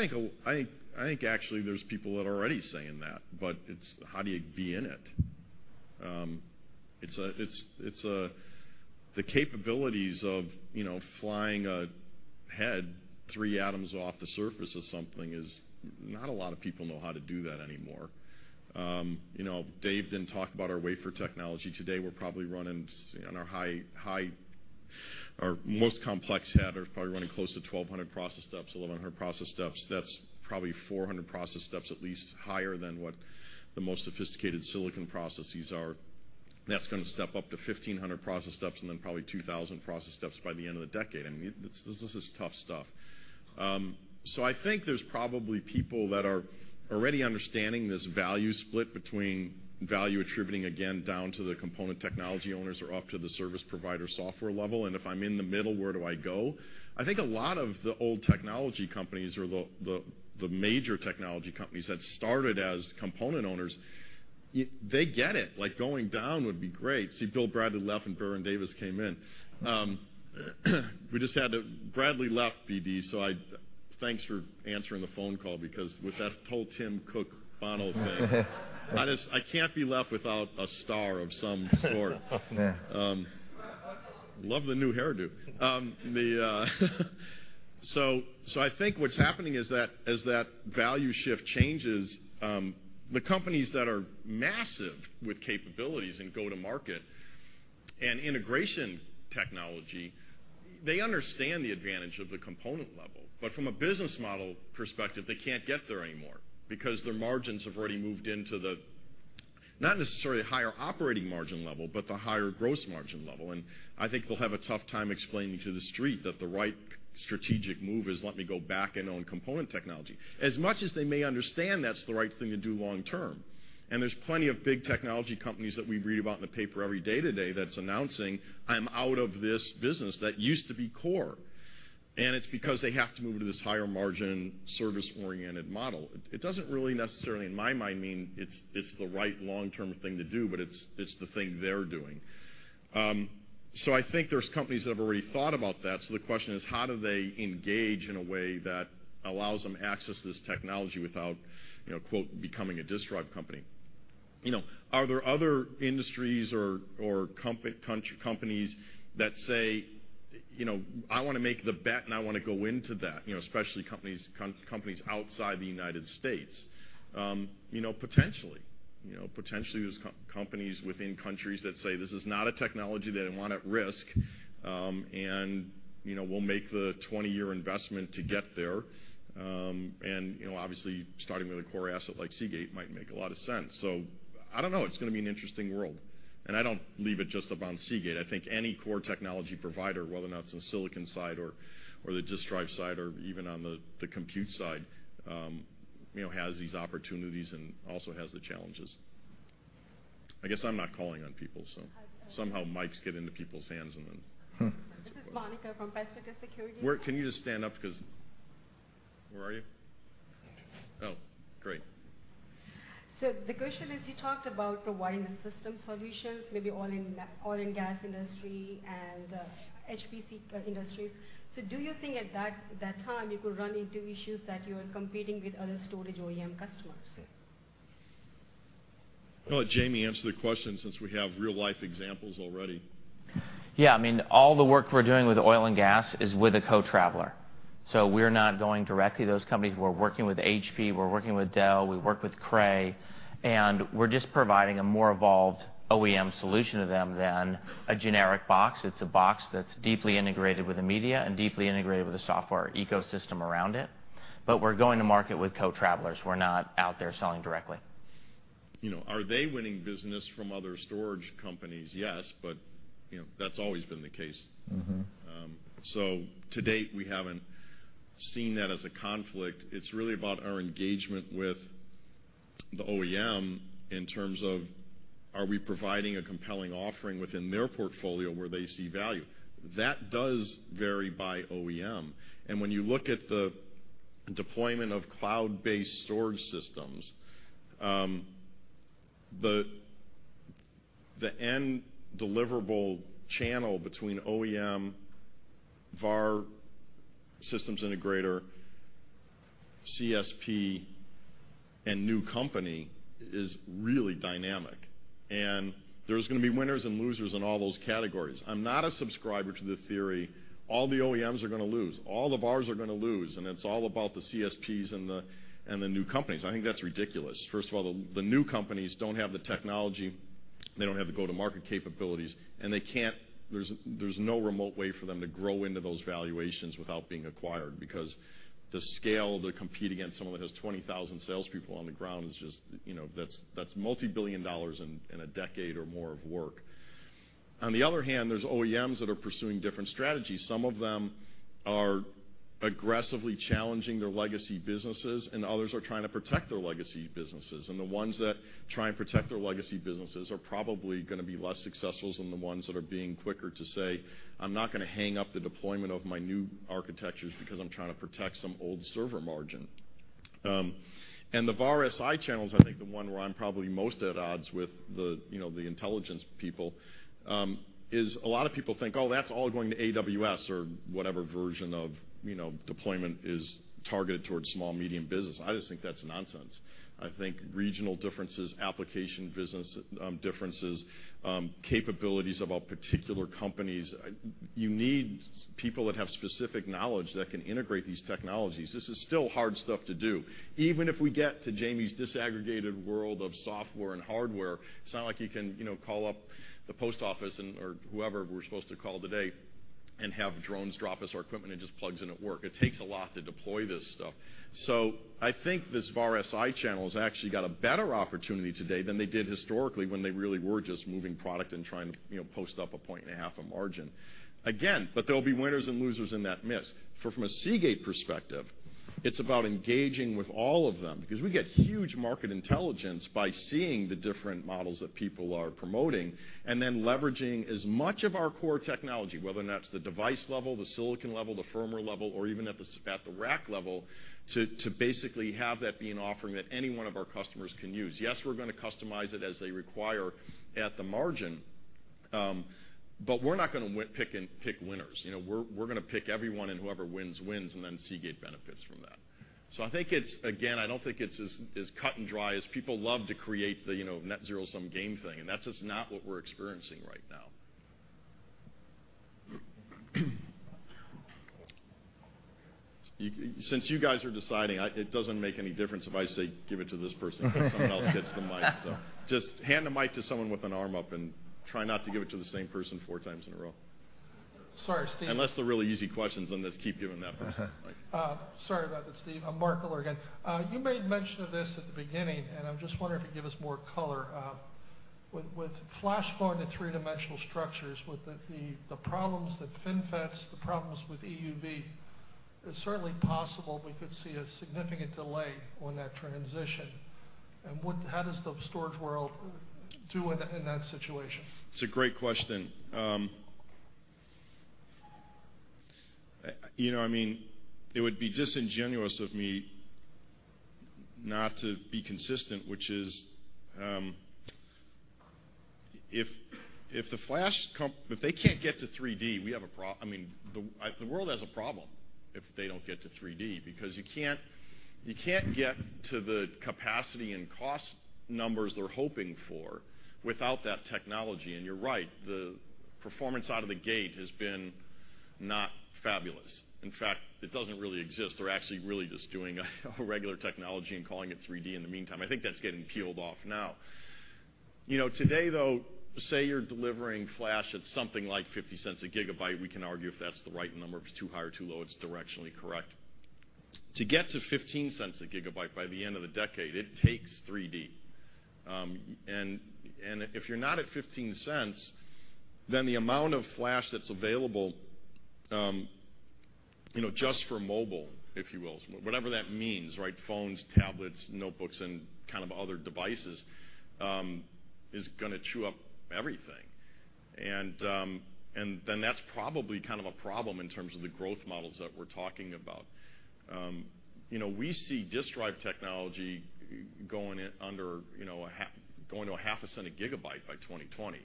think actually there's people that are already saying that, but it's how do you be in it? The capabilities of flying a head three atoms off the surface of something is not a lot of people know how to do that anymore. Dave didn't talk about our wafer technology today. Our most complex head are probably running close to 1,100 process steps. That's probably 400 process steps, at least, higher than what the most sophisticated silicon processes are. That's going to step up to 1,500 process steps and then probably 2,000 process steps by the end of the decade. This is tough stuff. I think there's probably people that are already understanding this value split between value attributing, again, down to the component technology owners or up to the service provider software level. If I'm in the middle, where do I go? I think a lot of the old technology companies or the major technology companies that started as component owners, they get it, like going down would be great. See, Bill Bradley left and Byron Davis came in. We just had to Bradley left, BD, thanks for answering the phone call because with that whole Tim Cook final thing. I can't be left without a star of some sort. Yeah. Love the new hairdo. I think what's happening is that as that value shift changes, the companies that are massive with capabilities and go to market and integration technology, they understand the advantage of the component level. From a business model perspective, they can't get there anymore because their margins have already moved into the, not necessarily a higher operating margin level, but the higher gross margin level. I think they'll have a tough time explaining to the street that the right strategic move is let me go back and own component technology. As much as they may understand that's the right thing to do long term, there's plenty of big technology companies that we read about in the paper every day today that's announcing, "I'm out of this business that used to be core." It's because they have to move to this higher margin service-oriented model. It doesn't really necessarily, in my mind, mean it's the right long-term thing to do, but it's the thing they're doing. I think there's companies that have already thought about that. The question is, how do they engage in a way that allows them access to this technology without, quote, becoming a disk drive company? Are there other industries or companies that say, "I want to make the bet, and I want to go into that." Especially companies outside the U.S. Potentially. Potentially, there's companies within countries that say, "This is not a technology that I want at risk," and, "We'll make the 20-year investment to get there." Obviously, starting with a core asset like Seagate might make a lot of sense. I don't know. It's going to be an interesting world. I don't leave it just upon Seagate. I think any core technology provider, whether or not it's in the silicon side or the disk drive side or even on the compute side, has these opportunities and also has the challenges. I guess I'm not calling on people, somehow mics get into people's hands and then This is Monica from Pacific Securities. Can you just stand up? Where are you? Oh, great. The question is, you talked about providing the system solutions, maybe oil and gas industry and HPC industries. Do you think at that time you could run into issues that you are competing with other storage OEM customers? I'll let Jamie answer the question since we have real-life examples already. Yeah. All the work we're doing with oil and gas is with a co-traveler. We're not going directly to those companies. We're working with HP, we're working with Dell, we work with Cray, we're just providing a more evolved OEM solution to them than a generic box. It's a box that's deeply integrated with the media and deeply integrated with the software ecosystem around it. We're going to market with co-travelers. We're not out there selling directly. Are they winning business from other storage companies? Yes, but that's always been the case. To date, we haven't seen that as a conflict. It's really about our engagement with the OEM in terms of are we providing a compelling offering within their portfolio where they see value? That does vary by OEM. When you look at the deployment of cloud-based storage systems, the end deliverable channel between OEM, VAR, systems integrator, CSP, and new company is really dynamic. There's going to be winners and losers in all those categories. I'm not a subscriber to the theory, all the OEMs are going to lose, all the VARs are going to lose, and it's all about the CSPs and the new companies. I think that's ridiculous. First of all, the new companies don't have the technology, they don't have the go-to-market capabilities, and there's no remote way for them to grow into those valuations without being acquired, because the scale to compete against someone that has 20,000 salespeople on the ground is just multi-billion dollars in a decade or more of work. On the other hand, there's OEMs that are pursuing different strategies. Some of them are aggressively challenging their legacy businesses, and others are trying to protect their legacy businesses. The ones that try and protect their legacy businesses are probably going to be less successful than the ones that are being quicker to say, "I'm not going to hang up the deployment of my new architectures because I'm trying to protect some old server margin." The VAR-SI channels, I think the one where I'm probably most at odds with the intelligence people, is a lot of people think, oh, that's all going to AWS, or whatever version of deployment is targeted towards small, medium business. I just think that's nonsense. I think regional differences, application business differences, capabilities of a particular companies. You need people that have specific knowledge that can integrate these technologies. This is still hard stuff to do. Even if we get to Jamie Lerner's disaggregated world of software and hardware, it's not like you can call up the post office or whoever we're supposed to call today and have drones drop us our equipment. It just plugs in at work. It takes a lot to deploy this stuff. I think this VAR-SI channel has actually got a better opportunity today than they did historically when they really were just moving product and trying to post up a point and a half of margin. Again, there'll be winners and losers in that mix. From a Seagate perspective, it's about engaging with all of them because we get huge market intelligence by seeing the different models that people are promoting and then leveraging as much of our core technology, whether or not it's the device level, the silicon level, the firmware level, or even at the rack level, to basically have that be an offering that any one of our customers can use. Yes, we're going to customize it as they require at the margin. We're not going to pick winners. We're going to pick everyone, and whoever wins, and then Seagate benefits from that. I think it's, again, I don't think it's as cut and dry as people love to create the net zero-sum game thing, and that's just not what we're experiencing right now. Since you guys are deciding, it doesn't make any difference if I say give it to this person because someone else gets the mic. Just hand the mic to someone with an arm up and try not to give it to the same person four times in a row. Sorry, Steve. Unless they're really easy questions, let's keep giving that person the mic. Sorry about that, Steve. I'm Mark Miller again. You made mention of this at the beginning, and I'm just wondering if you give us more color. With flash going to three-dimensional structures, with the problems with FinFETs, the problems with EUV, it's certainly possible we could see a significant delay on that transition. How does the storage world do in that situation? It's a great question. It would be disingenuous of me not to be consistent, which is, if the flash, if they can't get to 3D, we have a problem. The world has a problem if they don't get to 3D, because you can't get to the capacity and cost numbers they're hoping for without that technology. You're right, the performance out of the gate has been not fabulous. In fact, it doesn't really exist. They're actually really just doing a regular technology and calling it 3D in the meantime. I think that's getting peeled off now. Today though, say you're delivering flash at something like $0.50 a gigabyte. We can argue if that's the right number. If it's too high or too low, it's directionally correct. To get to $0.15 a gigabyte by the end of the decade, it takes 3D. If you're not at $0.15, then the amount of flash that's available just for mobile, if you will, whatever that means, right? Phones, tablets, notebooks, and other devices, is going to chew up everything. That's probably a problem in terms of the growth models that we're talking about. We see disk drive technology going to a $0.005 a gigabyte by 2020.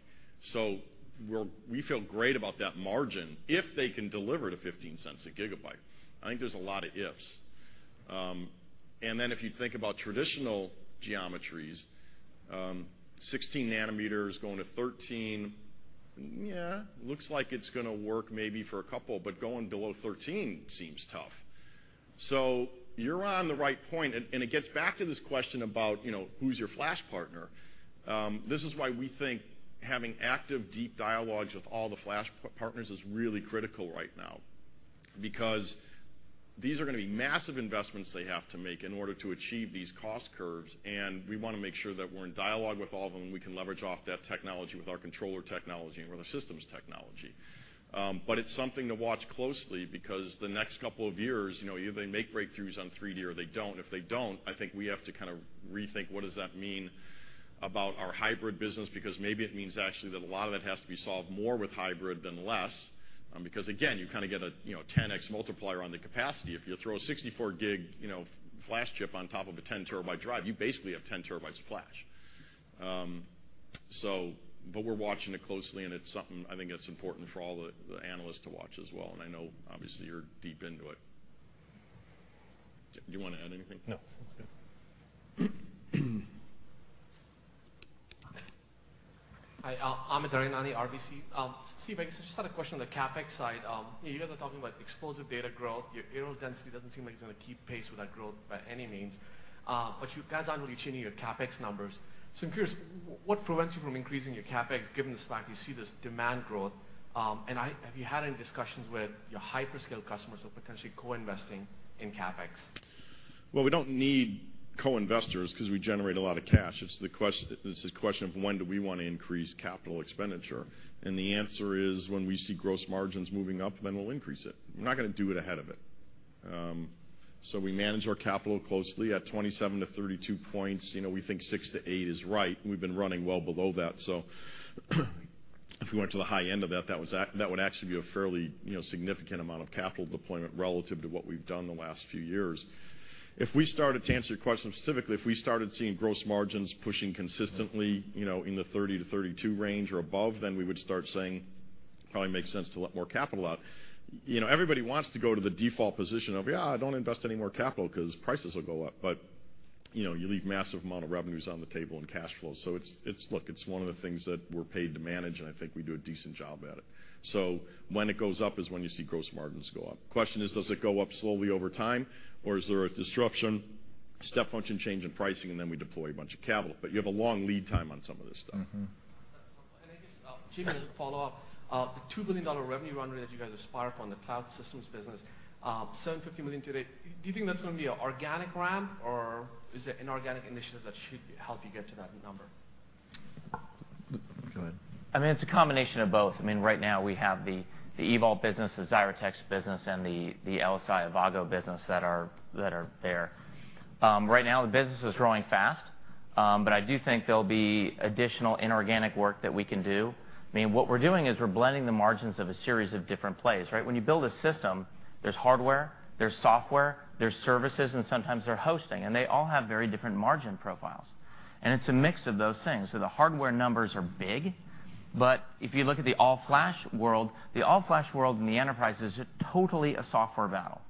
We feel great about that margin if they can deliver it at $0.15 a gigabyte. I think there's a lot of ifs. If you think about traditional geometries, 16 nanometers going to 13, yeah, looks like it's going to work maybe for a couple, but going below 13 seems tough. You're on the right point, and it gets back to this question about who's your flash partner. This is why we think having active deep dialogues with all the flash partners is really critical right now. These are going to be massive investments they have to make in order to achieve these cost curves, we want to make sure that we're in dialogue with all of them, we can leverage off that technology with our controller technology and with our systems technology. It's something to watch closely because the next couple of years, either they make breakthroughs on 3D or they don't. If they don't, I think we have to rethink what does that mean about our hybrid business, because maybe it means actually that a lot of it has to be solved more with hybrid than less. Again, you get a 10x multiplier on the capacity. If you throw a 64-gig flash chip on top of a 10-terabyte drive, you basically have 10 terabytes of flash. We're watching it closely, and it's something I think that's important for all the analysts to watch as well, and I know obviously you're deep into it. Do you want to add anything? No, that's good. Hi, Amit Daryanani, RBC. Steve, I just had a question on the CapEx side. You guys are talking about explosive data growth. Your areal density doesn't seem like it's going to keep pace with that growth by any means. You guys aren't really changing your CapEx numbers. I'm curious, what prevents you from increasing your CapEx given the fact you see this demand growth? Have you had any discussions with your hyperscale customers of potentially co-investing in CapEx? Well, we don't need co-investors because we generate a lot of cash. It's the question of when do we want to increase capital expenditure? The answer is when we see gross margins moving up, then we'll increase it. We're not going to do it ahead of it. We manage our capital closely at 27-32 points. We think six to eight is right. We've been running well below that. If we went to the high end of that would actually be a fairly significant amount of capital deployment relative to what we've done the last few years. To answer your question specifically, if we started seeing gross margins pushing consistently in the 30-32 range or above, then we would start saying it probably makes sense to let more capital out. Everybody wants to go to the default position of, yeah, don't invest any more capital because prices will go up. You leave massive amount of revenues on the table and cash flow. Look, it's one of the things that we're paid to manage, and I think we do a decent job at it. When it goes up is when you see gross margins go up. Question is, does it go up slowly over time, or is there a disruption, step function change in pricing, and then we deploy a bunch of capital. You have a long lead time on some of this stuff. I guess, Jamie, as a follow-up, the $2 billion revenue run rate that you guys aspire for on the Cloud Systems business, $750 million today, do you think that's going to be an organic ramp, or is it inorganic initiatives that should help you get to that number? Go ahead. It's a combination of both. Right now, we have the EVault business, the Xyratex business, and the LSI/Avago business that are there. Right now, the business is growing fast. I do think there'll be additional inorganic work that we can do. What we're doing is we're blending the margins of a series of different plays, right? When you build a system, there's hardware, there's software, there's services, and sometimes there's hosting, and they all have very different margin profiles. It's a mix of those things. The hardware numbers are big, but if you look at the all-flash world, the all-flash world in the enterprise is totally a software battle,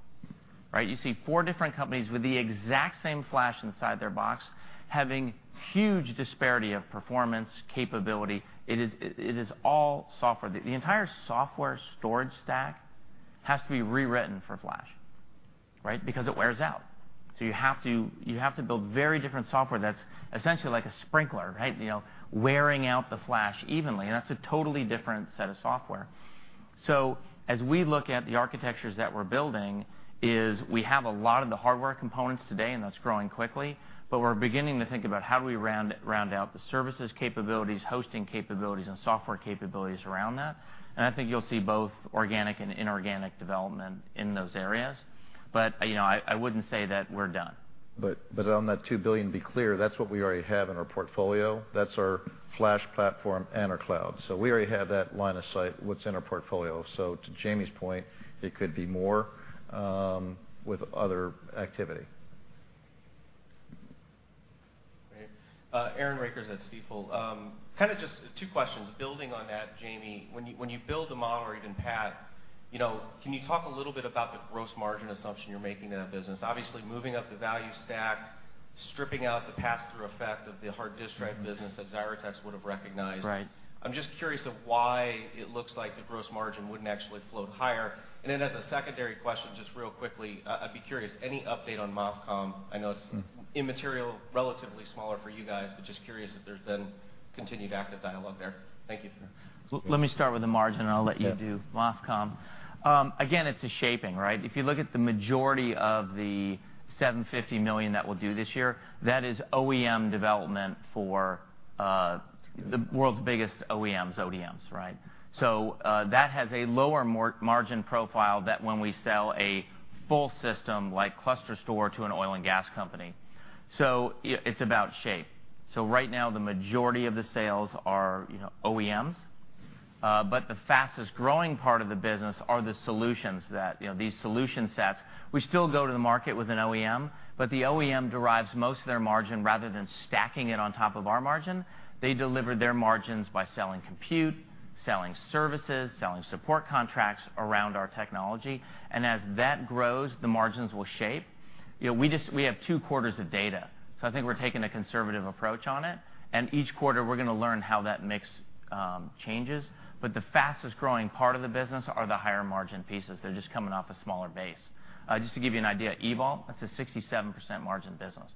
right? You see four different companies with the exact same flash inside their box having huge disparity of performance, capability. It is all software. The entire software storage stack has to be rewritten for flash, right? Because it wears out. You have to build very different software that's essentially like a sprinkler, right? Wearing out the flash evenly. That's a totally different set of software. As we look at the architectures that we're building is we have a lot of the hardware components today, and that's growing quickly, but we're beginning to think about how do we round out the services capabilities, hosting capabilities, and software capabilities around that. I think you'll see both organic and inorganic development in those areas. I wouldn't say that we're done. On that $2 billion, be clear, that's what we already have in our portfolio. That's our flash platform and our cloud. We already have that line of sight, what's in our portfolio. To Jamie's point, it could be more with other activity. Great. Aaron Rakers at Stifel. Just two questions. Building on that, Jamie, or even Pat, can you talk a little bit about the gross margin assumption you're making in that business? Obviously, moving up the value stack, stripping out the pass-through effect of the hard disk drive business that Xyratex would've recognized. Right. I'm just curious of why it looks like the gross margin wouldn't actually float higher. As a secondary question, just real quickly, I'd be curious, any update on MOFCOM? I know it's immaterial, relatively smaller for you guys, but just curious if there's been continued active dialogue there. Thank you. Let me start with the margin, I'll let you do Movcom. It's a shaping, right? If you look at the majority of the $750 million that we'll do this year, that is OEM development for the world's biggest OEMs, ODMs, right? That has a lower margin profile that when we sell a full system like ClusterStor to an oil and gas company. It's about shape. Right now, the majority of the sales are OEMs. The fastest-growing part of the business are the solutions that, these solution sets. We still go to the market with an OEM, but the OEM derives most of their margin rather than stacking it on top of our margin. They deliver their margins by selling compute, selling services, selling support contracts around our technology. As that grows, the margins will shape. We have two quarters of data, I think we're taking a conservative approach on it, and each quarter, we're going to learn how that mix changes. The fastest-growing part of the business are the higher-margin pieces. They're just coming off a smaller base. Just to give you an idea, EVault, that's a 67% margin business.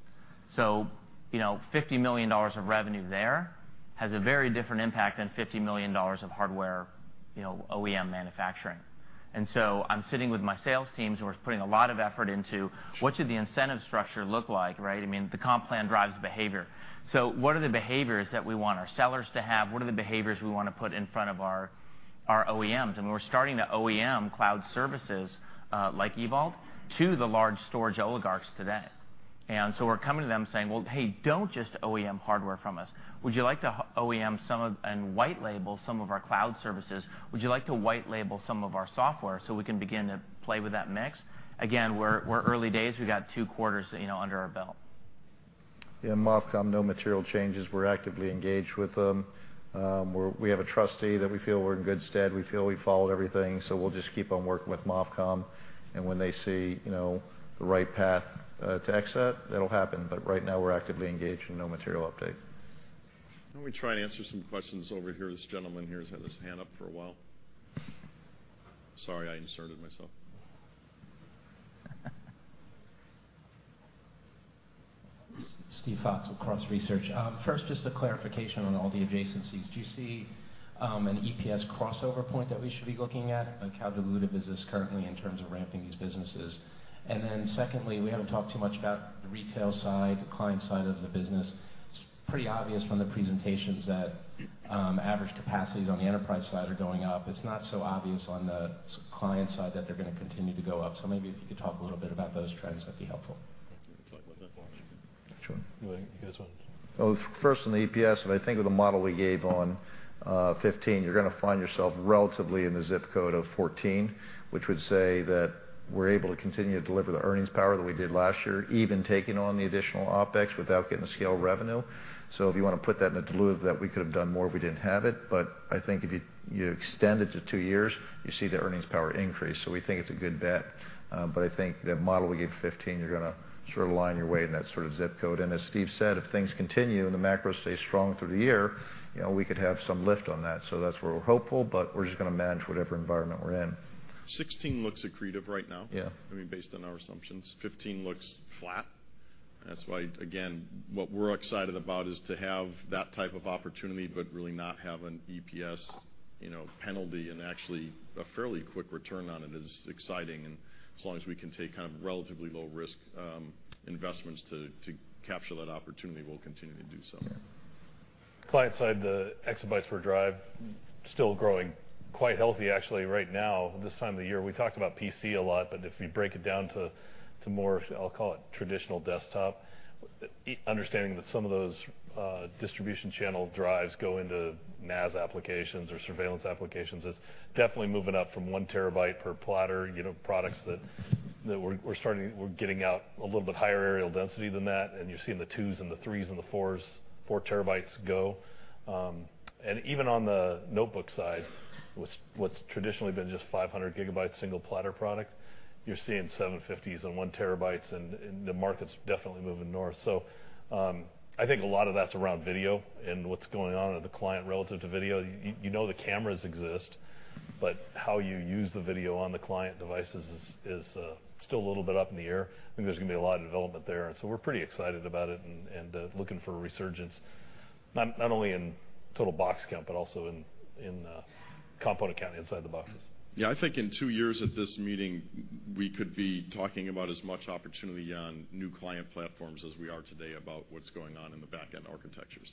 $50 million of revenue there has a very different impact than $50 million of hardware OEM manufacturing. I'm sitting with my sales teams, and we're putting a lot of effort into what should the incentive structure look like, right? I mean, the comp plan drives behavior. What are the behaviors that we want our sellers to have? What are the behaviors we want to put in front of our OEMs? We're starting to OEM cloud services, like EVault, to the large storage oligarchs today. We're coming to them saying, "Well, hey, don't just OEM hardware from us. Would you like to OEM and white label some of our cloud services? Would you like to white label some of our software so we can begin to play with that mix?" Again, we're early days. We've got two quarters under our belt. Movcom, no material changes. We're actively engaged with them. We have a trustee that we feel we're in good stead. We feel we've followed everything, we'll just keep on working with Movcom. When they see the right path to exit, that'll happen. Right now, we're actively engaged and no material update. Why don't we try and answer some questions over here? This gentleman here has had his hand up for a while. Sorry, I inserted myself. Steven Fox with Cross Research. First, just a clarification on all the adjacencies. Do you see an EPS crossover point that we should be looking at? Like how dilutive is this currently in terms of ramping these businesses? Secondly, we haven't talked too much about the retail side, the client side of the business. It's pretty obvious from the presentations that average capacities on the enterprise side are going up. It's not so obvious on the client side that they're going to continue to go up. Maybe if you could talk a little bit about those trends, that'd be helpful. Do you want to talk about that, Mark? Sure. You guys want to- First on the EPS, if I think of the model we gave on 2015, you're going to find yourself relatively in the ZIP code of 14, which would say that we're able to continue to deliver the earnings power that we did last year, even taking on the additional OpEx without getting the scale of revenue. If you want to put that in the dilution, that we could have done more if we didn't have it. I think if you extend it to two years, you see the earnings power increase. We think it's a good bet. I think that model we gave for 2015, you're going to sort of line your way in that sort of ZIP code. As Steve said, if things continue, and the macro stays strong through the year, we could have some lift on that. That's where we're hopeful, but we're just going to manage whatever environment we're in. 2016 looks accretive right now. Yeah. I mean, based on our assumptions. 2015 looks flat. That's why, again, what we're excited about is to have that type of opportunity but really not have an EPS penalty and actually a fairly quick return on it is exciting, and as long as we can take kind of relatively low-risk investments to capture that opportunity, we'll continue to do so. Client side, the exabytes per drive still growing quite healthy actually right now, this time of the year. We talked about PC a lot, but if you break it down to more, I'll call it traditional desktop, understanding that some of those distribution channel drives go into NAS applications or surveillance applications, it's definitely moving up from one terabyte per platter, products that we're getting out a little bit higher areal density than that, you're seeing the 2s and the 3s and the 4s, 4 terabytes go. Even on the notebook side, what's traditionally been just 500 gigabytes single-platter product, you're seeing 750s and one terabytes and the market's definitely moving north. I think a lot of that's around video and what's going on at the client relative to video. You know the cameras exist, but how you use the video on the client devices is still a little bit up in the air, there's going to be a lot of development there. We're pretty excited about it and looking for a resurgence, not only in total box count but also in component count inside the boxes. Yeah, I think in two years at this meeting, we could be talking about as much opportunity on new client platforms as we are today about what's going on in the back-end architectures.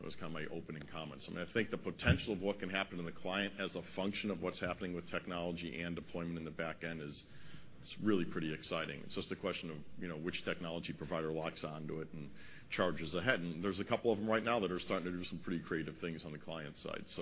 That was my opening comments. I think the potential of what can happen in the client as a function of what's happening with technology and deployment in the back end is really pretty exciting. It's just a question of which technology provider locks onto it and charges ahead. There's a couple of them right now that are starting to do some pretty creative things on the client side.